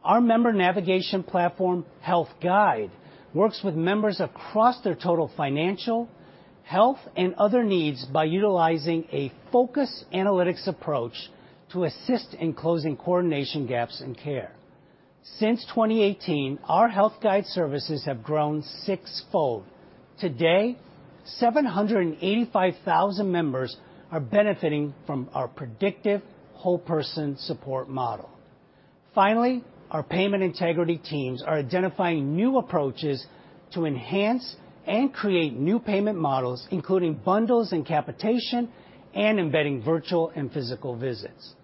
Speaker 12: Our member navigation platform, Health Guide, works with members across their total financial, health, and other needs by utilizing a focused analytics approach to assist in closing coordination gaps in care. Since 2018, our Health Guide services have grown sixfold. Today, 785,000 members are benefiting from our predictive whole person support model. Our payment integrity teams are identifying new approaches to enhance and create new payment models, including bundles and capitation and embedding virtual and physical visits.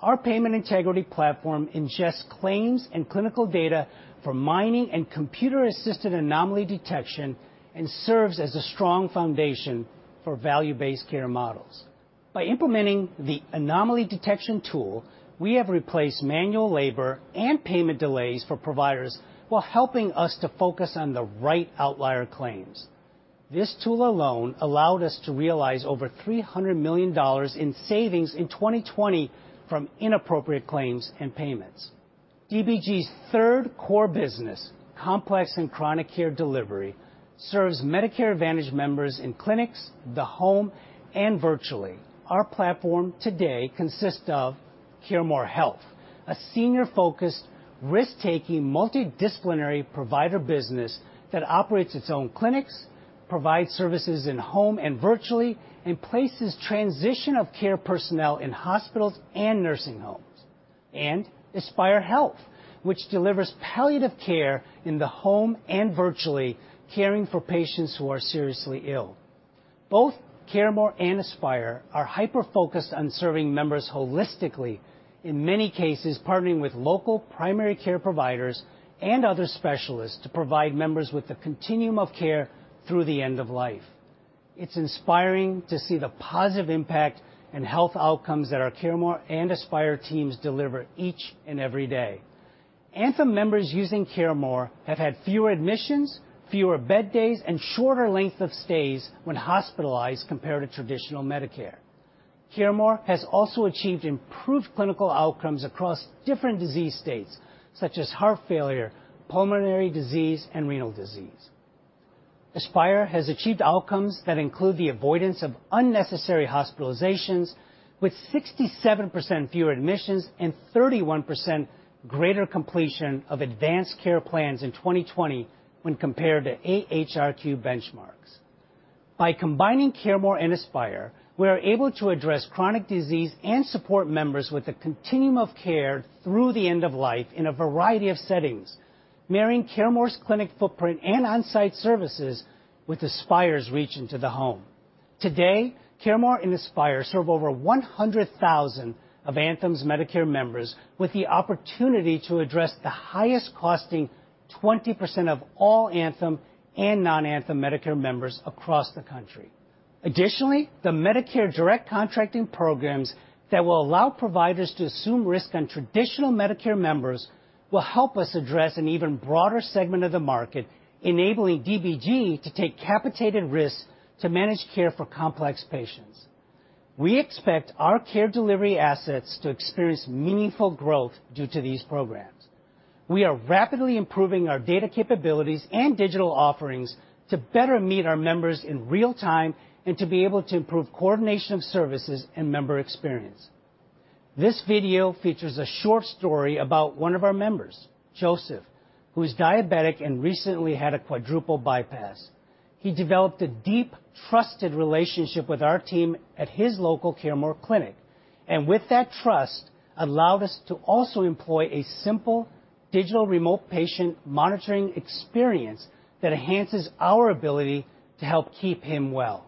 Speaker 12: Our payment integrity platform ingests claims and clinical data for mining and computer-assisted anomaly detection and serves as a strong foundation for value-based care models. By implementing the anomaly detection tool, we have replaced manual labor and payment delays for providers while helping us to focus on the right outlier claims. This tool alone allowed us to realize over $300 million in savings in 2020 from inappropriate claims and payments. DBG's third core business, complex and chronic care delivery, serves Medicare Advantage members in clinics, the home, and virtually. Our platform today consists of CareMore Health, a senior-focused, risk-taking, multidisciplinary provider business that operates its own clinics, provides services in-home and virtually, and places transition of care personnel in hospitals and nursing homes. Aspire Health, which delivers palliative care in the home and virtually, caring for patients who are seriously ill. Both CareMore and Aspire are hyper-focused on serving members holistically, in many cases partnering with local primary care providers and other specialists to provide members with the continuum of care through the end of life. It's inspiring to see the positive impact and health outcomes that our CareMore and Aspire teams deliver each and every day. Anthem members using CareMore have had fewer admissions, fewer bed days, and shorter length of stays when hospitalized compared to traditional Medicare. CareMore has also achieved improved clinical outcomes across different disease states, such as heart failure, pulmonary disease, and renal disease. Aspire has achieved outcomes that include the avoidance of unnecessary hospitalizations, with 67% fewer admissions and 31% greater completion of advanced care plans in 2020 when compared to AHRQ benchmarks. By combining CareMore and Aspire, we are able to address chronic disease and support members with a continuum of care through the end of life in a variety of settings, marrying CareMore's clinic footprint and on-site services with Aspire's reach into the home. Today, CareMore and Aspire serve over 100,000 of Anthem's Medicare members with the opportunity to address the highest costing 20% of all Anthem and non-Anthem Medicare members across the country. Additionally, the Medicare direct contracting programs that will allow providers to assume risk on traditional Medicare members will help us address an even broader segment of the market, enabling DBG to take capitated risks to manage care for complex patients. We expect our Care Delivery assets to experience meaningful growth due to these programs. We are rapidly improving our data capabilities and digital offerings to better meet our members in real time and to be able to improve coordination of services and member experience. This video features a short story about one of our members, Joseph, who is diabetic and recently had a quadruple bypass. He developed a deep, trusted relationship with our team at his local CareMore clinic, and with that trust, allowed us to also employ a simple digital remote patient monitoring experience that enhances our ability to help keep him well.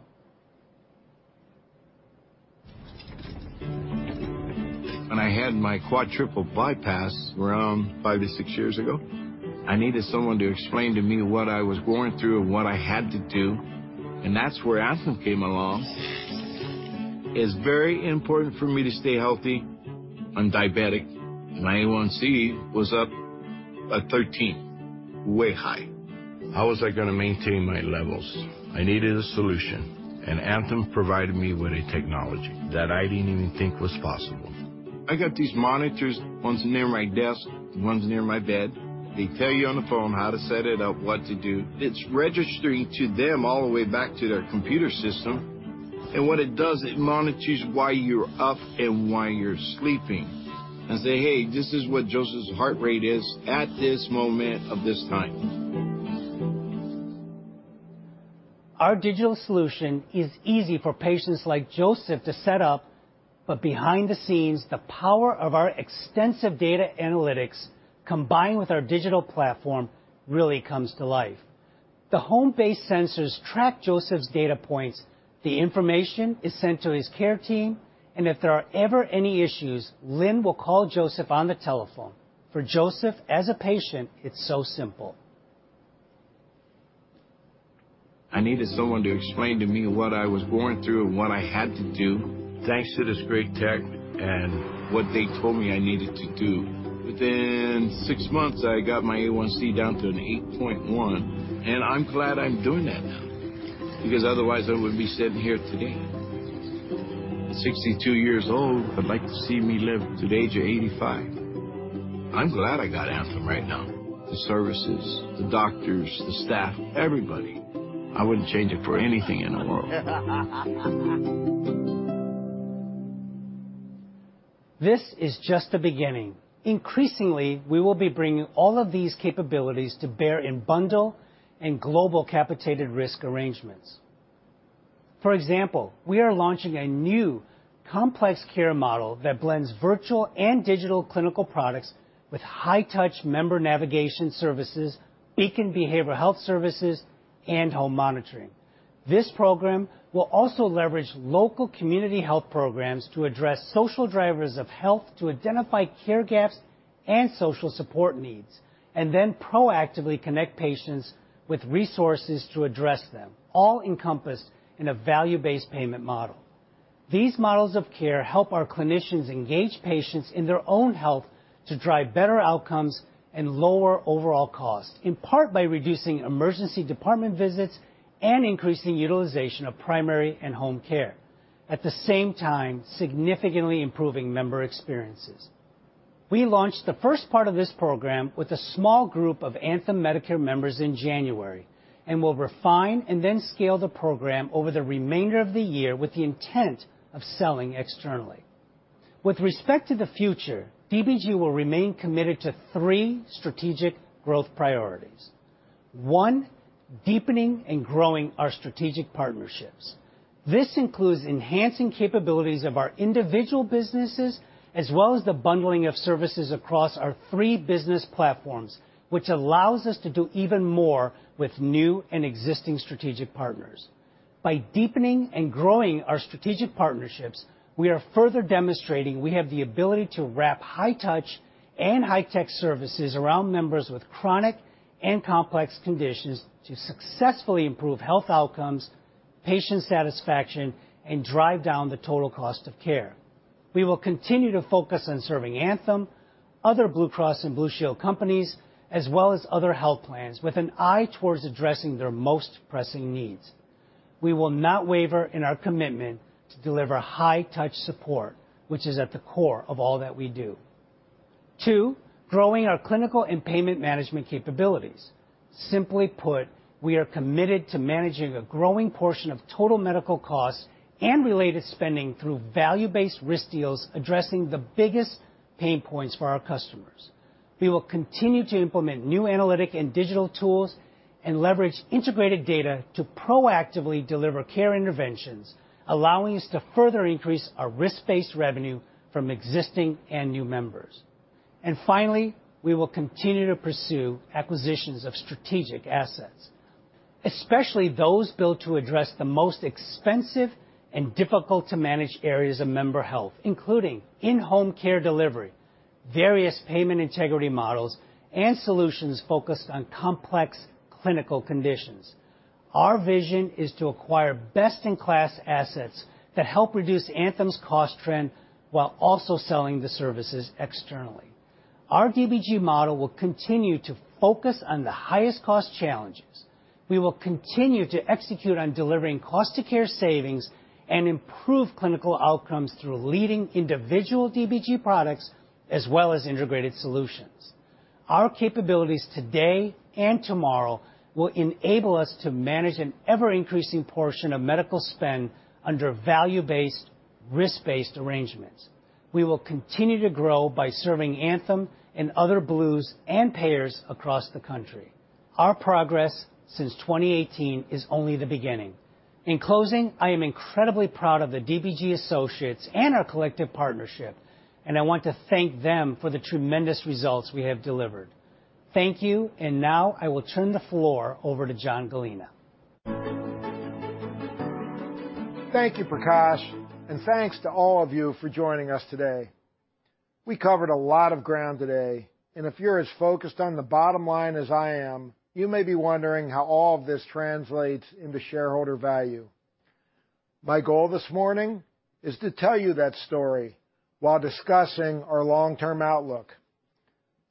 Speaker 4: When I had my quadruple bypass around five to six years ago, I needed someone to explain to me what I was going through and what I had to do. That's where Anthem came along. It's very important for me to stay healthy. I'm diabetic. My A1C was up at 13, way high. How was I gonna maintain my levels? I needed a solution. Anthem provided me with a technology that I didn't even think was possible. I got these monitors, one's near my desk, one's near my bed. They tell you on the phone how to set it up, what to do. It's registering to them all the way back to their computer system. What it does, it monitors while you're up and while you're sleeping, and say, "Hey, this is what Joseph's heart rate is at this moment of this time."
Speaker 12: Our digital solution is easy for patients like Joseph to set up. Behind the scenes, the power of our extensive data analytics, combined with our digital platform, really comes to life. The home-based sensors track Joseph's data points. The information is sent to his care team. If there are ever any issues, Lynn will call Joseph on the telephone. For Joseph, as a patient, it's so simple.
Speaker 4: I needed someone to explain to me what I was going through and what I had to do. Thanks to this great tech and what they told me I needed to do, within six months, I got my A1C down to an 8.1, and I'm glad I'm doing that now, because otherwise, I wouldn't be sitting here today. At 62 years old, I'd like to see me live to the age of 85. I'm glad I got Anthem right now. The services, the doctors, the staff, everybody. I wouldn't change it for anything in the world.
Speaker 12: This is just the beginning. Increasingly, we will be bringing all of these capabilities to bear in bundled and global capitated risk arrangements. For example, we are launching a new complex care model that blends virtual and digital clinical products with high touch member navigation services, Beacon behavioral health services, and home monitoring. This program will also leverage local community health programs to address social drivers of health to identify care gaps and social support needs, and then proactively connect patients with resources to address them, all encompassed in a value-based payment model. These models of care help our clinicians engage patients in their own health to drive better outcomes and lower overall costs, in part by reducing emergency department visits and increasing utilization of primary and home care, at the same time significantly improving member experiences. We launched the first part of this program with a small group of Anthem Medicare members in January. Will refine and then scale the program over the remainder of the year with the intent of selling externally. With respect to the future, DBG will remain committed to three strategic growth priorities. One, deepening and growing our strategic partnerships. This includes enhancing capabilities of our individual businesses as well as the bundling of services across our three business platforms, which allows us to do even more with new and existing strategic partners. By deepening and growing our strategic partnerships, we are further demonstrating we have the ability to wrap high-touch and high-tech services around members with chronic and complex conditions to successfully improve health outcomes, patient satisfaction, and drive down the total cost of care. We will continue to focus on serving Anthem, other Blue Cross and Blue Shield companies, as well as other health plans, with an eye towards addressing their most pressing needs. We will not waver in our commitment to deliver high-touch support, which is at the core of all that we do. Two, growing our clinical and payment management capabilities. Simply put, we are committed to managing a growing portion of total medical costs and related spending through value-based risk deals addressing the biggest pain points for our customers. We will continue to implement new analytic and digital tools and leverage integrated data to proactively deliver care interventions, allowing us to further increase our risk-based revenue from existing and new members. Finally, we will continue to pursue acquisitions of strategic assets, especially those built to address the most expensive and difficult to manage areas of member health, including in-home care delivery, various payment integrity models, and solutions focused on complex clinical conditions. Our vision is to acquire best-in-class assets that help reduce Anthem's cost trend while also selling the services externally. Our DBG model will continue to focus on the highest cost challenges. We will continue to execute on delivering cost of care savings and improve clinical outcomes through leading individual DBG products as well as integrated solutions. Our capabilities today and tomorrow will enable us to manage an ever-increasing portion of medical spend under value-based, risk-based arrangements. We will continue to grow by serving Anthem and other Blues and payers across the country. Our progress since 2018 is only the beginning. In closing, I am incredibly proud of the DBG associates and our collective partnership, and I want to thank them for the tremendous results we have delivered. Thank you, and now I will turn the floor over to John Gallina.
Speaker 13: Thank you, Prakash, and thanks to all of you for joining us today. We covered a lot of ground today, and if you're as focused on the bottom line as I am, you may be wondering how all of this translates into shareholder value. My goal this morning is to tell you that story while discussing our long-term outlook.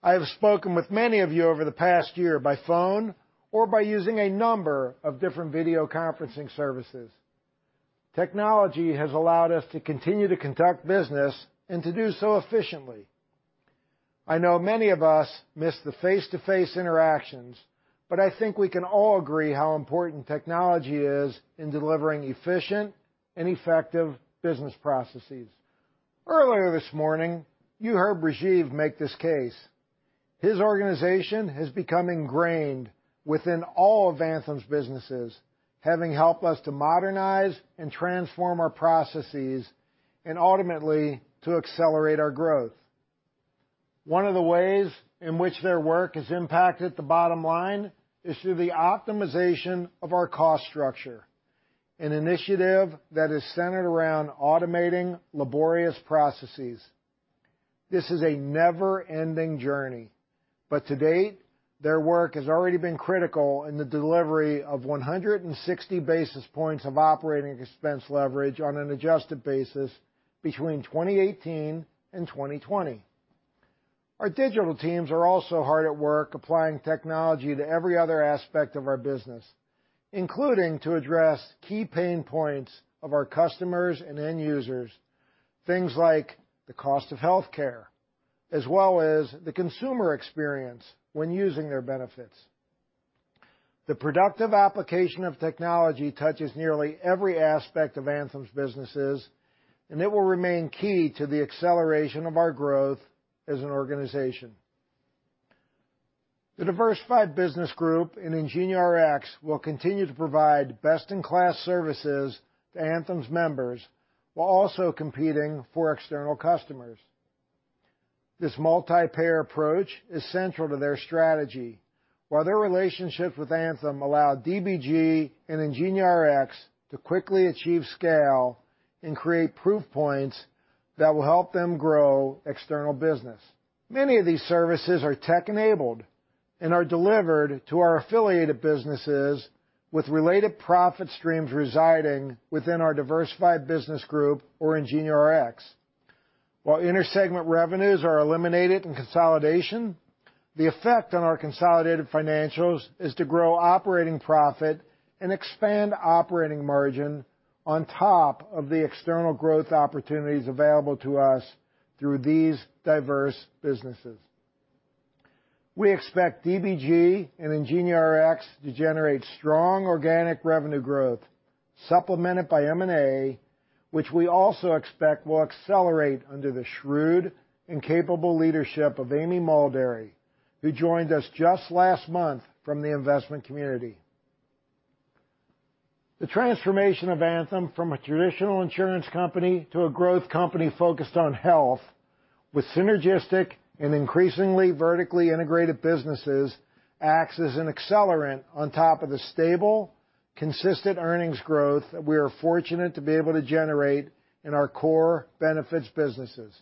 Speaker 13: I have spoken with many of you over the past year by phone or by using a number of different video conferencing services. Technology has allowed us to continue to conduct business and to do so efficiently. I know many of us miss the face-to-face interactions, but I think we can all agree how important technology is in delivering efficient and effective business processes. Earlier this morning, you heard Rajeev make this case. His organization has become ingrained within all of Anthem's businesses, having helped us to modernize and transform our processes, and ultimately to accelerate our growth. One of the ways in which their work has impacted the bottom line is through the optimization of our cost structure, an initiative that is centered around automating laborious processes. This is a never-ending journey, to date, their work has already been critical in the delivery of 160 basis points of operating expense leverage on an adjusted basis between 2018 and 2020. Our digital teams are also hard at work applying technology to every other aspect of our business, including to address key pain points of our customers and end users, things like the cost of healthcare, as well as the consumer experience when using their benefits. The productive application of technology touches nearly every aspect of Anthem's businesses, and it will remain key to the acceleration of our growth as an organization. The Diversified Business Group and IngenioRx will continue to provide best-in-class services to Anthem's members while also competing for external customers. This multi-payer approach is central to their strategy. While their relationships with Anthem allow DBG and IngenioRx to quickly achieve scale and create proof points that will help them grow external business. Many of these services are tech-enabled and are delivered to our affiliated businesses with related profit streams residing within our Diversified Business Group or IngenioRx. While inter-segment revenues are eliminated in consolidation, the effect on our consolidated financials is to grow operating profit and expand operating margin on top of the external growth opportunities available to us through these diverse businesses. We expect DBG and IngenioRx to generate strong organic revenue growth supplemented by M&A, which we also expect will accelerate under the shrewd and capable leadership of Amy Mulderry, who joined us just last month from the investment community. The transformation of Anthem from a traditional insurance company to a growth company focused on health with synergistic and increasingly vertically integrated businesses acts as an accelerant on top of the stable, consistent earnings growth that we are fortunate to be able to generate in our core benefits businesses.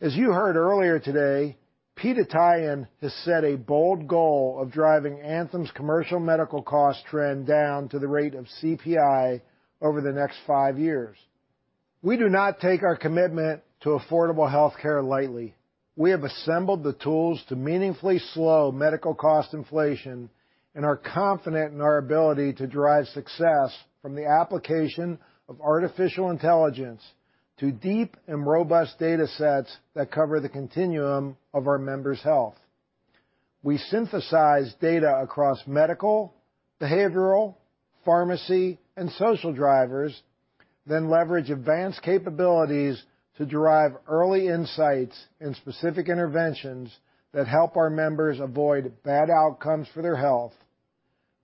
Speaker 13: As you heard earlier today, Pete Haytaian has set a bold goal of driving Anthem's commercial medical cost trend down to the rate of CPI over the next five years. We do not take our commitment to affordable healthcare lightly. We have assembled the tools to meaningfully slow medical cost inflation and are confident in our ability to derive success from the application of artificial intelligence to deep and robust data sets that cover the continuum of our members' health. We synthesize data across medical, behavioral, pharmacy, and social drivers, then leverage advanced capabilities to derive early insights and specific interventions that help our members avoid bad outcomes for their health,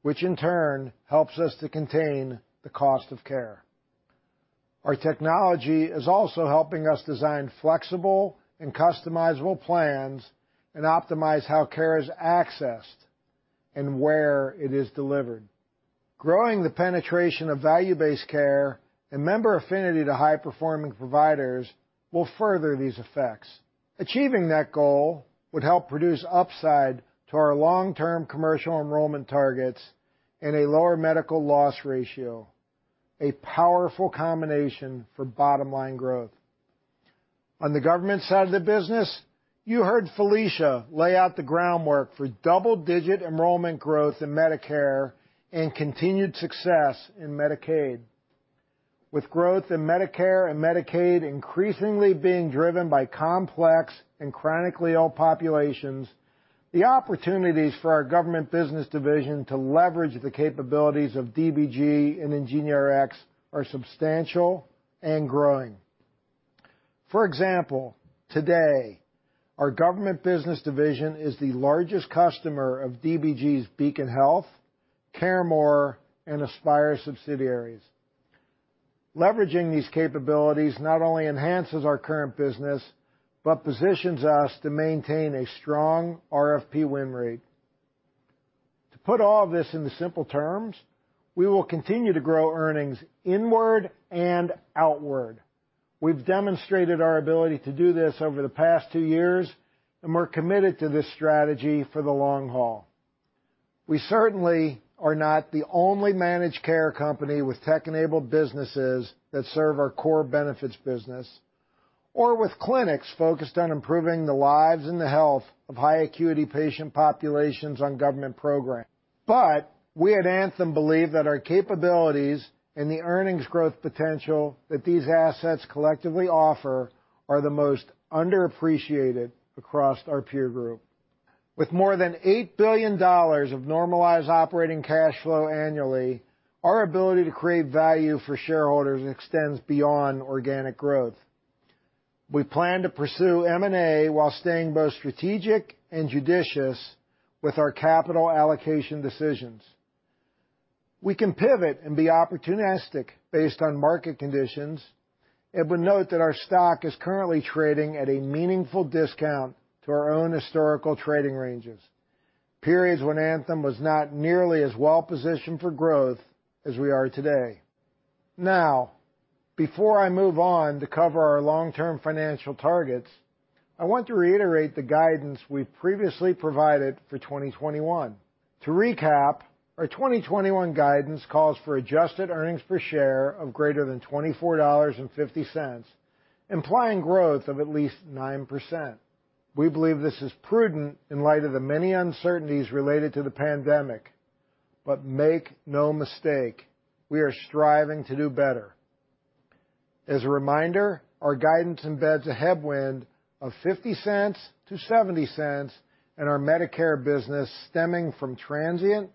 Speaker 13: which in turn helps us to contain the cost of care. Our technology is also helping us design flexible and customizable plans and optimize how care is accessed and where it is delivered. Growing the penetration of value-based care and member affinity to high-performing providers will further these effects. Achieving that goal would help produce upside to our long-term commercial enrollment targets and a lower medical loss ratio, a powerful combination for bottom-line growth. On the government side of the business, you heard Felicia lay out the groundwork for double-digit enrollment growth in Medicare and continued success in Medicaid. With growth in Medicare and Medicaid increasingly being driven by complex and chronically ill populations, the opportunities for our Government Business Division to leverage the capabilities of DBG and IngenioRx are substantial and growing. For example, today our Government Business Division is the largest customer of DBG's Beacon Health, CareMore, and Aspire subsidiaries. Leveraging these capabilities not only enhances our current business but positions us to maintain a strong RFP win rate. To put all of this into simple terms, we will continue to grow earnings inward and outward. We've demonstrated our ability to do this over the past two years, and we're committed to this strategy for the long haul. We certainly are not the only managed care company with tech-enabled businesses that serve our core benefits business or with clinics focused on improving the lives and the health of high-acuity patient populations on government programs. We at Anthem believe that our capabilities and the earnings growth potential that these assets collectively offer are the most underappreciated across our peer group. With more than $8 billion of normalized operating cash flow annually, our ability to create value for shareholders extends beyond organic growth. We plan to pursue M&A while staying both strategic and judicious with our capital allocation decisions. We can pivot and be opportunistic based on market conditions and would note that our stock is currently trading at a meaningful discount to our own historical trading ranges, periods when Anthem was not nearly as well-positioned for growth as we are today. Before I move on to cover our long-term financial targets, I want to reiterate the guidance we previously provided for 2021. To recap, our 2021 guidance calls for adjusted earnings per share of greater than $24.50, implying growth of at least 9%. We believe this is prudent in light of the many uncertainties related to the pandemic. Make no mistake, we are striving to do better. As a reminder, our guidance embeds a headwind of $0.50-$0.70 in our Medicare business stemming from transient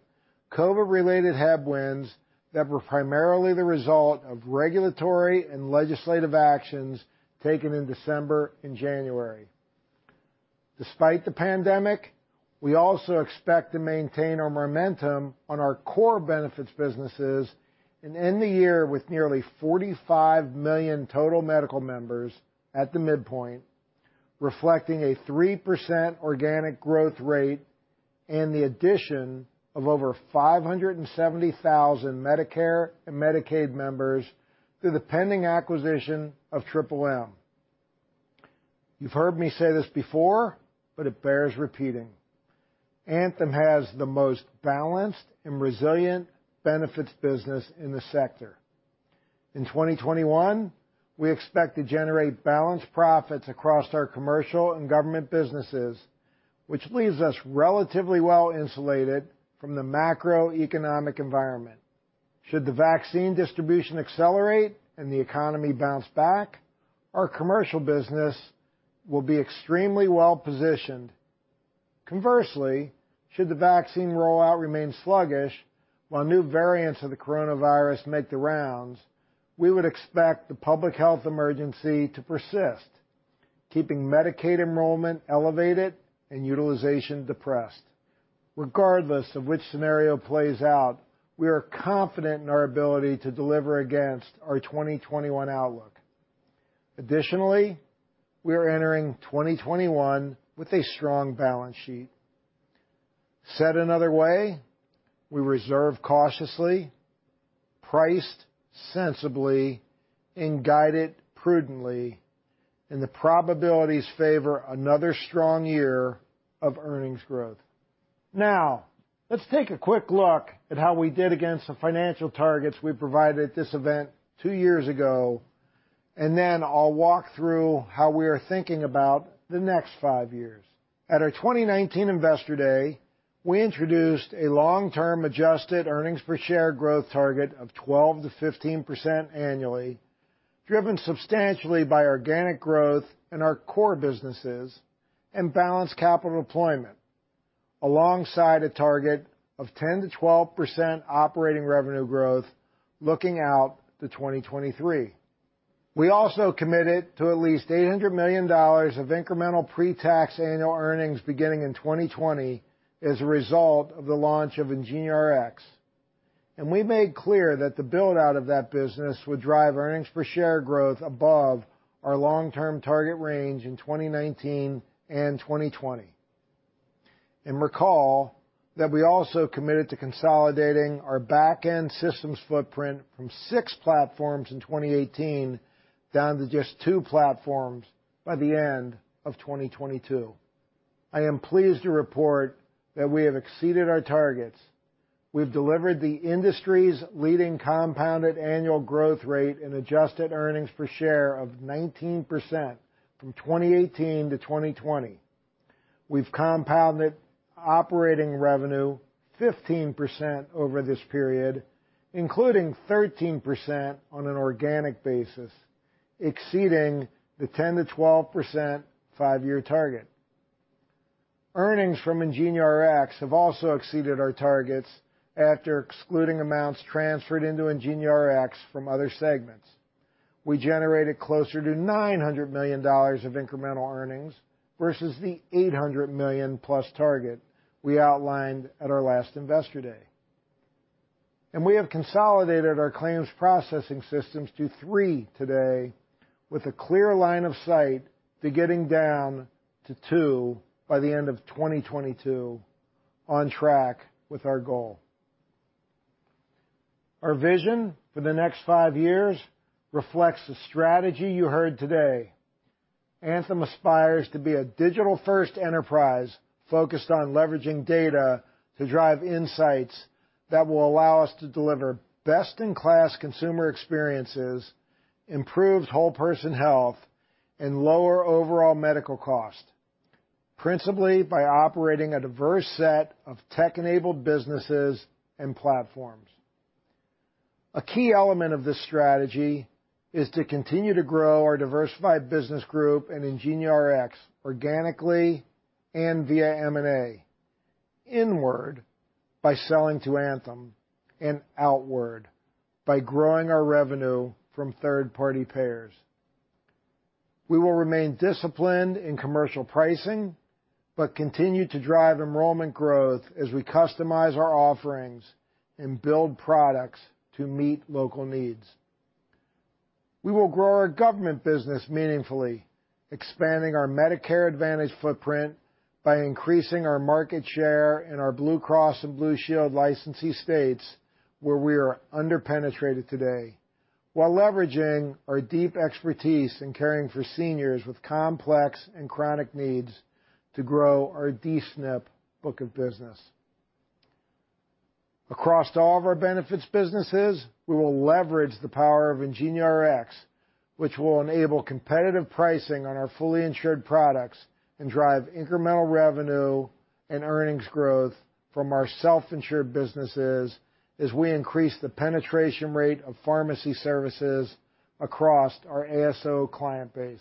Speaker 13: COVID-related headwinds that were primarily the result of regulatory and legislative actions taken in December and January. Despite the pandemic, we also expect to maintain our momentum on our core benefits businesses and end the year with nearly 45 million total medical members at the midpoint. Reflecting a 3% organic growth rate and the addition of over 570,000 Medicare and Medicaid members through the pending acquisition of MMM. You've heard me say this before, but it bears repeating. Anthem has the most balanced and resilient benefits business in the sector. In 2021, we expect to generate balanced profits across our commercial and government businesses, which leaves us relatively well-insulated from the macroeconomic environment. Should the vaccine distribution accelerate and the economy bounce back, our commercial business will be extremely well-positioned. Conversely, should the vaccine rollout remain sluggish while new variants of the coronavirus make the rounds, we would expect the public health emergency to persist, keeping Medicaid enrollment elevated and utilization depressed. Regardless of which scenario plays out, we are confident in our ability to deliver against our 2021 outlook. Additionally, we are entering 2021 with a strong balance sheet. Said another way, we reserved cautiously, priced sensibly, and guided prudently, and the probabilities favor another strong year of earnings growth. Now, let's take a quick look at how we did against the financial targets we provided at this event two years ago, and then I'll walk through how we are thinking about the next five years. At our 2019 Investor Day, we introduced a long-term adjusted earnings-per-share growth target of 12%-15% annually, driven substantially by organic growth in our core businesses and balanced capital deployment, alongside a target of 10%-12% operating revenue growth looking out to 2023. We also committed to at least $800 million of incremental pre-tax annual earnings beginning in 2020 as a result of the launch of IngenioRx. We made clear that the build-out of that business would drive earnings-per-share growth above our long-term target range in 2019 and 2020. Recall that we also committed to consolidating our back-end systems footprint from six platforms in 2018 down to just two platforms by the end of 2022. I am pleased to report that we have exceeded our targets. We've delivered the industry's leading compounded annual growth rate in adjusted earnings per share of 19% from 2018 to 2020. We've compounded operating revenue 15% over this period, including 13% on an organic basis, exceeding the 10%-12% five-year target. Earnings from IngenioRx have also exceeded our targets after excluding amounts transferred into IngenioRx from other segments. We generated closer to $900 million of incremental earnings versus the $800+ million target we outlined at our last Investor Day. We have consolidated our claims processing systems to three today, with a clear line of sight to getting down to two by the end of 2022, on track with our goal. Our vision for the next five years reflects the strategy you heard today. Anthem aspires to be a digital-first enterprise focused on leveraging data to drive insights that will allow us to deliver best-in-class consumer experiences, improved whole-person health, and lower overall medical cost, principally by operating a diverse set of tech-enabled businesses and platforms. A key element of this strategy is to continue to grow our Diversified Business Group and IngenioRx organically and via M&A, inward by selling to Anthem, and outward by growing our revenue from third-party payers. We will remain disciplined in commercial pricing, but continue to drive enrollment growth as we customize our offerings and build products to meet local needs. We will grow our government business meaningfully, expanding our Medicare Advantage footprint by increasing our market share in our Blue Cross and Blue Shield licensee states where we are under-penetrated today while leveraging our deep expertise in caring for seniors with complex and chronic needs to grow our D-SNP book of business. Across all of our benefits businesses, we will leverage the power of IngenioRx, which will enable competitive pricing on our fully insured products and drive incremental revenue and earnings growth from our self-insured businesses as we increase the penetration rate of pharmacy services across our ASO client base.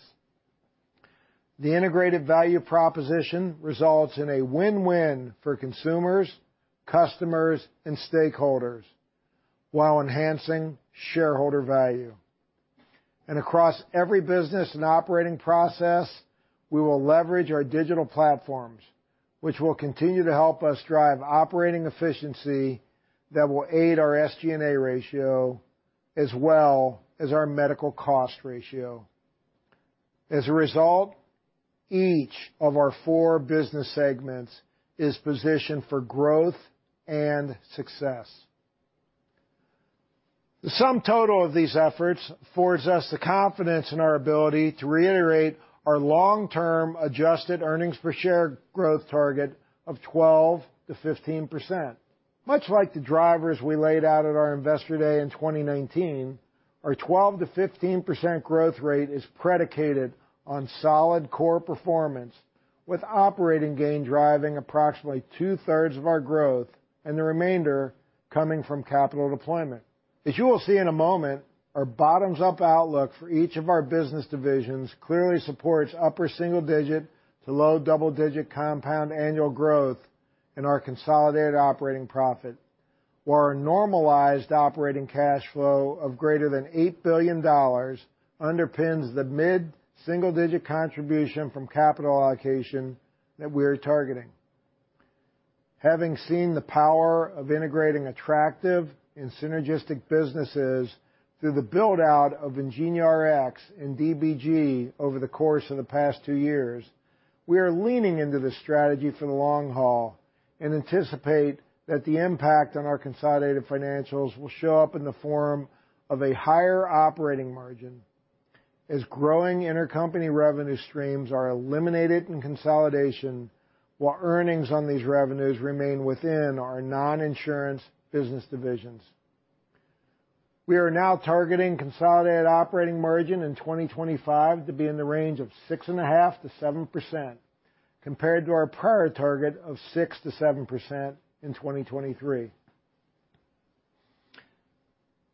Speaker 13: The integrated value proposition results in a win-win for consumers, customers, and stakeholders while enhancing shareholder value. Across every business and operating process, we will leverage our digital platforms, which will continue to help us drive operating efficiency that will aid our SG&A ratio as well as our medical cost ratio. As a result, each of our four business segments is positioned for growth and success. The sum total of these efforts affords us the confidence in our ability to reiterate our long-term adjusted earnings per share growth target of 12%-15%. Much like the drivers we laid out at our Investor Day in 2019, our 12%-15% growth rate is predicated on solid core performance, with operating gain driving approximately 2/3 of our growth and the remainder coming from capital deployment. As you will see in a moment, our bottoms-up outlook for each of our business divisions clearly supports upper single digit to low double-digit compound annual growth in our consolidated operating profit, where our normalized operating cash flow of greater than $8 billion underpins the mid-single digit contribution from capital allocation that we are targeting. Having seen the power of integrating attractive and synergistic businesses through the build-out of IngenioRx and DBG over the course of the past two years, we are leaning into this strategy for the long haul and anticipate that the impact on our consolidated financials will show up in the form of a higher operating margin as growing intercompany revenue streams are eliminated in consolidation, while earnings on these revenues remain within our non-insurance business divisions. We are now targeting consolidated operating margin in 2025 to be in the range of 6.5%-7%, compared to our prior target of 6%-7% in 2023.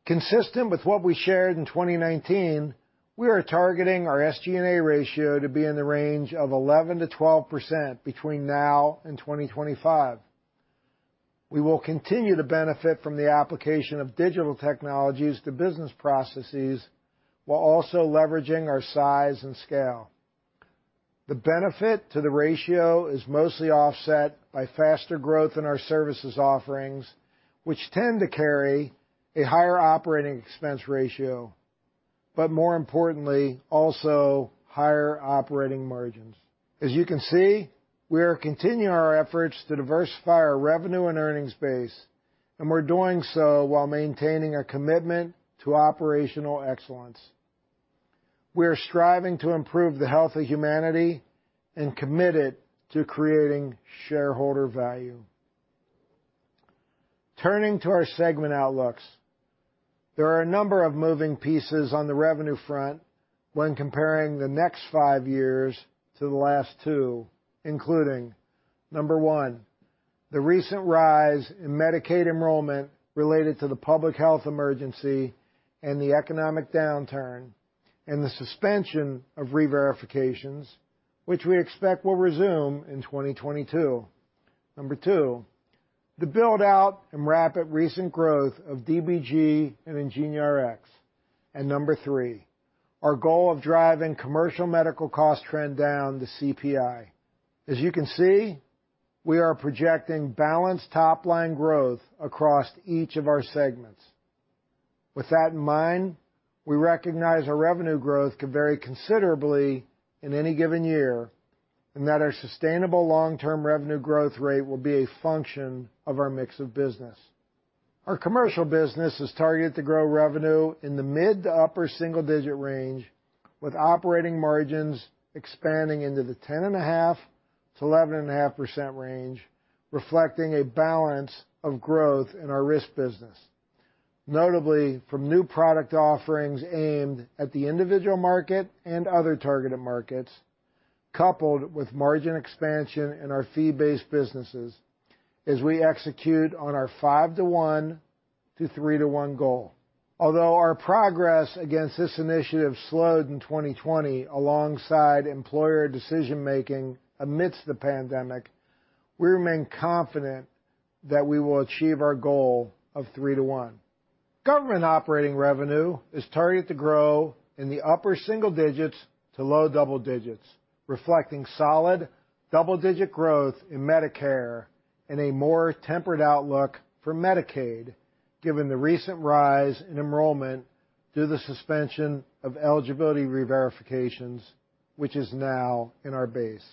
Speaker 13: Consistent with what we shared in 2019, we are targeting our SG&A ratio to be in the range of 11%-12% between now and 2025. We will continue to benefit from the application of digital technologies to business processes, while also leveraging our size and scale. The benefit to the ratio is mostly offset by faster growth in our services offerings, which tend to carry a higher operating expense ratio, but more importantly, also higher operating margins. As you can see, we are continuing our efforts to diversify our revenue and earnings base, and we're doing so while maintaining a commitment to operational excellence. We are striving to improve the health of humanity and committed to creating shareholder value. Turning to our segment outlooks, there are a number of moving pieces on the revenue front when comparing the next five years to the last two, including, number one, the recent rise in Medicaid enrollment related to the public health emergency and the economic downturn, and the suspension of reverifications, which we expect will resume in 2022. Number two, the build-out and rapid recent growth of DBG and IngenioRx. Number three, our goal of driving commercial medical cost trend down to CPI. As you can see, we are projecting balanced top-line growth across each of our segments. With that in mind, we recognize our revenue growth could vary considerably in any given year, and that our sustainable long-term revenue growth rate will be a function of our mix of business. Our commercial business is targeted to grow revenue in the mid to upper single digit range, with operating margins expanding into the 10.5%-11.5% range, reflecting a balance of growth in our risk business, notably from new product offerings aimed at the individual market and other targeted markets, coupled with margin expansion in our fee-based businesses as we execute on our 5:1 to 3:1 goal. Although our progress against this initiative slowed in 2020 alongside employer decision-making amidst the pandemic, we remain confident that we will achieve our goal of 3:1. Government operating revenue is targeted to grow in the upper single digits to low double digits, reflecting solid double-digit growth in Medicare and a more tempered outlook for Medicaid, given the recent rise in enrollment through the suspension of eligibility reverifications, which is now in our base.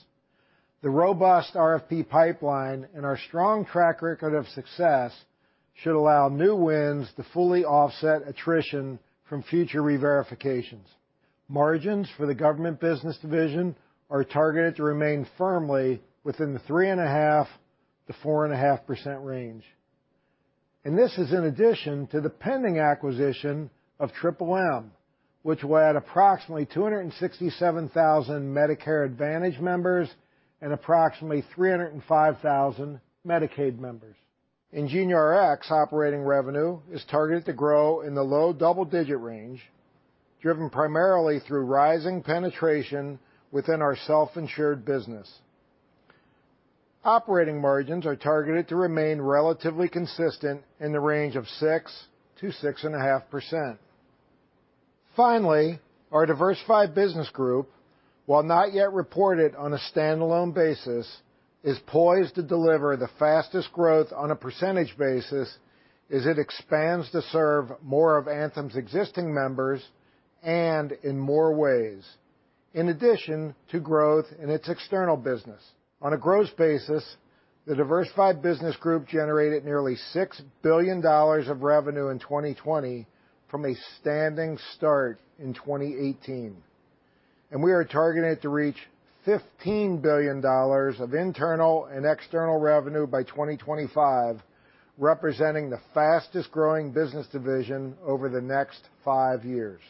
Speaker 13: The robust RFP pipeline and our strong track record of success should allow new wins to fully offset attrition from future reverifications. Margins for the Government Business Division are targeted to remain firmly within the 3.5%-4.5% range. This is in addition to the pending acquisition of MMM, which will add approximately 267,000 Medicare Advantage members and approximately 305,000 Medicaid members. IngenioRx operating revenue is targeted to grow in the low double-digit range, driven primarily through rising penetration within our self-insured business. Operating margins are targeted to remain relatively consistent in the range of 6%-6.5%. Finally, our Diversified Business Group, while not yet reported on a standalone basis, is poised to deliver the fastest growth on a percentage basis as it expands to serve more of Anthem's existing members and in more ways, in addition to growth in its external business. On a gross basis, the Diversified Business Group generated nearly $6 billion of revenue in 2020 from a standing start in 2018. We are targeted to reach $15 billion of internal and external revenue by 2025, representing the fastest growing business division over the next five years.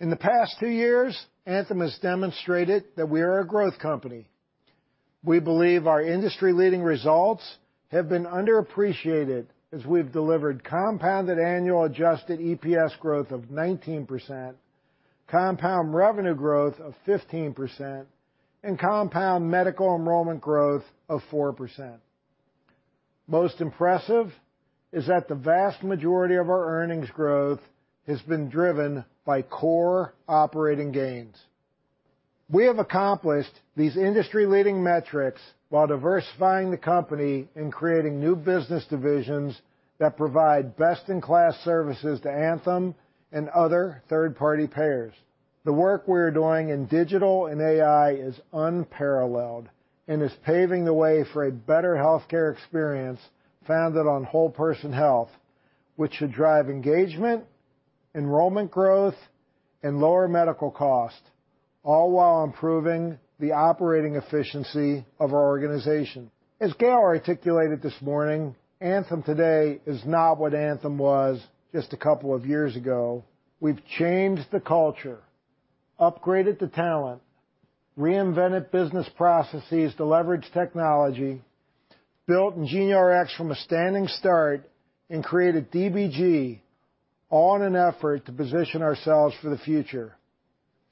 Speaker 13: In the past two years, Anthem has demonstrated that we are a growth company. We believe our industry-leading results have been underappreciated as we've delivered compounded annual adjusted EPS growth of 19%, compound revenue growth of 15%, and compound medical enrollment growth of 4%. Most impressive is that the vast majority of our earnings growth has been driven by core operating gains. We have accomplished these industry-leading metrics while diversifying the company and creating new business divisions that provide best-in-class services to Anthem and other third-party payers. The work we're doing in digital and AI is unparalleled and is paving the way for a better healthcare experience founded on whole person health, which should drive engagement, enrollment growth, and lower medical cost, all while improving the operating efficiency of our organization. As Gail articulated this morning, Anthem today is not what Anthem was just a couple of years ago. We've changed the culture, upgraded the talent, reinvented business processes to leverage technology, built IngenioRx from a standing start, and created DBG all in an effort to position ourselves for the future.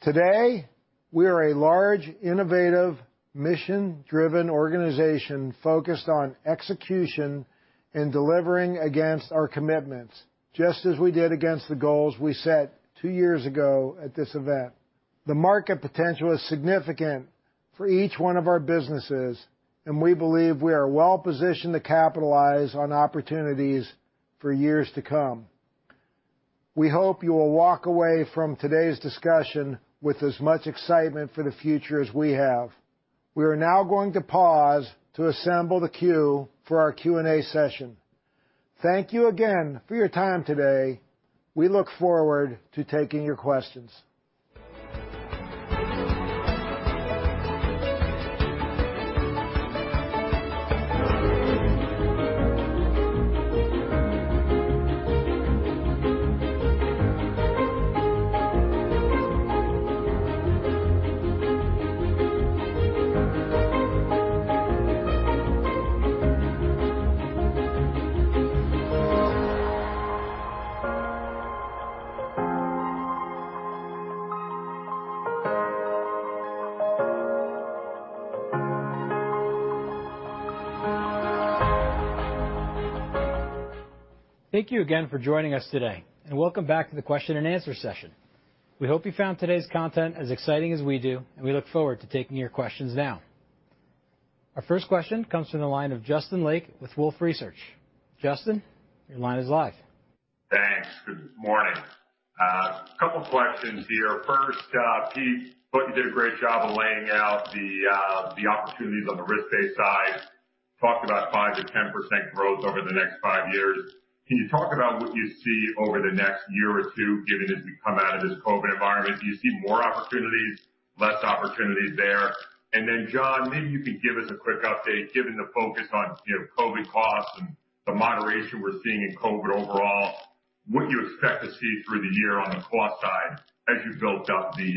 Speaker 13: Today, we are a large, innovative, mission-driven organization focused on execution and delivering against our commitments, just as we did against the goals we set two years ago at this event. The market potential is significant for each one of our businesses, and we believe we are well positioned to capitalize on opportunities for years to come. We hope you will walk away from today's discussion with as much excitement for the future as we have. We are now going to pause to assemble the queue for our Q&A session. Thank you again for your time today. We look forward to taking your questions.
Speaker 1: Thank you again for joining us today. Welcome back to the question and answer session. We hope you found today's content as exciting as we do. We look forward to taking your questions now. Our first question comes from the line of Justin Lake with Wolfe Research. Justin, your line is live.
Speaker 14: Thanks. Good morning. A couple questions here. First, Pete, thought you did a great job of laying out the opportunities on the risk pay side. Talked about 5%-10% growth over the next five years. Can you talk about what you see over the next one or two, given as we come out of this COVID environment? Do you see more opportunities, less opportunities there? Then John, maybe you could give us a quick update, given the focus on COVID costs and the moderation we're seeing in COVID overall, what do you expect to see through the year on the cost side as you built up the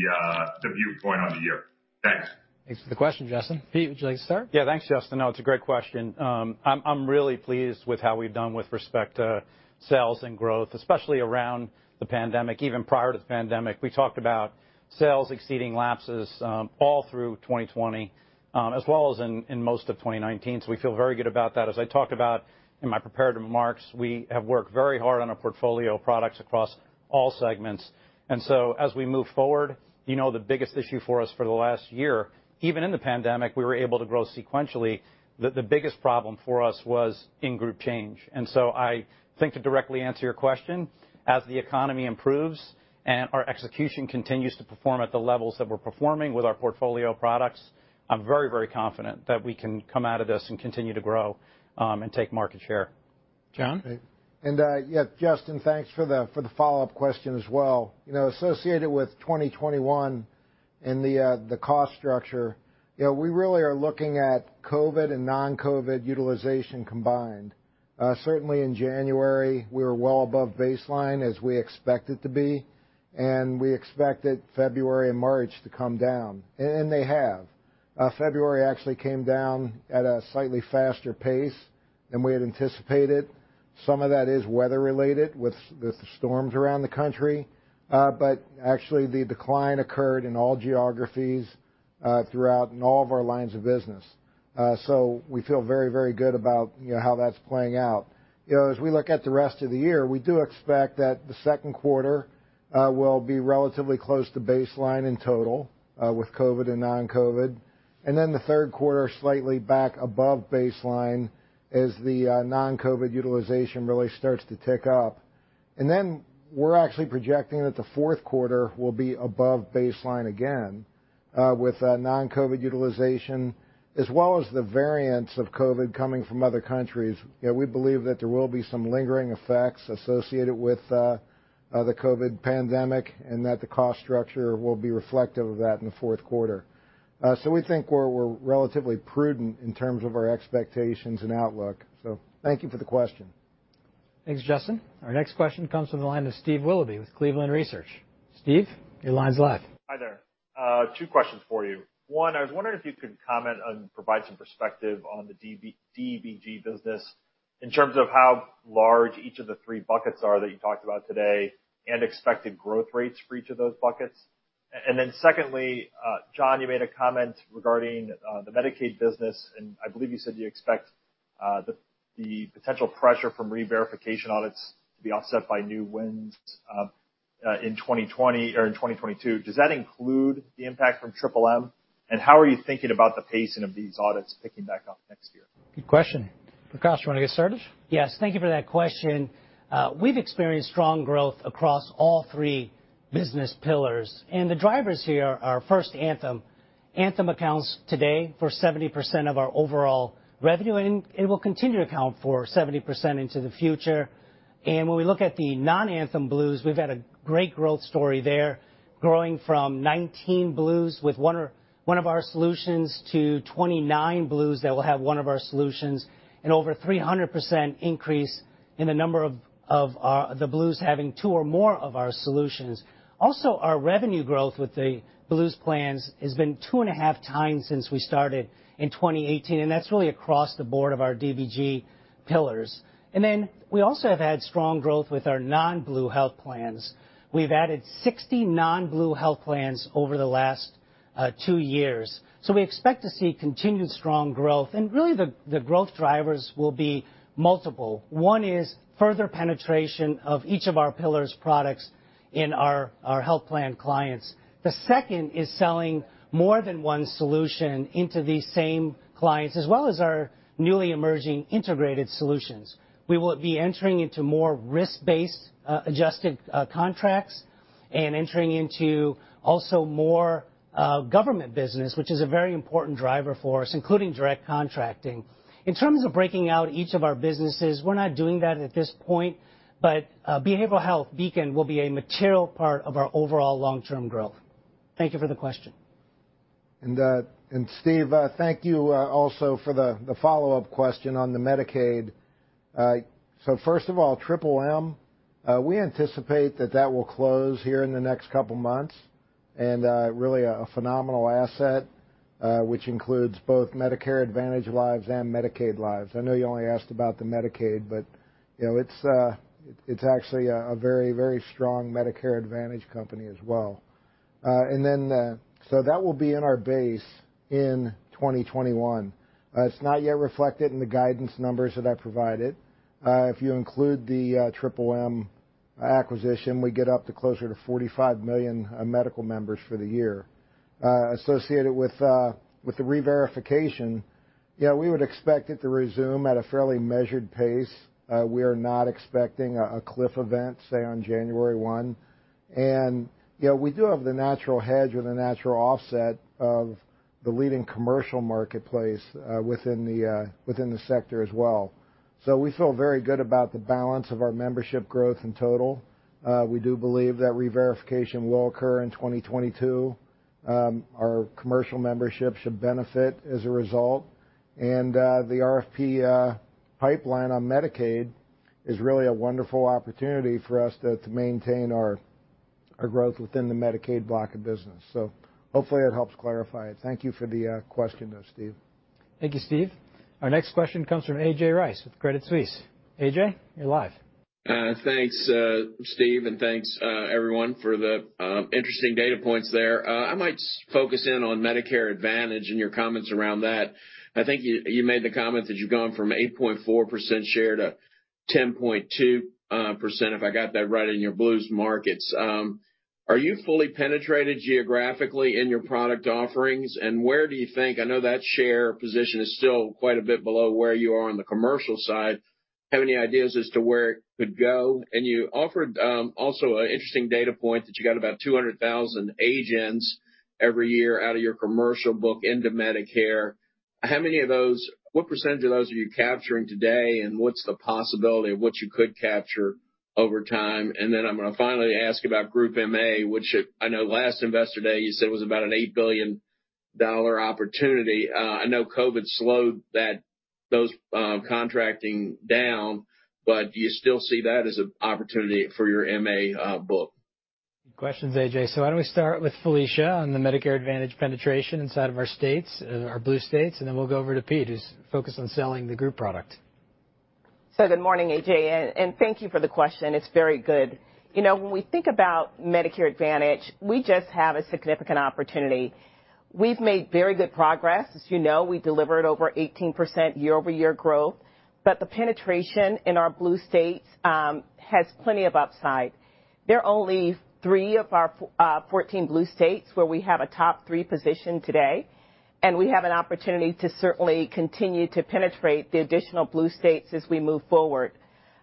Speaker 14: viewpoint on the year? Thanks.
Speaker 1: Thanks for the question, Justin. Pete, would you like to start?
Speaker 10: Thanks, Justin. No, it's a great question. I'm really pleased with how we've done with respect to sales and growth, especially around the pandemic. Even prior to the pandemic, we talked about sales exceeding lapses all through 2020, as well as in most of 2019. We feel very good about that. As I talked about in my prepared remarks, we have worked very hard on a portfolio of products across all segments. As we move forward, you know the biggest issue for us for the last year, even in the pandemic, we were able to grow sequentially. The biggest problem for us was in-group change. I think to directly answer your question, as the economy improves and our execution continues to perform at the levels that we're performing with our portfolio of products, I'm very confident that we can come out of this and continue to grow, and take market share.
Speaker 1: John?
Speaker 13: Great. Yeah, Justin, thanks for the follow-up question as well. Associated with 2021 and the cost structure, we really are looking at COVID and non-COVID utilization combined. Certainly in January, we were well above baseline as we expected to be, and we expected February and March to come down, and they have. February actually came down at a slightly faster pace than we had anticipated. Some of that is weather related with the storms around the country. Actually, the decline occurred in all geographies throughout and all of our lines of business. So we feel very good about how that's playing out. As we look at the rest of the year, we do expect that the second quarter will be relatively close to baseline in total with COVID and non-COVID. The third quarter, slightly back above baseline as the non-COVID utilization really starts to tick up. We're actually projecting that the fourth quarter will be above baseline again with non-COVID utilization, as well as the variants of COVID coming from other countries. We believe that there will be some lingering effects associated with the COVID pandemic, and that the cost structure will be reflective of that in the fourth quarter. We think we're relatively prudent in terms of our expectations and outlook. Thank you for the question.
Speaker 1: Thanks, Justin. Our next question comes from the line of Steve Willoughby with Cleveland Research. Steve, your line's live.
Speaker 15: Hi there. Two questions for you. One, I was wondering if you could comment and provide some perspective on the DBG business in terms of how large each of the three buckets are that you talked about today, and expected growth rates for each of those buckets. Secondly, John, you made a comment regarding the Medicaid business, and I believe you said you expect the potential pressure from reverification audits to be offset by new wins in 2020 or in 2022. Does that include the impact from MMM Holdings? How are you thinking about the pacing of these audits picking back up next year?
Speaker 1: Good question. Prakash, you want to get started?
Speaker 12: Yes. Thank you for that question. The drivers here are, first, Anthem. Anthem accounts today for 70% of our overall revenue, and it will continue to account for 70% into the future. When we look at the non-Anthem Blues, we've had a great growth story there, growing from 19 Blues with one of our solutions to 29 Blues that will have one of our solutions, and over 300% increase in the number of the Blues having two or more of our solutions. Also, our revenue growth with the Blues plans has been 2.5x since we started in 2018, and that's really across the board of our DBG pillars. Then we also have had strong growth with our non-Blue health plans. We've experienced strong growth across all three business pillars. We've added 60 non-Blue health plans over the last two years. We expect to see continued strong growth. Really, the growth drivers will be multiple. One is further penetration of each of our pillars products in our health plan clients. The second is selling more than one solution into these same clients, as well as our newly emerging integrated solutions. We will be entering into more risk-based adjusted contracts and entering into also more government business, which is a very important driver for us, including direct contracting. In terms of breaking out each of our businesses, we're not doing that at this point, but behavioral health Beacon will be a material part of our overall long-term growth. Thank you for the question.
Speaker 13: Steve, thank you also for the follow-up question on the Medicaid. First of all, MMM Holdings, we anticipate that that will close here in the next couple of months. Really, a phenomenal asset, which includes both Medicare Advantage lives and Medicaid lives. I know you only asked about the Medicaid, but it's actually a very strong Medicare Advantage company as well. That will be in our base in 2021. It's not yet reflected in the guidance numbers that I provided. If you include the MMM Holdings acquisition, we get up to closer to 45 million medical members for the year. Associated with the reverification, we would expect it to resume at a fairly measured pace. We are not expecting a cliff event, say on January 1. We do have the natural hedge or the natural offset of the leading commercial marketplace within the sector as well. We feel very good about the balance of our membership growth in total. We do believe that reverification will occur in 2022. Our commercial membership should benefit as a result. The RFP pipeline on Medicaid is really a wonderful opportunity for us to maintain our growth within the Medicaid block of business. Hopefully that helps clarify it. Thank you for the question though, Steve.
Speaker 1: Thank you, Steve. Our next question comes from A.J. Rice with Credit Suisse. A.J., you're live.
Speaker 16: Thanks, Steve, and thanks, everyone, for the interesting data points there. I might focus in on Medicare Advantage and your comments around that. I think you made the comment that you've gone from 8.4% share to 10.2%, if I got that right, in your Blues markets. Are you fully penetrated geographically in your product offerings? I know that share position is still quite a bit below where you are on the commercial side. Have any ideas as to where it could go? You offered also an interesting data point that you got about 200,000 age-ins every year out of your commercial book into Medicare. How many of those, what percentage of those are you capturing today, and what's the possibility of what you could capture over time? I'm going to finally ask about Group MA, which I know last Investor Day, you said was about an $8 billion opportunity. I know COVID slowed those contracting down, but do you still see that as an opportunity for your MA book?
Speaker 1: Good questions, A.J. Why don't we start with Felicia on the Medicare Advantage penetration inside of our states, our Blue states, and then we'll go over to Pete who's focused on selling the group product.
Speaker 7: Good morning, A.J., and thank you for the question. It's very good. When we think about Medicare Advantage, we just have a significant opportunity. We've made very good progress. As you know, we delivered over 18% year-over-year growth, but the penetration in our Blue States has plenty of upside. There are only three of our 14 Blue States where we have a top-three position today, and we have an opportunity to certainly continue to penetrate the additional Blue States as we move forward.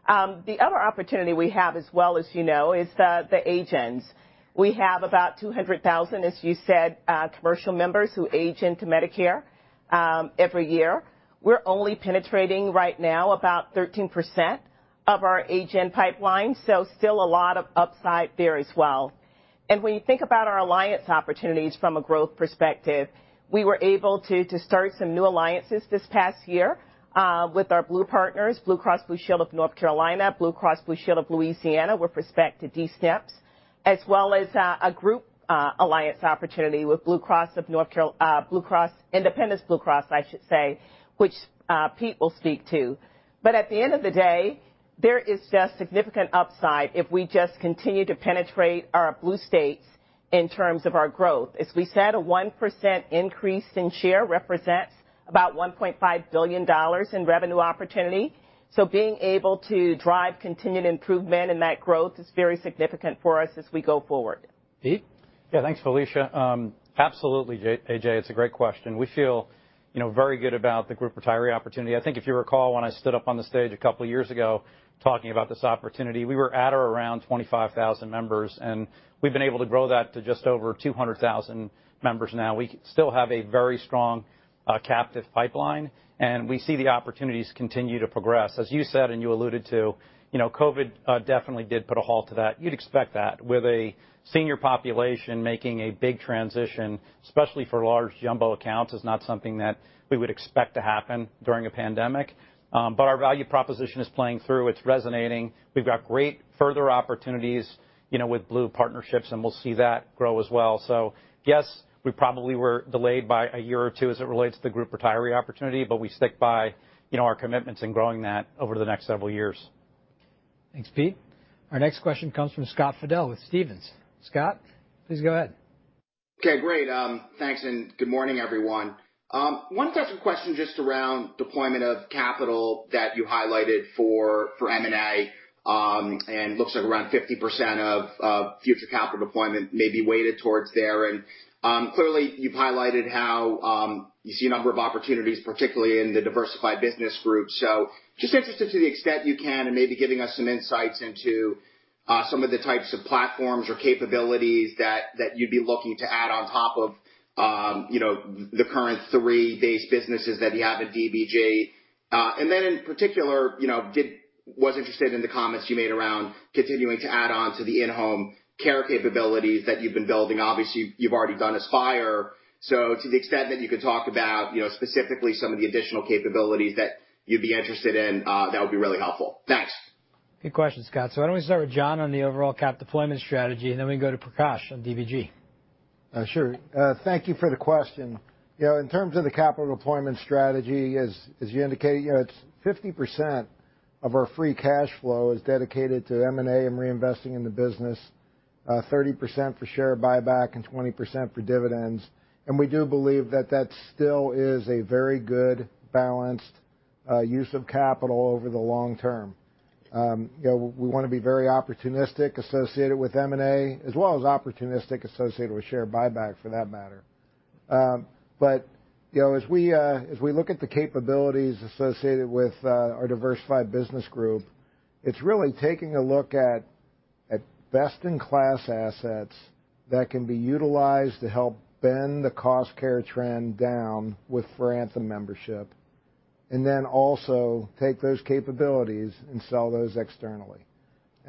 Speaker 7: The other opportunity we have as well as you know is the age-ins. We have about 200,000, as you said, commercial members who age into Medicare every year. We're only penetrating right now about 13% of our age-in pipeline, still a lot of upside there as well. When you think about our alliance opportunities from a growth perspective, we were able to start some new alliances this past year with our Blue partners, Blue Cross Blue Shield of North Carolina, Blue Cross Blue Shield of Louisiana, with respect to D-SNPs, as well as a group alliance opportunity with Independence Blue Cross, I should say, which Pete will speak to. At the end of the day, there is just significant upside if we just continue to penetrate our Blue States in terms of our growth. As we said, a 1% increase in share represents about $1.5 billion in revenue opportunity. Being able to drive continued improvement in that growth is very significant for us as we go forward.
Speaker 1: Pete?
Speaker 10: Thanks, Felicia. Absolutely, A.J., it's a great question. We feel very good about the group retiree opportunity. I think if you recall, when I stood up on the stage a couple of years ago talking about this opportunity, we were at or around 25,000 members, and we've been able to grow that to just over 200,000 members now. We still have a very strong captive pipeline, and we see the opportunities continue to progress. As you said, and you alluded to, COVID definitely did put a halt to that. You'd expect that. With a senior population making a big transition, especially for large jumbo accounts, is not something that we would expect to happen during a pandemic. Our value proposition is playing through. It's resonating. We've got great further opportunities with Blue partnerships, and we'll see that grow as well. Yes, we probably were delayed by a year or two as it relates to the group retiree opportunity, but we stick by our commitments in growing that over the next several years.
Speaker 1: Thanks, Pete. Our next question comes from Scott Fidel with Stephens. Scott, please go ahead.
Speaker 17: Okay, great. Thanks, and good morning, everyone. Wanted to ask a question just around deployment of capital that you highlighted for M&A. Looks like around 50% of future capital deployment may be weighted towards there. Clearly, you've highlighted how you see a number of opportunities, particularly in the Diversified Business Group. Just interested to the extent you can, maybe giving us some insights into some of the types of platforms or capabilities that you'd be looking to add on top of the current three base businesses that you have at DBG. In particular, was interested in the comments you made around continuing to add on to the in-home care capabilities that you've been building. Obviously, you've already done Aspire. To the extent that you could talk about specifically some of the additional capabilities that you'd be interested in, that would be really helpful. Thanks.
Speaker 1: Good question, Scott. Why don't we start with John on the overall cap deployment strategy, and then we can go to Prakash on DBG.
Speaker 13: Sure. Thank you for the question. In terms of the capital deployment strategy, as you indicate, it's 50% of our free cash flow is dedicated to M&A and reinvesting in the business, 30% for share buyback, and 20% for dividends. We do believe that that still is a very good balanced use of capital over the long term. We want to be very opportunistic associated with M&A, as well as opportunistic associated with share buyback for that matter. As we look at the capabilities associated with our Diversified Business Group, it's really taking a look at best-in-class assets that can be utilized to help bend the cost care trend down with for Anthem membership, and then also take those capabilities and sell those externally.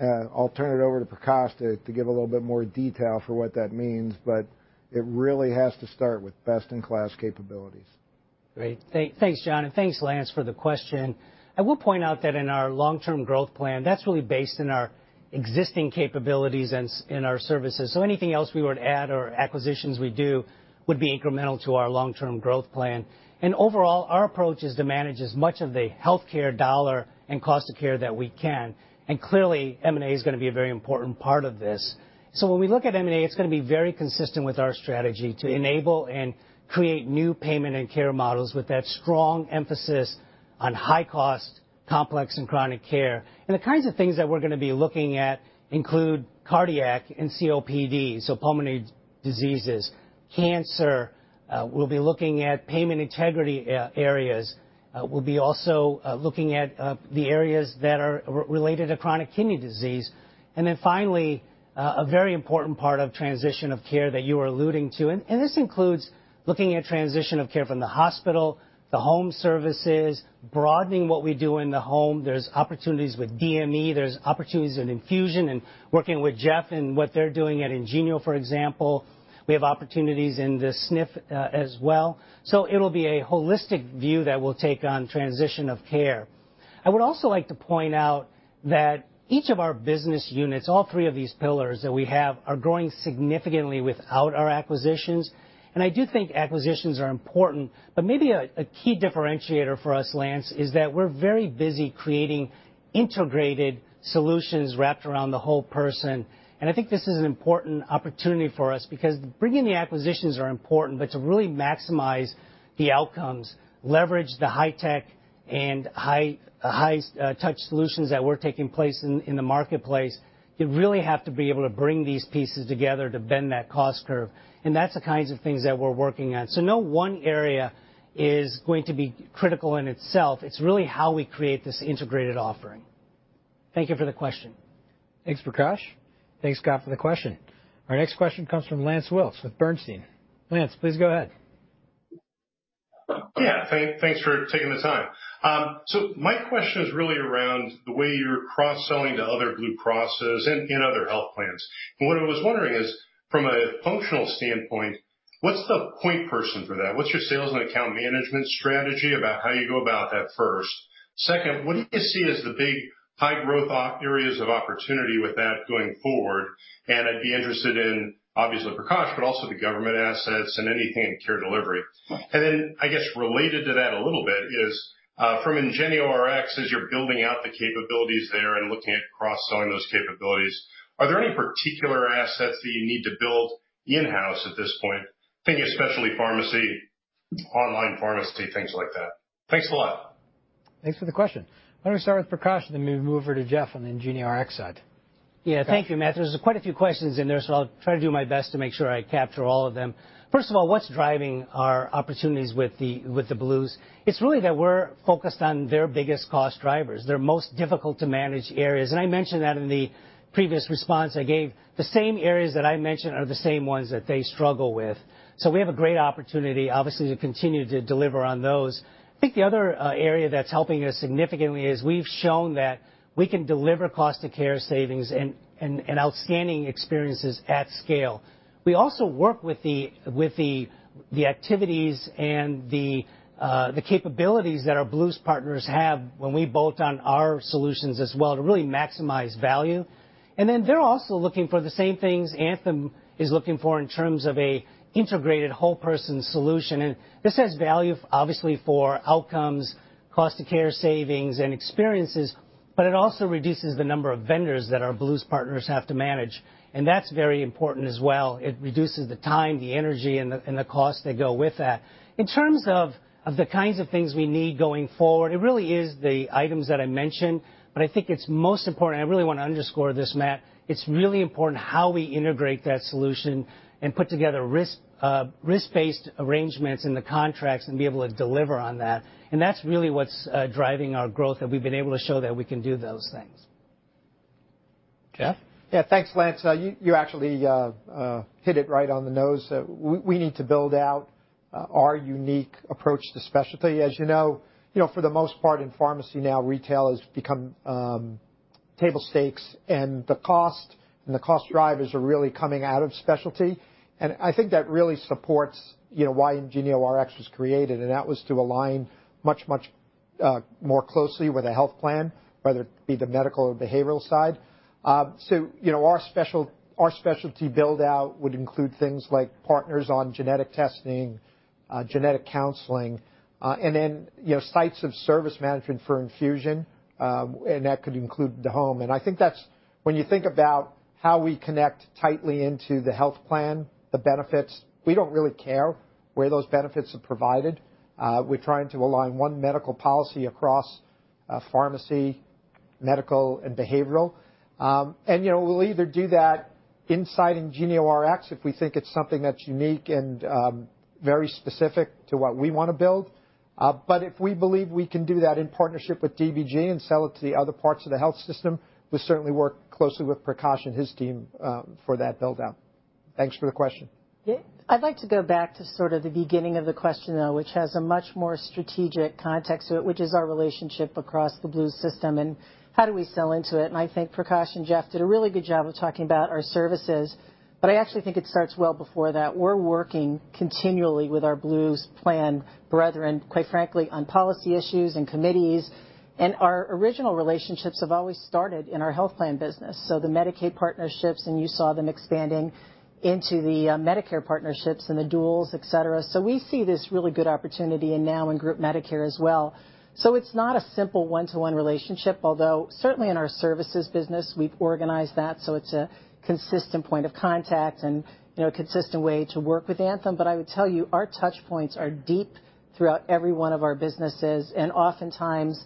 Speaker 13: I'll turn it over to Prakash to give a little bit more detail for what that means, but it really has to start with best-in-class capabilities.
Speaker 12: Great. Thanks, John, and thanks, Lance, for the question. I will point out that in our long-term growth plan, that's really based in our existing capabilities and in our services. Anything else we would add or acquisitions we do would be incremental to our long-term growth plan. Overall, our approach is to manage as much of the healthcare dollar and cost of care that we can. Clearly, M&A is going to be a very important part of this. When we look at M&A, it's going to be very consistent with our strategy to enable and create new payment and care models with that strong emphasis on high cost, complex, and chronic care. The kinds of things that we're going to be looking at include cardiac and COPD, so pulmonary diseases, cancer. We'll be looking at payment integrity areas. We'll be also looking at the areas that are related to chronic kidney disease. Finally, a very important part of transition of care that you are alluding to, and this includes looking at transition of care from the hospital, the home services, broadening what we do in the home. There's opportunities with DME, there's opportunities in infusion, and working with Jeff and what they're doing at Ingenio, for example. We have opportunities in the SNF as well. It'll be a holistic view that we'll take on transition of care. I would also like to point out that each of our business units, all three of these pillars that we have, are growing significantly without our acquisitions. I do think acquisitions are important, but maybe a key differentiator for us, Lance, is that we're very busy creating integrated solutions wrapped around the whole person. I think this is an important opportunity for us, because bringing the acquisitions are important, but to really maximize the outcomes, leverage the high-tech and high-touch solutions that were taking place in the marketplace, you really have to be able to bring these pieces together to bend that cost curve. That's the kinds of things that we're working on. No one area is going to be critical in itself. It's really how we create this integrated offering. Thank you for the question.
Speaker 1: Thanks, Prakash. Thanks, Scott, for the question. Our next question comes from Lance Wilkes with Bernstein. Lance, please go ahead.
Speaker 18: Yeah, thanks for taking the time. My question is really around the way you're cross-selling to other Blue Crosses and other health plans. What I was wondering is, from a functional standpoint, what's the point person for that? What's your sales and account management strategy about how you go about that, first? Second, what do you see as the big high-growth areas of opportunity with that going forward? I'd be interested in, obviously, Prakash, but also the government assets and anything in care delivery. I guess, related to that a little bit is, from IngenioRx, as you're building out the capabilities there and looking at cross-selling those capabilities, are there any particular assets that you need to build in-house at this point? Thinking especially pharmacy, online pharmacy, things like that. Thanks a lot.
Speaker 1: Thanks for the question. Why don't we start with Prakash, and then move over to Jeff on the IngenioRx side.
Speaker 12: Thank you, Lance. There's quite a few questions in there. I'll try to do my best to make sure I capture all of them. First of all, what's driving our opportunities with the Blues? It's really that we're focused on their biggest cost drivers, their most difficult to manage areas. I mentioned that in the previous response I gave. The same areas that I mentioned are the same ones that they struggle with. We have a great opportunity, obviously, to continue to deliver on those. I think the other area that's helping us significantly is we've shown that we can deliver cost of care savings and outstanding experiences at scale. We also work with the activities and the capabilities that our Blues partners have when we bolt on our solutions as well to really maximize value. Then they're also looking for the same things Anthem is looking for in terms of an integrated whole-person solution. This has value, obviously, for outcomes, cost of care savings, and experiences, but it also reduces the number of vendors that our Blues partners have to manage. That's very important as well. It reduces the time, the energy, and the cost that go with that. In terms of the kinds of things we need going forward, it really is the items that I mentioned, but I think it's most important, I really want to underscore this, Matt, it's really important how we integrate that solution and put together risk-based arrangements in the contracts and be able to deliver on that. That's really what's driving our growth, that we've been able to show that we can do those things.
Speaker 1: Jeff?
Speaker 11: Thanks, Lance. You actually hit it right on the nose. We need to build out our unique approach to specialty. As you know, for the most part in pharmacy now, retail has become table stakes, and the cost and the cost drivers are really coming out of specialty. I think that really supports why IngenioRx was created, and that was to align much more closely with a health plan, whether it be the medical or behavioral side. Our specialty build-out would include things like partners on genetic testing, genetic counseling, and then sites of service management for infusion, and that could include the home. I think when you think about how we connect tightly into the health plan, the benefits, we don't really care where those benefits are provided. We're trying to align one medical policy across pharmacy, medical, and behavioral. We'll either do that inside IngenioRx if we think it's something that's unique and very specific to what we want to build. If we believe we can do that in partnership with DBG and sell it to the other parts of the health system, we'll certainly work closely with Prakash and his team for that build-out. Thanks for the question.
Speaker 2: I'd like to go back to sort of the beginning of the question, though, which has a much more strategic context to it, which is our relationship across the Blues system. How do we sell into it? I think Prakash and Jeff did a really good job of talking about our services, but I actually think it starts well before that. We're working continually with our Blues plan brethren, quite frankly, on policy issues and committees. Our original relationships have always started in our health plan business. The Medicaid partnerships, and you saw them expanding into the Medicare partnerships and the Duals, et cetera. We see this really good opportunity, and now in group Medicare as well. It's not a simple one-to-one relationship, although certainly in our services business, we've organized that so it's a consistent point of contact and a consistent way to work with Anthem. I would tell you, our touchpoints are deep throughout every one of our businesses. Oftentimes,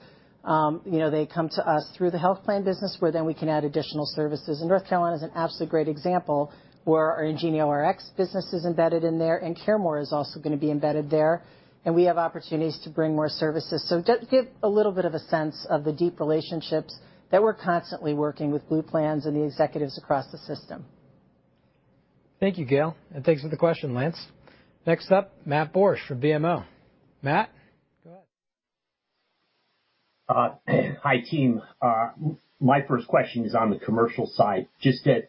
Speaker 2: they come to us through the health plan business, where then we can add additional services. North Carolina is an absolutely great example, where our IngenioRx business is embedded in there, and CareMore is also going to be embedded there. We have opportunities to bring more services. Give a little bit of a sense of the deep relationships that we're constantly working with Blue plans and the executives across the system.
Speaker 1: Thank you, Gail, and thanks for the question, Lance. Next up, Matt Borsch from BMO. Matt, go ahead.
Speaker 19: Hi, team. My first question is on the commercial side. Just to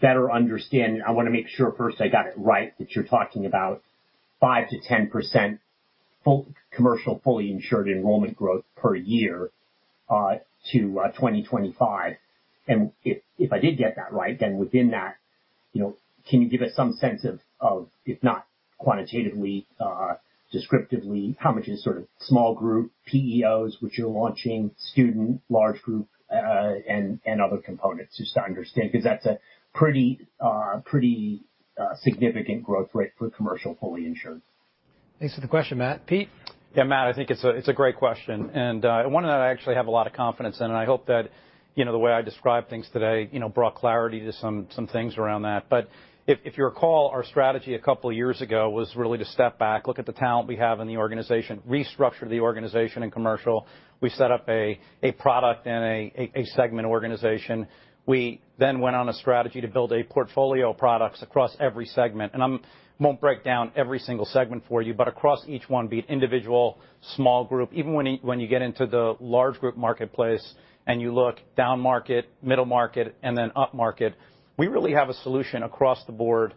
Speaker 19: better understand, I want to make sure first I got it right, that you're talking about 5%-10% full commercial, fully insured enrollment growth per year, to 2025. If I did get that right, then within that, can you give us some sense of, if not quantitatively, descriptively, how much is sort of small group PEOs, which you're launching, student large group, and other components just to understand, because that's a pretty significant growth rate for commercial fully insured.
Speaker 1: Thanks for the question, Matt. Pete?
Speaker 10: Yeah, Matt, I think it's a great question, and one that I actually have a lot of confidence in, and I hope that the way I describe things today brought clarity to some things around that. If you recall, our strategy a couple of years ago was really to step back, look at the talent we have in the organization, restructure the organization in commercial. We set up a product and a segment organization. We went on a strategy to build a portfolio of products across every segment. I won't break down every single segment for you, but across each one, be it individual, small group, even when you get into the large group marketplace and you look down-market, middle market, and then up market, we really have a solution across the board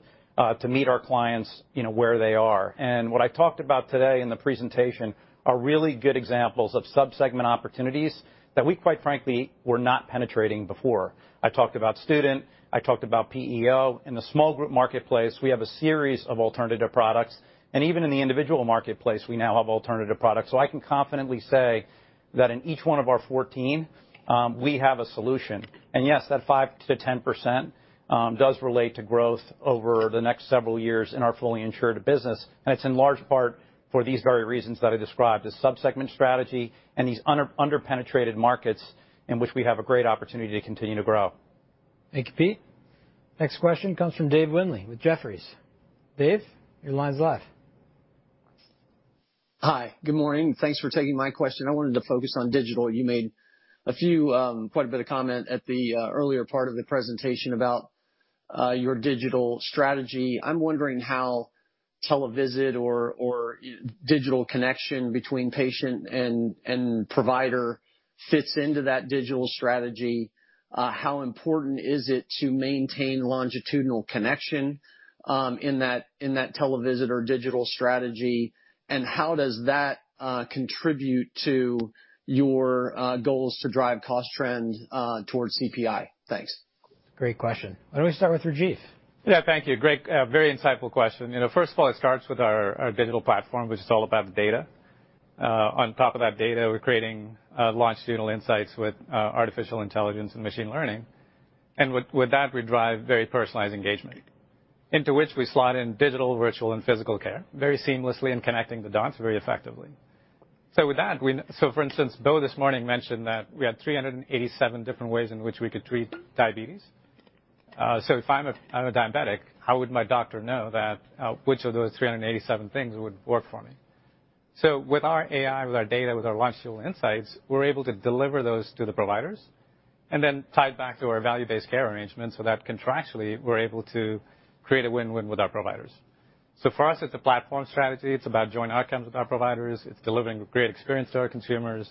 Speaker 10: to meet our clients where they are. What I talked about today in the presentation are really good examples of sub-segment opportunities that we, quite frankly, were not penetrating before. I talked about Student, I talked about PEO. In the small group marketplace, we have a series of alternative products, and even in the individual marketplace, we now have alternative products. I can confidently say that in each one of our 14, we have a solution. Yes, that 5%-10% does relate to growth over the next several years in our fully insured business, and it's in large part for these very reasons that I described, the sub-segment strategy and these under-penetrated markets in which we have a great opportunity to continue to grow.
Speaker 1: Thank you, Pete. Next question comes from Dave Windley with Jefferies. Dave, your line's live.
Speaker 20: Hi. Good morning. Thanks for taking my question. I wanted to focus on digital. You made quite a bit of comment at the earlier part of the presentation about your digital strategy. I'm wondering how televisit or digital connection between patient and provider fits into that digital strategy. How important is it to maintain longitudinal connection in that televisit or digital strategy, and how does that contribute to your goals to drive cost trend towards CPI? Thanks.
Speaker 1: Great question. Why don't we start with Rajeev?
Speaker 3: Yeah, thank you. Great. Very insightful question. First of all, it starts with our digital platform, which is all about data. On top of that data, we're creating longitudinal insights with artificial intelligence and machine learning. With that, we drive very personalized engagement into which we slot in digital, virtual, and physical care very seamlessly in connecting the dots very effectively. With that, for instance, [Beau] this morning mentioned that we had 387 different ways in which we could treat diabetes. If I'm a diabetic, how would my doctor know which of those 387 things would work for me? With our AI, with our data, with our longitudinal insights, we're able to deliver those to the providers, and then tied back to our value-based care arrangements so that contractually, we're able to create a win-win with our providers. For us, it's a platform strategy. It's about joint outcomes with our providers. It's delivering a great experience to our consumers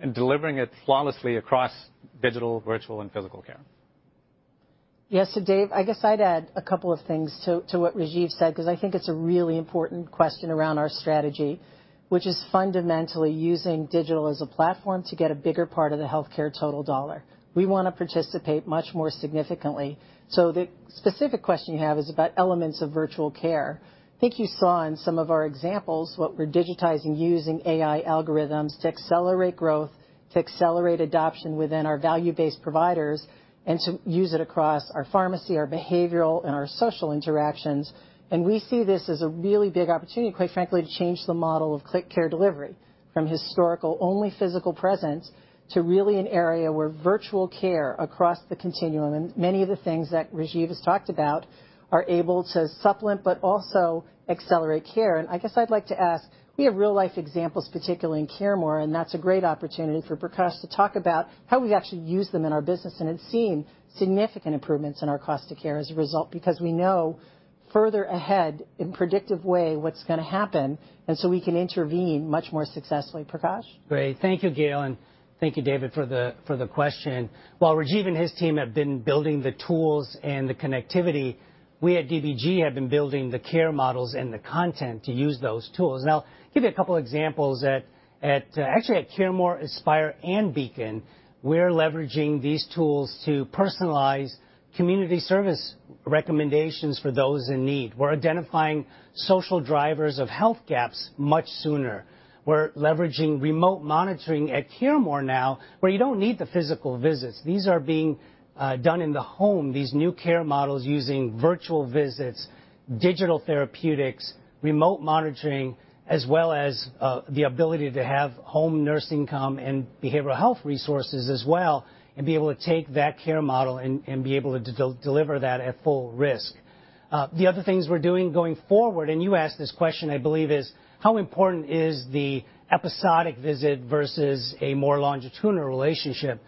Speaker 3: and delivering it flawlessly across digital, virtual, and physical care.
Speaker 2: Yes, Dave, I guess I'd add a couple of things to what Rajeev said because I think it's a really important question around our strategy, which is fundamentally using digital as a platform to get a bigger part of the healthcare total dollar. We want to participate much more significantly. The specific question you have is about elements of virtual care. I think you saw in some of our examples what we're digitizing using AI algorithms to accelerate growth, to accelerate adoption within our value-based providers, and to use it across our pharmacy, our behavioral, and our social interactions. We see this as a really big opportunity, quite frankly, to change the model of clinical care delivery from historical only physical presence to really an area where virtual care across the continuum, and many of the things that Rajeev has talked about are able to supplement but also accelerate care. I guess I'd like to ask, we have real-life examples, particularly in CareMore, and that's a great opportunity for Prakash to talk about how we've actually used them in our business and have seen significant improvements in our cost of care as a result, because we know further ahead in predictive way what's going to happen, and so we can intervene much more successfully. Prakash?
Speaker 12: Great. Thank you, Gail, and thank you, David, for the question. While Rajeev and his team have been building the tools and the connectivity, we at DBG have been building the care models and the content to use those tools. I'll give you a couple examples, actually at CareMore, Aspire, and Beacon, we're leveraging these tools to personalize community service recommendations for those in need. We're identifying social drivers of health gaps much sooner. We're leveraging remote monitoring at CareMore now, where you don't need the physical visits. These are being done in the home, these new care models using virtual visits, digital therapeutics, remote monitoring, as well as the ability to have home nursing come and behavioral health resources as well, and be able to take that care model and be able to deliver that at full risk. The other things we're doing going forward, and you asked this question, I believe is, how important is the episodic visit versus a more longitudinal relationship?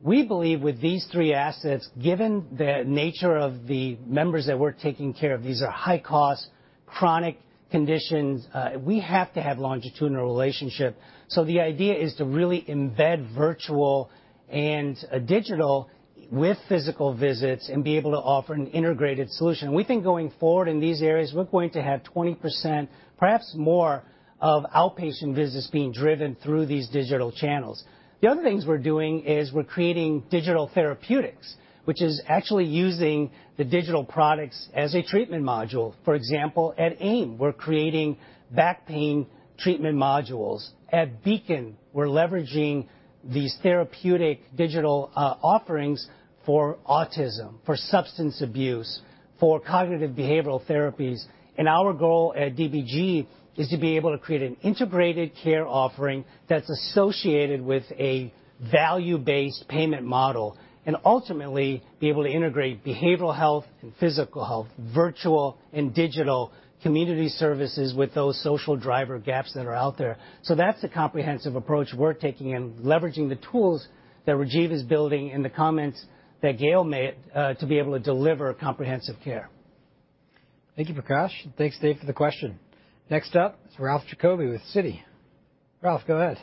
Speaker 12: We believe with these three assets, given the nature of the members that we're taking care of, these are high cost, chronic conditions, we have to have longitudinal relationship. The idea is to really embed virtual and digital with physical visits and be able to offer an integrated solution. We think going forward in these areas, we're going to have 20%, perhaps more of outpatient visits being driven through these digital channels. The other things we're doing is we're creating digital therapeutics, which is actually using the digital products as a treatment module. For example, at AIM, we're creating back pain treatment modules. At Beacon, we're leveraging these therapeutic digital offerings for autism, for substance abuse, for cognitive behavioral therapies. Our goal at DBG is to be able to create an integrated care offering that's associated with a value-based payment model. Ultimately, be able to integrate behavioral health and physical health, virtual and digital community services with those social driver gaps that are out there. That's the comprehensive approach we're taking in leveraging the tools that Rajeev is building and the comments that Gail made, to be able to deliver comprehensive care.
Speaker 1: Thank you, Prakash. Thanks, Dave, for the question. Next up is Ralph Giacobbe with Citi. Ralph, go ahead.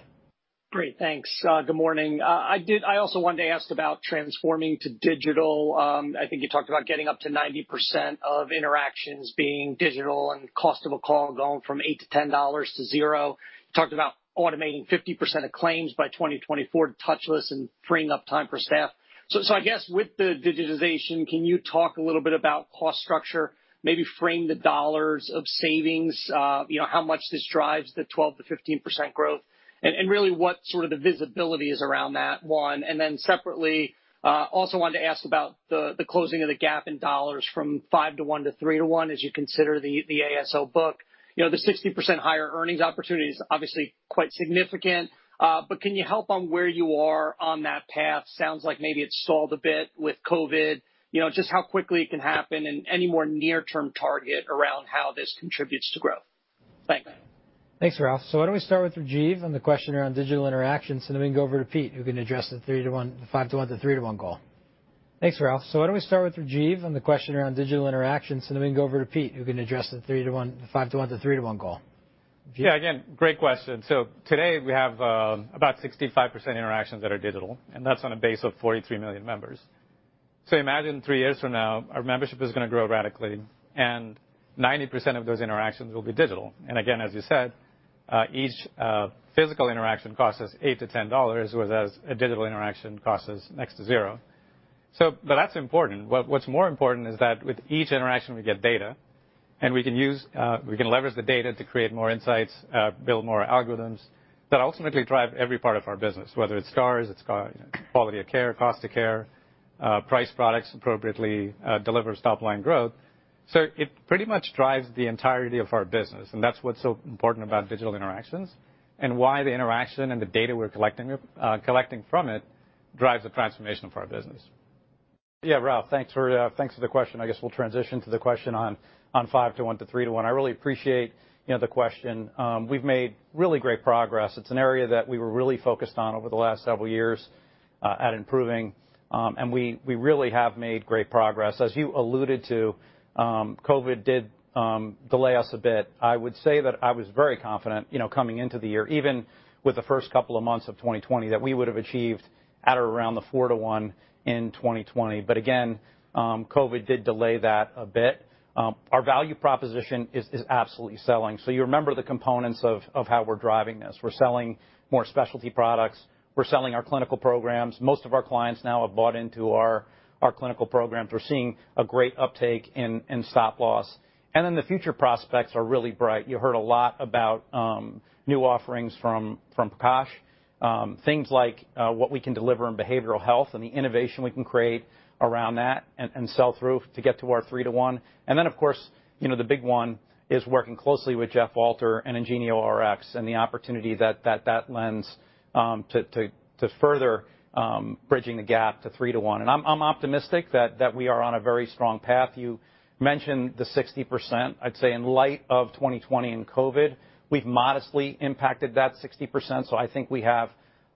Speaker 21: Great. Thanks. Good morning. I also wanted to ask about transforming to digital. I think you talked about getting up to 90% of interactions being digital and cost of a call going from $8 to $10 to zero. You talked about automating 50% of claims by 2024 to touchless and freeing up time for staff. I guess with the digitization, can you talk a little bit about cost structure, maybe frame the dollars of savings, how much this drives the 12%-15% growth, and really what sort of the visibility is around that one. Separately, also wanted to ask about the closing of the gap in dollars from 5:1 to 3:1 as you consider the ASO book. The 60% higher earnings opportunity is obviously quite significant. Can you help on where you are on that path? Sounds like maybe it stalled a bit with COVID. Just how quickly it can happen and any more near-term target around how this contributes to growth. Thanks.
Speaker 1: Thanks, Ralph. Why don't we start with Rajeev on the question around digital interactions, then we can go over to Pete, who can address the 5:1 to 3:1 goal. Rajeev?
Speaker 3: Yeah, great question. Today we have about 65% interactions that are digital, and that's on a base of 43 million members. Imagine three years from now, our membership is going to grow radically, and 90% of those interactions will be digital. Again, as you said, each physical interaction costs us $8-$10, whereas a digital interaction costs us next to zero. That's important. What's more important is that with each interaction, we get data, we can leverage the data to create more insights, build more algorithms that ultimately drive every part of our business, whether it's Stars, it's quality of care, cost of care, price products appropriately, delivers top-line growth. It pretty much drives the entirety of our business, and that's what's so important about digital interactions and why the interaction and the data we're collecting from it drives the transformation of our business.
Speaker 10: Yeah, Ralph, thanks for the question. I guess we'll transition to the question on 5:1 to 3:1. I really appreciate the question. We've made really great progress. It's an area that we were really focused on over the last several years at improving, and we really have made great progress. As you alluded to, COVID did delay us a bit. I would say that I was very confident coming into the year, even with the first couple of months of 2020, that we would have achieved at or around the 4:1 in 2020. Again, COVID did delay that a bit. Our value proposition is absolutely selling. You remember the components of how we're driving this. We're selling more specialty products. We're selling our clinical programs. Most of our clients now have bought into our clinical programs. We're seeing a great uptake in stop-loss. The future prospects are really bright. You heard a lot about new offerings from Prakash. Things like what we can deliver in behavioral health and the innovation we can create around that, and sell through to get to our 3:1. Of course, the big one is working closely with Jeff Alter and IngenioRx and the opportunity that that lends to further bridging the gap to 3:1. I'm optimistic that we are on a very strong path. You mentioned the 60%. I'd say in light of 2020 and COVID-19, we've modestly impacted that 60%. I think we have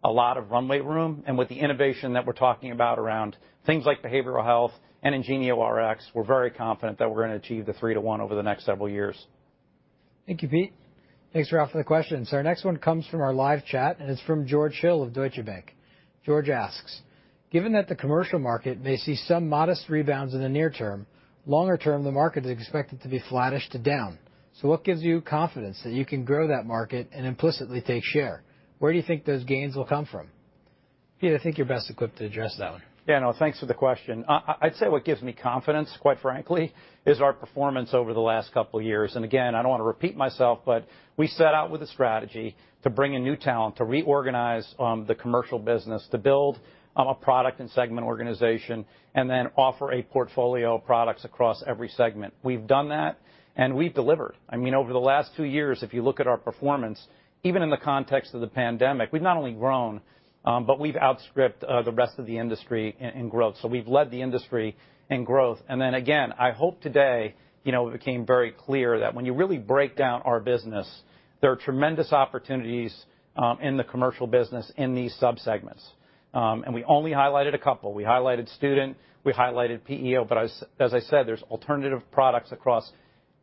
Speaker 10: a lot of runway room, and with the innovation that we're talking about around things like behavioral health and IngenioRx, we're very confident that we're going to achieve the 3:1 over the next several years.
Speaker 1: Thank you, Pete. Thanks, Ralph, for the question. Our next one comes from our live chat, and it's from George Hill of Deutsche Bank. George asks, "Given that the commercial market may see some modest rebounds in the near term, longer term, the market is expected to be flattish to down. What gives you confidence that you can grow that market and implicitly take share? Where do you think those gains will come from?" Pete, I think you're best equipped to address that one.
Speaker 10: Yeah, no, thanks for the question. I'd say what gives me confidence, quite frankly, is our performance over the last couple of years. Again, I don't want to repeat myself, but we set out with a strategy to bring in new talent, to reorganize the commercial business, to build a product and segment organization, and then offer a portfolio of products across every segment. We've done that, and we've delivered. Over the last two years, if you look at our performance, even in the context of the pandemic, we've not only grown, but we've outstripped the rest of the industry in growth. We've led the industry in growth. Again, I hope today it became very clear that when you really break down our business, there are tremendous opportunities in the commercial business in these subsegments. We only highlighted a couple. We highlighted student, we highlighted PEO, but as I said, there's alternative products across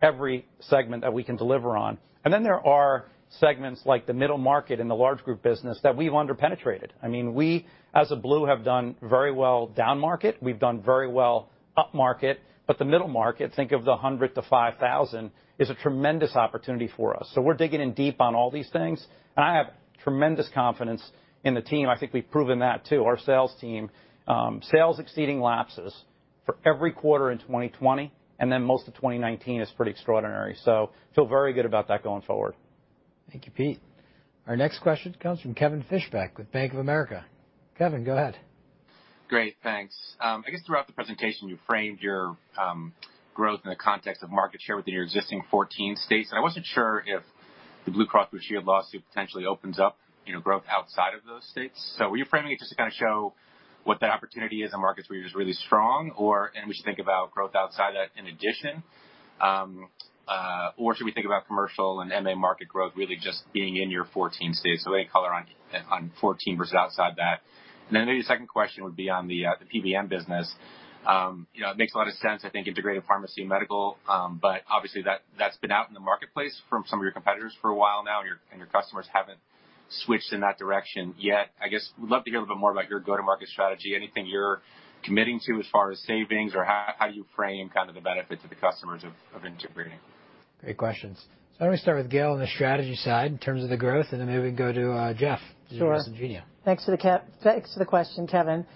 Speaker 10: every segment that we can deliver on. There are segments like the middle market and the large group business that we've under-penetrated. We, as a Blue, have done very well down market. We've done very well up market, but the middle market, think of the 100-5,000, is a tremendous opportunity for us. We're digging in deep on all these things, and I have tremendous confidence in the team. I think we've proven that, too. Our sales team, sales exceeding lapses for every quarter in 2020 and then most of 2019 is pretty extraordinary. Feel very good about that going forward.
Speaker 1: Thank you, Pete. Our next question comes from Kevin Fischbeck with Bank of America. Kevin, go ahead.
Speaker 22: Great. Thanks. I guess throughout the presentation, you framed your growth in the context of market share within your existing 14 states, and I wasn't sure if the Blue Cross Blue Shield lawsuit potentially opens up growth outside of those states. Were you framing it just to kind of show what that opportunity is in markets where you're just really strong, or we should think about growth outside that in addition? Should we think about commercial and MA market growth really just being in your 14 states? Any color on 14 versus outside that. Then maybe the second question would be on the PBM business. It makes a lot of sense, I think, integrating pharmacy and medical. Obviously, that's been out in the marketplace from some of your competitors for a while now, and your customers haven't switched in that direction yet. I guess, would love to hear a little bit more about your go-to-market strategy, anything you're committing to as far as savings or how you frame kind of the benefits of the customers of integrating.
Speaker 1: Great questions. Why don't we start with Gail on the strategy side in terms of the growth, and then maybe we can go to Jeff.
Speaker 2: Sure.
Speaker 1: At Ingenio.
Speaker 2: Thanks for the question, Kevin.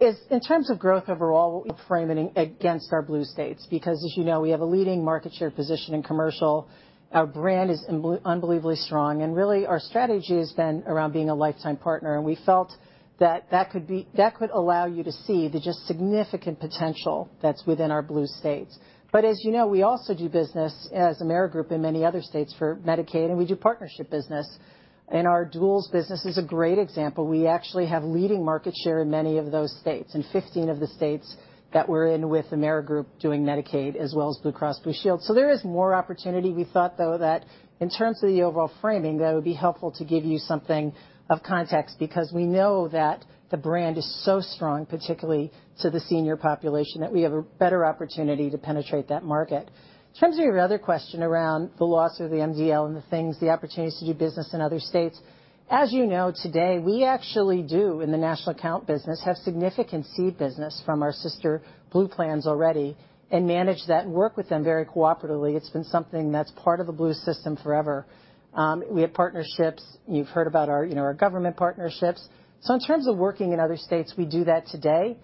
Speaker 2: In terms of growth overall, we frame it against our Blue states, because as you know, we have a leading market share position in commercial. Our brand is unbelievably strong, and really our strategy has been around being a lifetime partner, and we felt that that could allow you to see the just significant potential that's within our Blue states. We also do business as Amerigroup in many other states for Medicaid, and we do partnership business. Our duals business is a great example. We actually have leading market share in many of those states. In 15 of the states that we're in with Amerigroup doing Medicaid, as well as Blue Cross Blue Shield. There is more opportunity. We thought, though, that in terms of the overall framing, that it would be helpful to give you something of context because we know that the brand is so strong, particularly to the senior population, that we have a better opportunity to penetrate that market. In terms of your other question around the lawsuit the MDL and the things, the opportunities to do business in other states, as you know, today, we actually do, in the national account business, have significant cede business from our sister Blue plans already and manage that and work with them very cooperatively. It's been something that's part of the Blue system forever. We have partnerships. You've heard about our government partnerships. In terms of working in other states, we do that today.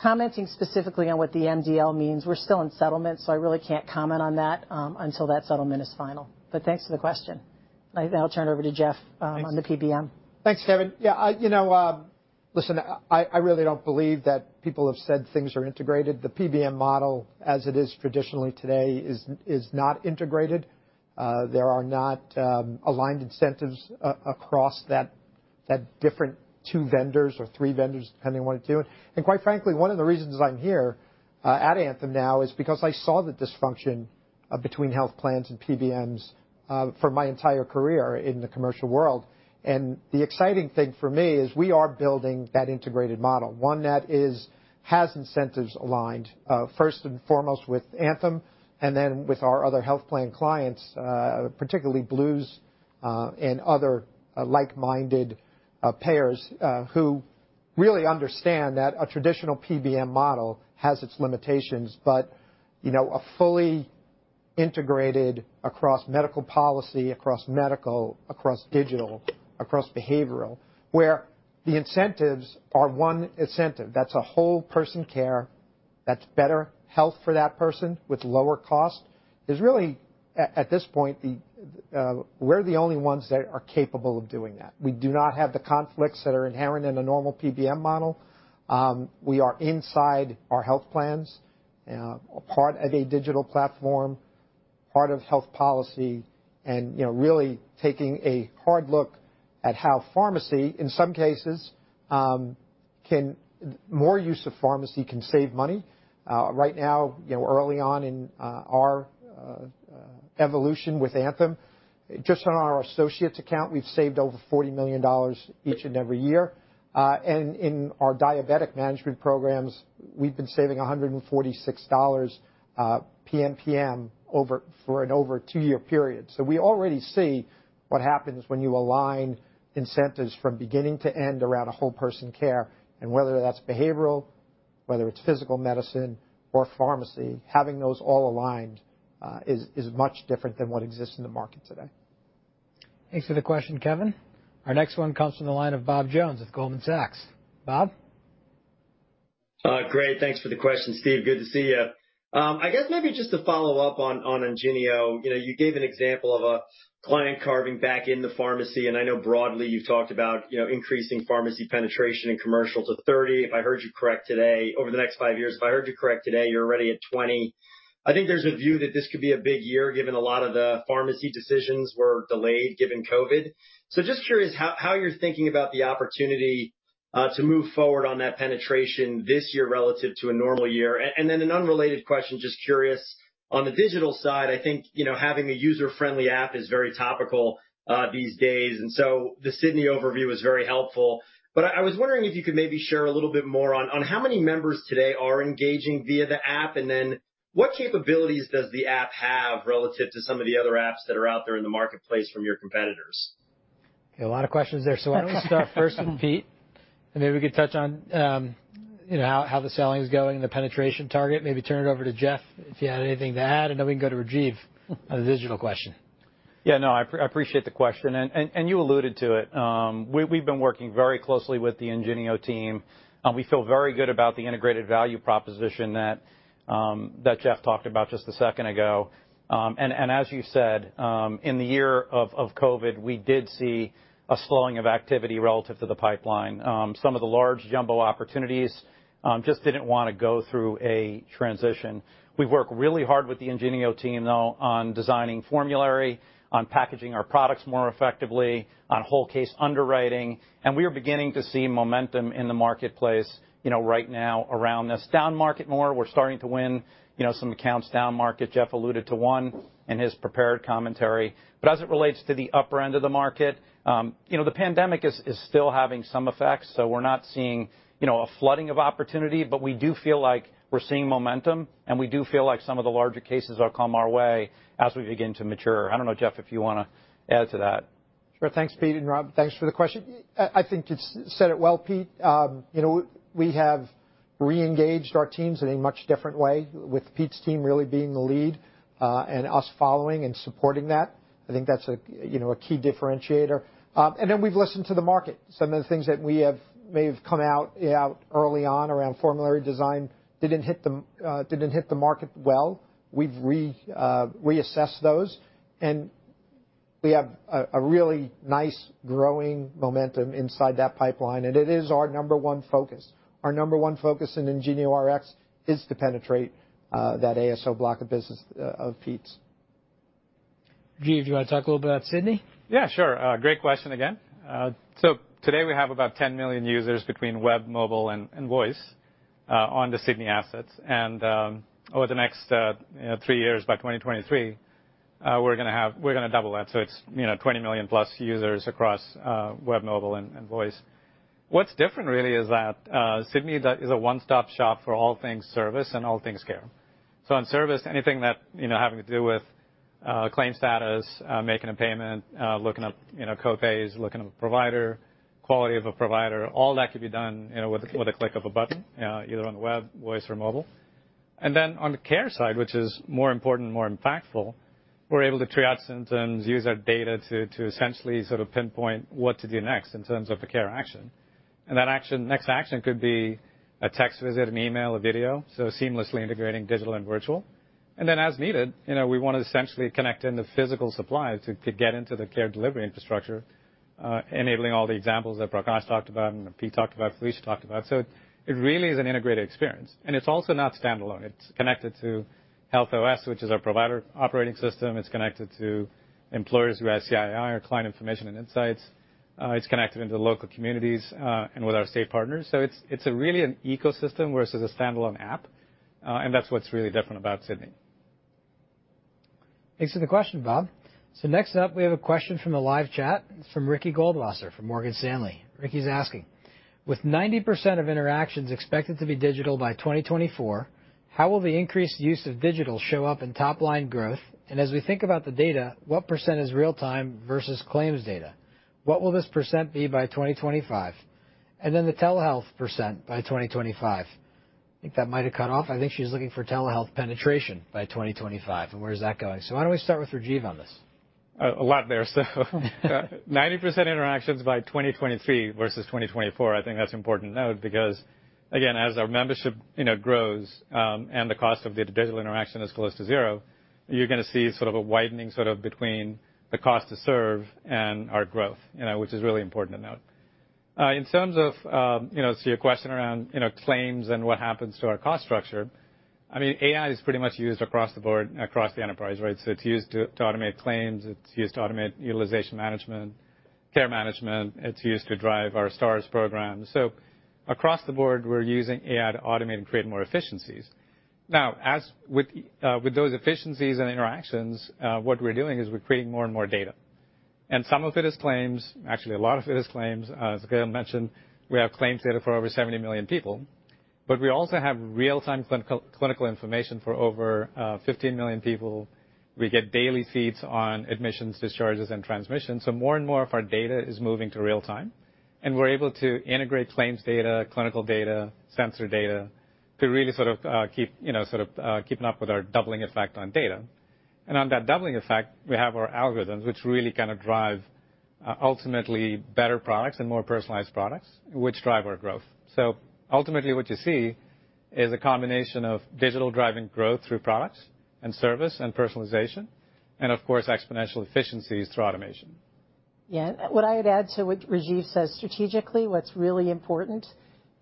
Speaker 2: Commenting specifically on what the MDL means, we're still in settlement. I really can't comment on that until that settlement is final. Thanks for the question. I'll now turn over to Jeff on the PBM.
Speaker 11: Thanks, Kevin. Yeah. Listen, I really don't believe that people have said things are integrated. The PBM model as it is traditionally today is not integrated. There are not aligned incentives across that different two vendors or three vendors, depending on what you're doing. Quite frankly, one of the reasons I'm here at Anthem now is because I saw the dysfunction between health plans and PBMs for my entire career in the commercial world. The exciting thing for me is we are building that integrated model, one that has incentives aligned, first and foremost with Anthem and then with our other health plan clients, particularly Blues and other like-minded payers who really understand that a traditional PBM model has its limitations. A fully integrated across medical policy, across medical, across digital, across behavioral, where the incentives are one incentive, that's a whole person care, that's better health for that person with lower cost, is really, at this point, we're the only ones that are capable of doing that. We do not have the conflicts that are inherent in a normal PBM model. We are inside our health plans, a part of a digital platform, part of health policy, and really taking a hard look at how pharmacy, in some cases, more use of pharmacy can save money. Right now, early on in our evolution with Anthem, just on our associates account, we've saved over $40 million each and every year. In our diabetic management programs, we've been saving $146 PMPM for an over two-year period. We already see what happens when you align incentives from beginning to end around a whole person care, and whether that's behavioral, whether it's physical medicine or pharmacy, having those all aligned is much different than what exists in the market today.
Speaker 1: Thanks for the question, Kevin. Our next one comes from the line of Bob Jones with Goldman Sachs. Bob?
Speaker 23: Great. Thanks for the question, Steve. Good to see you. I guess maybe just to follow up on Ingenio. You gave an example of a client carving back in the pharmacy, and I know broadly you've talked about increasing pharmacy penetration in commercial to 30% if I heard you correct today, over the next 5 years. If I heard you correct today, you're already at 20%. I think there's a view that this could be a big year, given a lot of the pharmacy decisions were delayed given COVID. Just curious how you're thinking about the opportunity to move forward on that penetration this year relative to a normal year. An unrelated question, just curious, on the digital side, I think, having a user-friendly app is very topical these days, and so the Sydney overview was very helpful. I was wondering if you could maybe share a little bit more on how many members today are engaging via the app, and then what capabilities does the app have relative to some of the other apps that are out there in the marketplace from your competitors?
Speaker 1: Okay, a lot of questions there. Why don't we start first with Pete, and maybe we could touch on how the selling is going and the penetration target, maybe turn it over to Jeff if he had anything to add, and then we can go to Rajeev on the digital question.
Speaker 10: Yeah, no, I appreciate the question. You alluded to it. We've been working very closely with the Ingenio team. We feel very good about the integrated value proposition that Jeff talked about just a second ago. As you said, in the year of COVID-19, we did see a slowing of activity relative to the pipeline. Some of the large jumbo opportunities just didn't want to go through a transition. We've worked really hard with the Ingenio team, though, on designing formulary, on packaging our products more effectively, on whole case underwriting, and we are beginning to see momentum in the marketplace right now around this down market more. We're starting to win some accounts down market. Jeff alluded to one in his prepared commentary. As it relates to the upper end of the market, the pandemic is still having some effects, so we're not seeing a flooding of opportunity, but we do feel like we're seeing momentum, and we do feel like some of the larger cases will come our way as we begin to mature. I don't know, Jeff, if you want to add to that.
Speaker 11: Sure. Thanks, Pete. Rob, thanks for the question. I think you said it well, Pete. We have re-engaged our teams in a much different way, with Pete's team really being the lead, and us following and supporting that. I think that's a key differentiator. We've listened to the market. Some of the things that may have come out early on around formulary design didn't hit the market well. We've reassessed those, and we have a really nice growing momentum inside that pipeline, and it is our number one focus. Our number one focus in IngenioRx is to penetrate that ASO block of business of Pete's.
Speaker 1: Rajeev, do you want to talk a little bit about Sydney?
Speaker 3: Yeah, sure. Great question again. Today, we have about 10 million users between web, mobile, and voice on the Sydney assets. Over the next three years, by 2023, we're going to double that. It's 20+ million users across web, mobile, and voice. What's different really is that Sydney is a one-stop shop for all things service and all things care. On service, anything having to do with claim status, making a payment, looking up co-pays, looking up a provider, quality of a provider, all that could be done with the click of a button, either on the web, voice, or mobile. On the care side, which is more important and more impactful, we're able to triage symptoms, use our data to essentially sort of pinpoint what to do next in terms of a care action. That next action could be a text visit, an email, a video, so seamlessly integrating digital and virtual. Then as needed, we want to essentially connect in the physical supplies to get into the care delivery infrastructure, enabling all the examples that Prakash talked about and Pete talked about, Felicia talked about. It really is an integrated experience, and it's also not standalone. It's connected to HealthOS, which is our provider operating system. It's connected to employers who have CII, our Client Information and Insights. It's connected into local communities, and with our state partners. It's really an ecosystem versus a standalone app. That's what's really different about Sydney.
Speaker 1: Thanks for the question, Bob. Next up, we have a question from the live chat. It is from Ricky Goldwasser from Morgan Stanley. Ricky's asking, "With 90% of interactions expected to be digital by 2024, how will the increased use of digital show up in top-line growth? As we think about the data, what percent is real-time versus claims data? What will this percent be by 2025? The telehealth percent by 2025." I think that might've cut off. I think she's looking for telehealth penetration by 2025, and where is that going. Why don't we start with Rajeev on this?
Speaker 3: A lot there. 90% interactions by 2023 versus 2024, I think that's important to note because, again, as our membership grows, and the cost of the digital interaction is close to zero, you're going to see sort of a widening between the cost to serve and our growth, which is really important to note. In terms of your question around claims and what happens to our cost structure, AI is pretty much used across the board, across the enterprise, right? It's used to automate claims. It's used to automate utilization management, care management. It's used to drive our Stars program. Across the board, we're using AI to automate and create more efficiencies. Now, with those efficiencies and interactions, what we're doing is we're creating more and more data. Some of it is claims, actually, a lot of it is claims. As Gail mentioned, we have claims data for over 70 million people, but we also have real-time clinical information for over 15 million people. We get daily feeds on admissions, discharges, and transmissions. More and more of our data is moving to real time, and we're able to integrate claims data, clinical data, sensor data to really sort of keep up with our doubling effect on data. On that doubling effect, we have our algorithms, which really kind of drive ultimately better products and more personalized products, which drive our growth. Ultimately, what you see is a combination of digital driving growth through products and service and personalization, and of course, exponential efficiencies through automation.
Speaker 2: What I would add to what Rajeev says, strategically, what's really important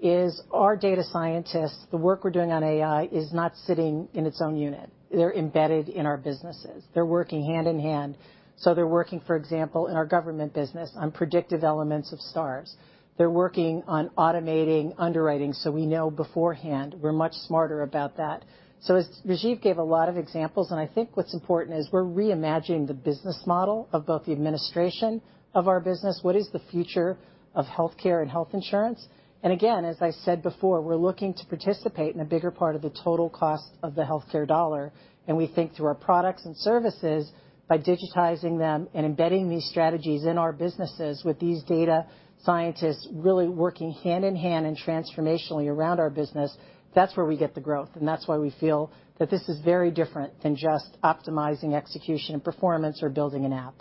Speaker 2: is our data scientists, the work we're doing on AI is not sitting in its own unit. They're embedded in our businesses. They're working hand in hand. They're working, for example, in our government business on predictive elements of Stars. They're working on automating underwriting, so we know beforehand. We're much smarter about that. Rajeev gave a lot of examples, and I think what's important is we're reimagining the business model of both the administration of our business. What is the future of healthcare and health insurance? Again, as I said before, we're looking to participate in a bigger part of the total cost of the healthcare dollar, and we think through our products and services, by digitizing them and embedding these strategies in our businesses with these data scientists really working hand in hand and transformationally around our business, that's where we get the growth. That's why we feel that this is very different than just optimizing execution and performance or building an app.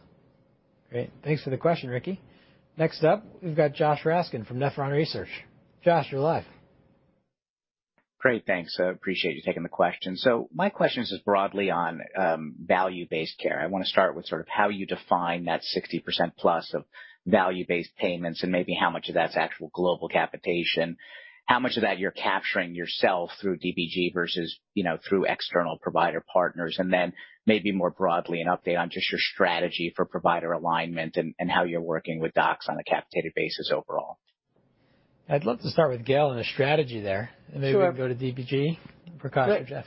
Speaker 1: Great. Thanks for the question, Ricky. Next up, we've got Josh Raskin from Nephron Research. Josh, you're live.
Speaker 24: Great. Thanks. I appreciate you taking the question. My question is just broadly on value-based care. I want to start with sort of how you define that 60%+ of value-based payments and maybe how much of that's actual global capitation, how much of that you're capturing yourself through DBG versus through external provider partners, and then maybe more broadly, an update on just your strategy for provider alignment and how you're working with docs on a capitated basis overall.
Speaker 1: I'd love to start with Gail on the strategy there.
Speaker 2: Sure.
Speaker 1: Maybe we can go to DBG, Prakash or Jeff.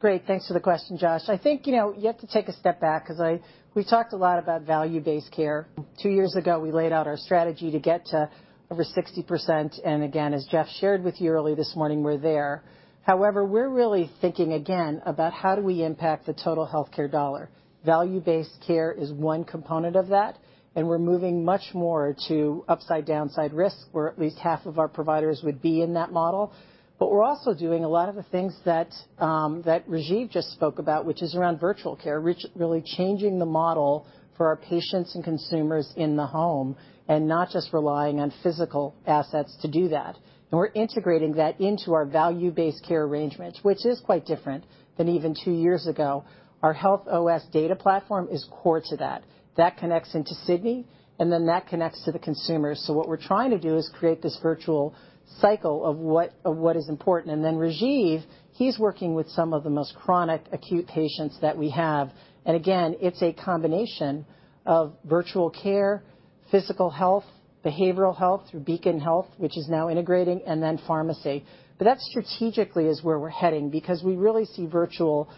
Speaker 2: Great. Thanks for the question, Josh. I think you have to take a step back because we talked a lot about value-based care. Two years ago, we laid out our strategy to get to over 60%, and again, as Jeff shared with you early this morning, we're there. However, we're really thinking again about how do we impact the total healthcare dollar. Value-based care is one component of that, and we're moving much more to upside/downside risk, where at least half of our providers would be in that model. We're also doing a lot of the things that Rajeev just spoke about, which is around virtual care, really changing the model for our patients and consumers in the home, and not just relying on physical assets to do that. We're integrating that into our value-based care arrangements, which is quite different than even two years ago. Our HealthOS data platform is core to that. That connects into Sydney, and then that connects to the consumer. What we're trying to do is create this virtuous cycle of what is important. Then Rajeev, he's working with some of the most chronic acute patients that we have. Again, it's a combination of virtual care, physical health, behavioral health through Beacon Health, which is now integrating, and then pharmacy. That strategically is where we're heading because we really see virtual care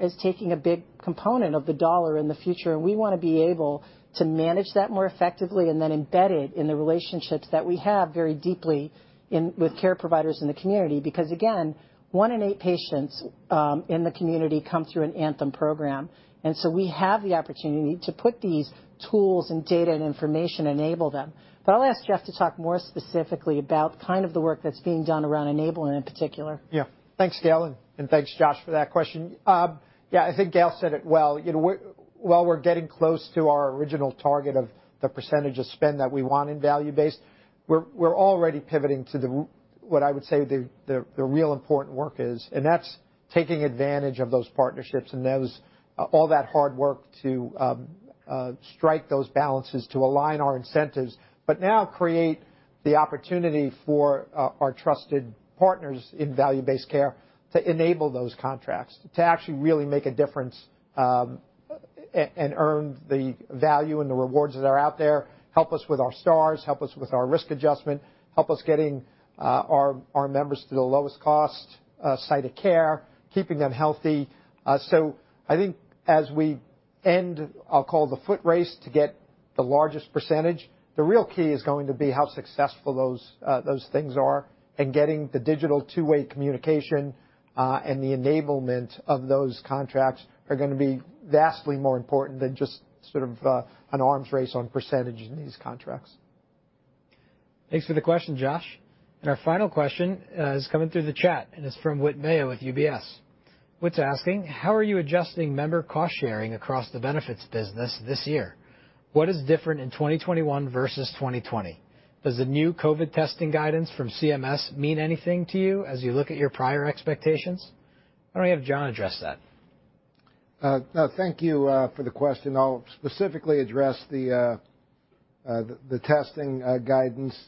Speaker 2: as taking a big component of the dollar in the future, and we want to be able to manage that more effectively and then embed it in the relationships that we have very deeply with care providers in the community, because, again, one in eight patients in the community come through an Anthem program. We have the opportunity to put these tools and data and information, enable them. I'll ask Jeff to talk more specifically about kind of the work that's being done around enabling in particular.
Speaker 11: Thanks, Gail, and thanks, Josh, for that question. I think Gail said it well. While we're getting close to our original target of the percentage of spend that we want in value based, we're already pivoting to what I would say the real important work is, and that's taking advantage of those partnerships and all that hard work to strike those balances to align our incentives, but now create the opportunity for our trusted partners in value-based care to enable those contracts to actually really make a difference and earn the value and the rewards that are out there, help us with our Stars, help us with our risk adjustment, help us getting our members to the lowest cost site of care, keeping them healthy. I think as we end, I'll call the foot race to get the largest percentage, the real key is going to be how successful those things are and getting the digital two-way communication, and the enablement of those contracts are going to be vastly more important than just sort of an arms race on percentage in these contracts.
Speaker 1: Thanks for the question, Josh. Our final question is coming through the chat, and it's from Whit Mayo with UBS. Whit's asking, "How are you adjusting member cost-sharing across the benefits business this year? What is different in 2021 versus 2020? Does the new COVID testing guidance from CMS mean anything to you as you look at your prior expectations?" Why don't we have John address that?
Speaker 13: Thank you for the question. I'll specifically address the testing guidance.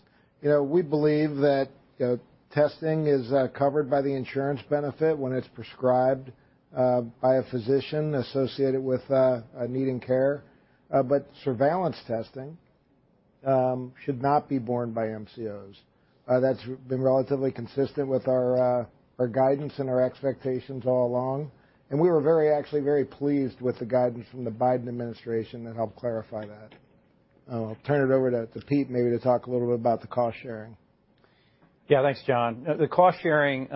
Speaker 13: We believe that testing is covered by the insurance benefit when it's prescribed by a physician associated with needing care. Surveillance testing should not be borne by MCOs. That's been relatively consistent with our guidance and our expectations all along, and we were actually very pleased with the guidance from the Biden administration that helped clarify that. I'll turn it over to Pete maybe to talk a little bit about the cost-sharing.
Speaker 10: Yeah. Thanks, John. The cost-sharing,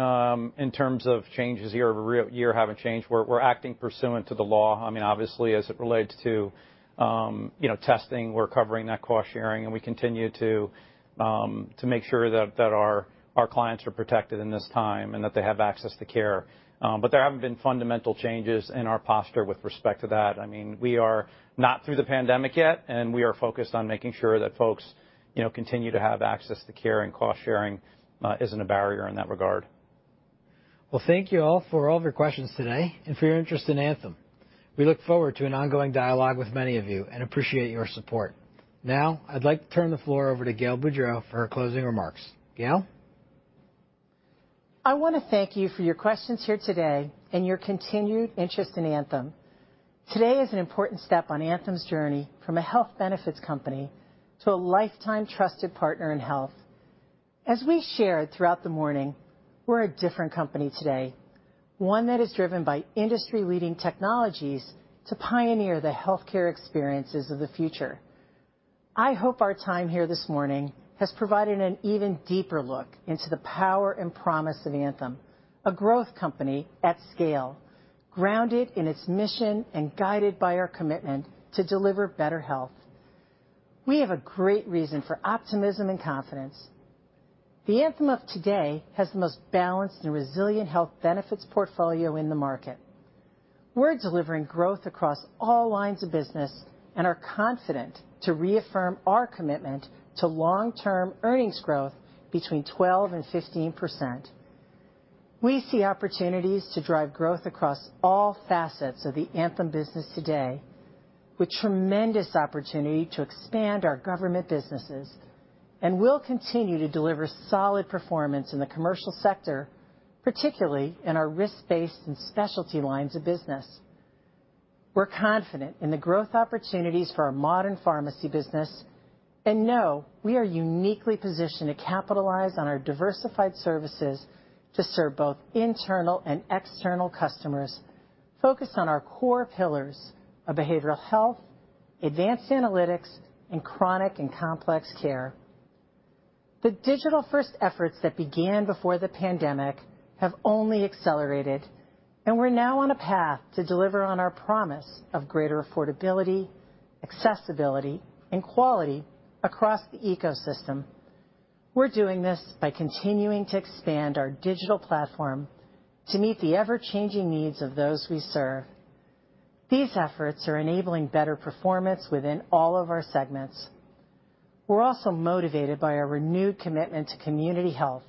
Speaker 10: in terms of changes year-over-year, haven't changed. We're acting pursuant to the law. Obviously as it relates to testing, we're covering that cost-sharing, and we continue to make sure that our clients are protected in this time and that they have access to care. There haven't been fundamental changes in our posture with respect to that. We are not through the pandemic yet, and we are focused on making sure that folks continue to have access to care, and cost-sharing isn't a barrier in that regard.
Speaker 1: Well, thank you all for all of your questions today and for your interest in Anthem. We look forward to an ongoing dialogue with many of you and appreciate your support. Now, I'd like to turn the floor over to Gail Boudreaux for her closing remarks. Gail?
Speaker 2: I want to thank you for your questions here today and your continued interest in Anthem. Today is an important step on Anthem's journey from a health benefits company to a lifetime trusted partner in health. As we shared throughout the morning, we're a different company today, one that is driven by industry-leading technologies to pioneer the healthcare experiences of the future. I hope our time here this morning has provided an even deeper look into the power and promise of Anthem, a growth company at scale, grounded in its mission and guided by our commitment to deliver better health. We have a great reason for optimism and confidence. The Anthem of today has the most balanced and resilient health benefits portfolio in the market. We're delivering growth across all lines of business and are confident to reaffirm our commitment to long-term earnings growth between 12% and 15%. We see opportunities to drive growth across all facets of the Anthem business today with tremendous opportunity to expand our government businesses. We'll continue to deliver solid performance in the commercial sector, particularly in our risk-based and specialty lines of business. We're confident in the growth opportunities for our modern pharmacy business, and know we are uniquely positioned to capitalize on our diversified services to serve both internal and external customers focused on our core pillars of behavioral health, advanced analytics, and chronic and complex care. The digital-first efforts that began before the pandemic have only accelerated, and we're now on a path to deliver on our promise of greater affordability, accessibility, and quality across the ecosystem. We're doing this by continuing to expand our digital platform to meet the ever-changing needs of those we serve. These efforts are enabling better performance within all of our segments. We're also motivated by our renewed commitment to community health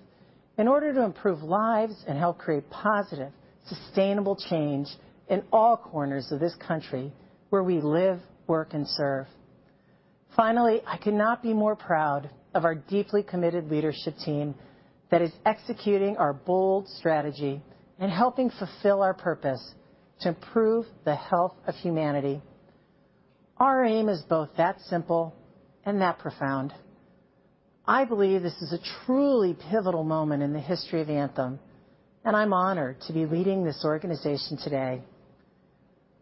Speaker 2: in order to improve lives and help create positive, sustainable change in all corners of this country where we live, work, and serve. Finally, I could not be more proud of our deeply committed leadership team that is executing our bold strategy and helping fulfill our purpose to improve the health of humanity. Our aim is both that simple and that profound. I believe this is a truly pivotal moment in the history of Anthem, and I'm honored to be leading this organization today.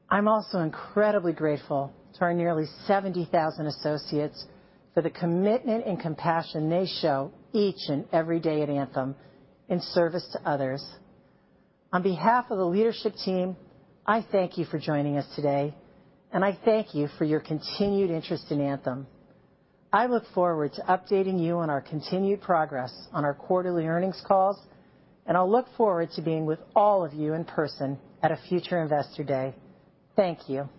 Speaker 2: I'm also incredibly grateful to our nearly 70,000 associates for the commitment and compassion they show each and every day at Anthem in service to others. On behalf of the leadership team, I thank you for joining us today, and I thank you for your continued interest in Anthem. I look forward to updating you on our continued progress on our quarterly earnings calls. I'll look forward to being with all of you in person at a future Investor Day. Thank you.